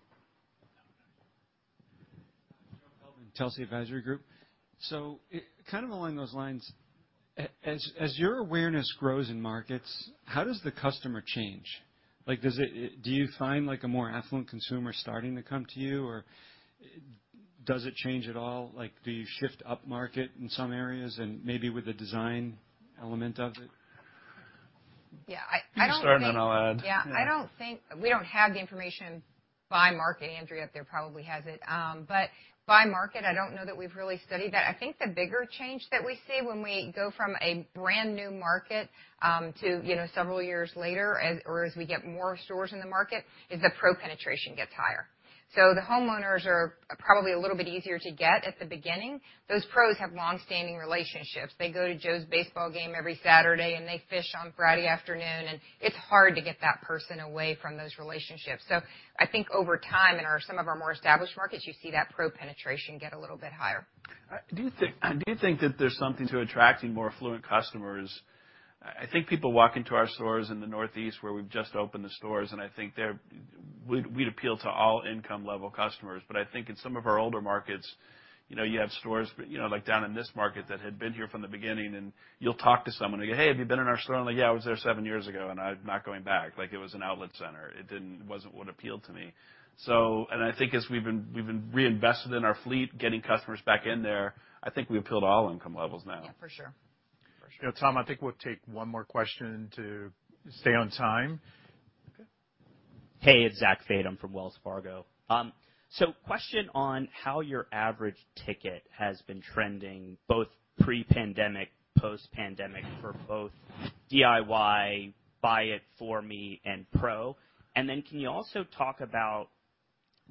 Joe Feldman, Telsey Advisory Group. Kind of along those lines, as your awareness grows in markets, how does the customer change? Like, do you find like a more affluent consumer starting to come to you? Or does it change at all? Like, do you shift upmarket in some areas and maybe with the design element of it? Yeah, I don't think. You start, and then I'll add. We don't have the information by market. Andrea up there probably has it. By market, I don't know that we've really studied that. I think the bigger change that we see when we go from a brand-new market to you know several years later as we get more stores in the market is the pro penetration gets higher. The homeowners are probably a little bit easier to get at the beginning. Those pros have long-standing relationships. They go to Joe's baseball game every Saturday, and they fish on Friday afternoon, and it's hard to get that person away from those relationships. I think over time, in some of our more established markets, you see that pro penetration get a little bit higher. I do think that there's something to attracting more affluent customers. I think people walk into our stores in the Northeast where we've just opened the stores, and we'd appeal to all income level customers. I think in some of our older markets, you know, you have stores, you know, like down in this market that had been here from the beginning, and you'll talk to someone and go, "Hey, have you been in our store?" And like, "Yeah, I was there seven years ago, and I'm not going back. Like, it was an outlet center. It wasn't what appealed to me." I think as we've been reinvested in our fleet, getting customers back in there, I think we appeal to all income levels now. Yeah, for sure. For sure. You know, Tom, I think we'll take one more question to stay on time. Okay. Hey, it's Zachary Fadem from Wells Fargo. Question on how your average ticket has been trending, both pre-pandemic, post-pandemic for both DIY, buy it for me, and pro. Can you also talk about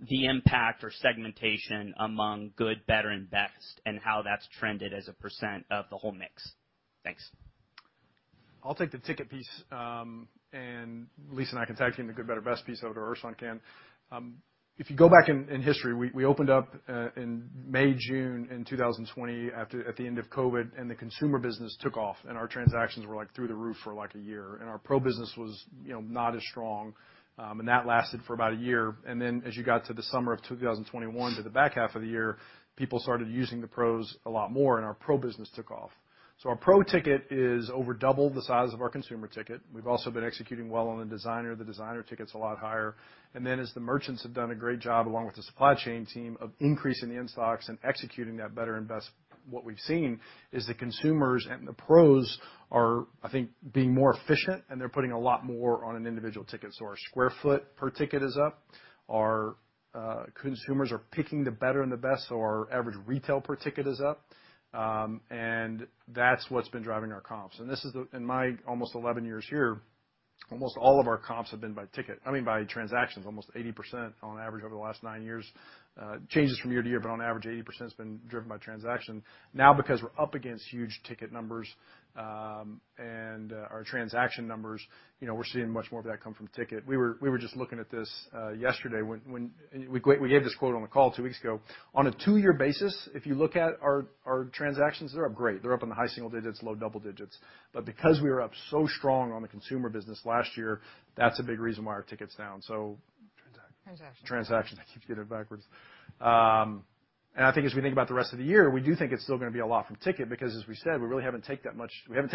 the impact or segmentation among good, better, and best and how that's trended as a % of the whole mix? Thanks. I'll take the ticket piece, and Lisa and I can tag team the good, better, best piece, or Ersan can. If you go back in history, we opened up in May, June in 2020 at the end of COVID, and the consumer business took off, and our transactions were like through the roof for like a year. Our pro business was, you know, not as strong, and that lasted for about a year. As you got to the summer of 2021 to the back half of the year, people started using the pros a lot more, and our pro business took off. Our pro ticket is over double the size of our consumer ticket. We've also been executing well on the designer. The designer ticket's a lot higher. As the merchants have done a great job, along with the supply chain team, of increasing the in-stocks and executing that better and best, what we've seen is the consumers and the pros are, I think, being more efficient, and they're putting a lot more on an individual ticket. Our square foot per ticket is up. Our consumers are picking the better and the best, so our average retail per ticket is up. That's what's been driving our comps. In my almost 11 years here, almost all of our comps have been by ticket, I mean, by transactions, almost 80% on average over the last 9 years. Changes from year to year, but on average, 80%'s been driven by transaction. Now because we're up against huge ticket numbers, and our transaction numbers, you know, we're seeing much more of that come from ticket. We were just looking at this yesterday when we gave this quote on the call two weeks ago. On a two-year basis, if you look at our transactions, they're up great. They're up in the high single digits, low double digits. Because we are up so strong on the consumer business last year, that's a big reason why our ticket's down. Transactions. Transactions. I keep getting it backwards. I think as we think about the rest of the year, we do think it's still gonna be a lot from ticket because, as we said, we really haven't taken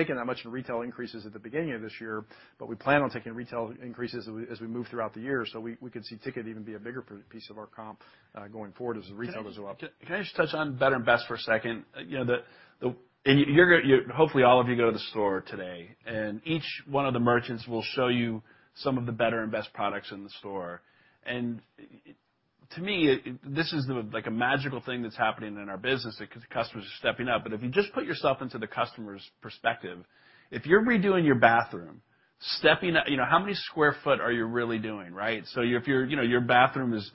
that much in retail increases at the beginning of this year, but we plan on taking retail increases as we move throughout the year. We could see ticket even be a bigger piece of our comp, going forward as retail goes up. Can I just touch on better and best for a second? Hopefully all of you go to the store today, and each one of the merchants will show you some of the better and best products in the store. To me, this is, like, a magical thing that's happening in our business because customers are stepping up. But if you just put yourself into the customer's perspective, if you're redoing your bathroom, stepping up, you know, how many square foot are you really doing, right? So if you know, your bathroom is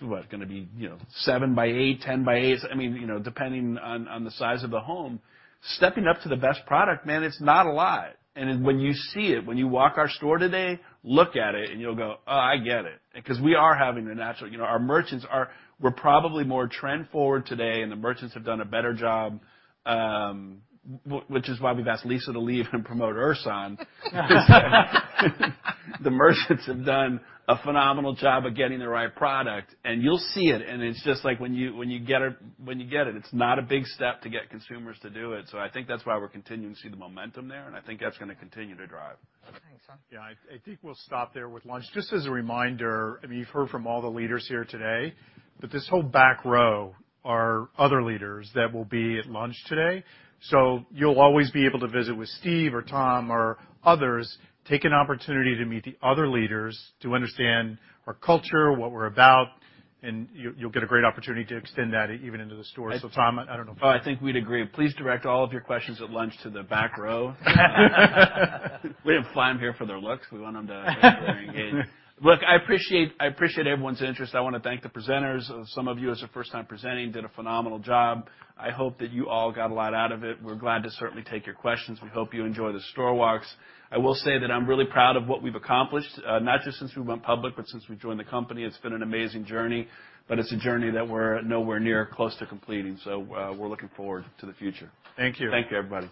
what? Gonna be, you know, seven by eight, ten by eight, I mean, you know, depending on the size of the home. Stepping up to the best product, man, it's not a lot. When you see it, when you walk our store today, look at it, and you'll go, "Oh, I get it." Because you know, our merchants are... We're probably more trend forward today, and the merchants have done a better job, which is why we've asked Lisa to leave and promote Ersan. The merchants have done a phenomenal job of getting the right product, and you'll see it, and it's just like when you get it's not a big step to get consumers to do it. I think that's why we're continuing to see the momentum there, and I think that's gonna continue to drive. Thanks, Tom. Yeah. I think we'll stop there with lunch. Just as a reminder, I mean, you've heard from all the leaders here today, but this whole back row are other leaders that will be at lunch today. You'll always be able to visit with Steve or Tom or others. Take an opportunity to meet the other leaders to understand our culture, what we're about, and you'll get a great opportunity to extend that even into the store. Tom, I don't know if- I think we'd agree. Please direct all of your questions at lunch to the back row. We didn't fly them here for their looks. We want them to engage. Look, I appreciate everyone's interest. I wanna thank the presenters. Some of you, it's your first time presenting, did a phenomenal job. I hope that you all got a lot out of it. We're glad to certainly take your questions. We hope you enjoy the store walks. I will say that I'm really proud of what we've accomplished, not just since we went public, but since we joined the company. It's been an amazing journey, but it's a journey that we're nowhere near close to completing. We're looking forward to the future. Thank you. Thank you, everybody.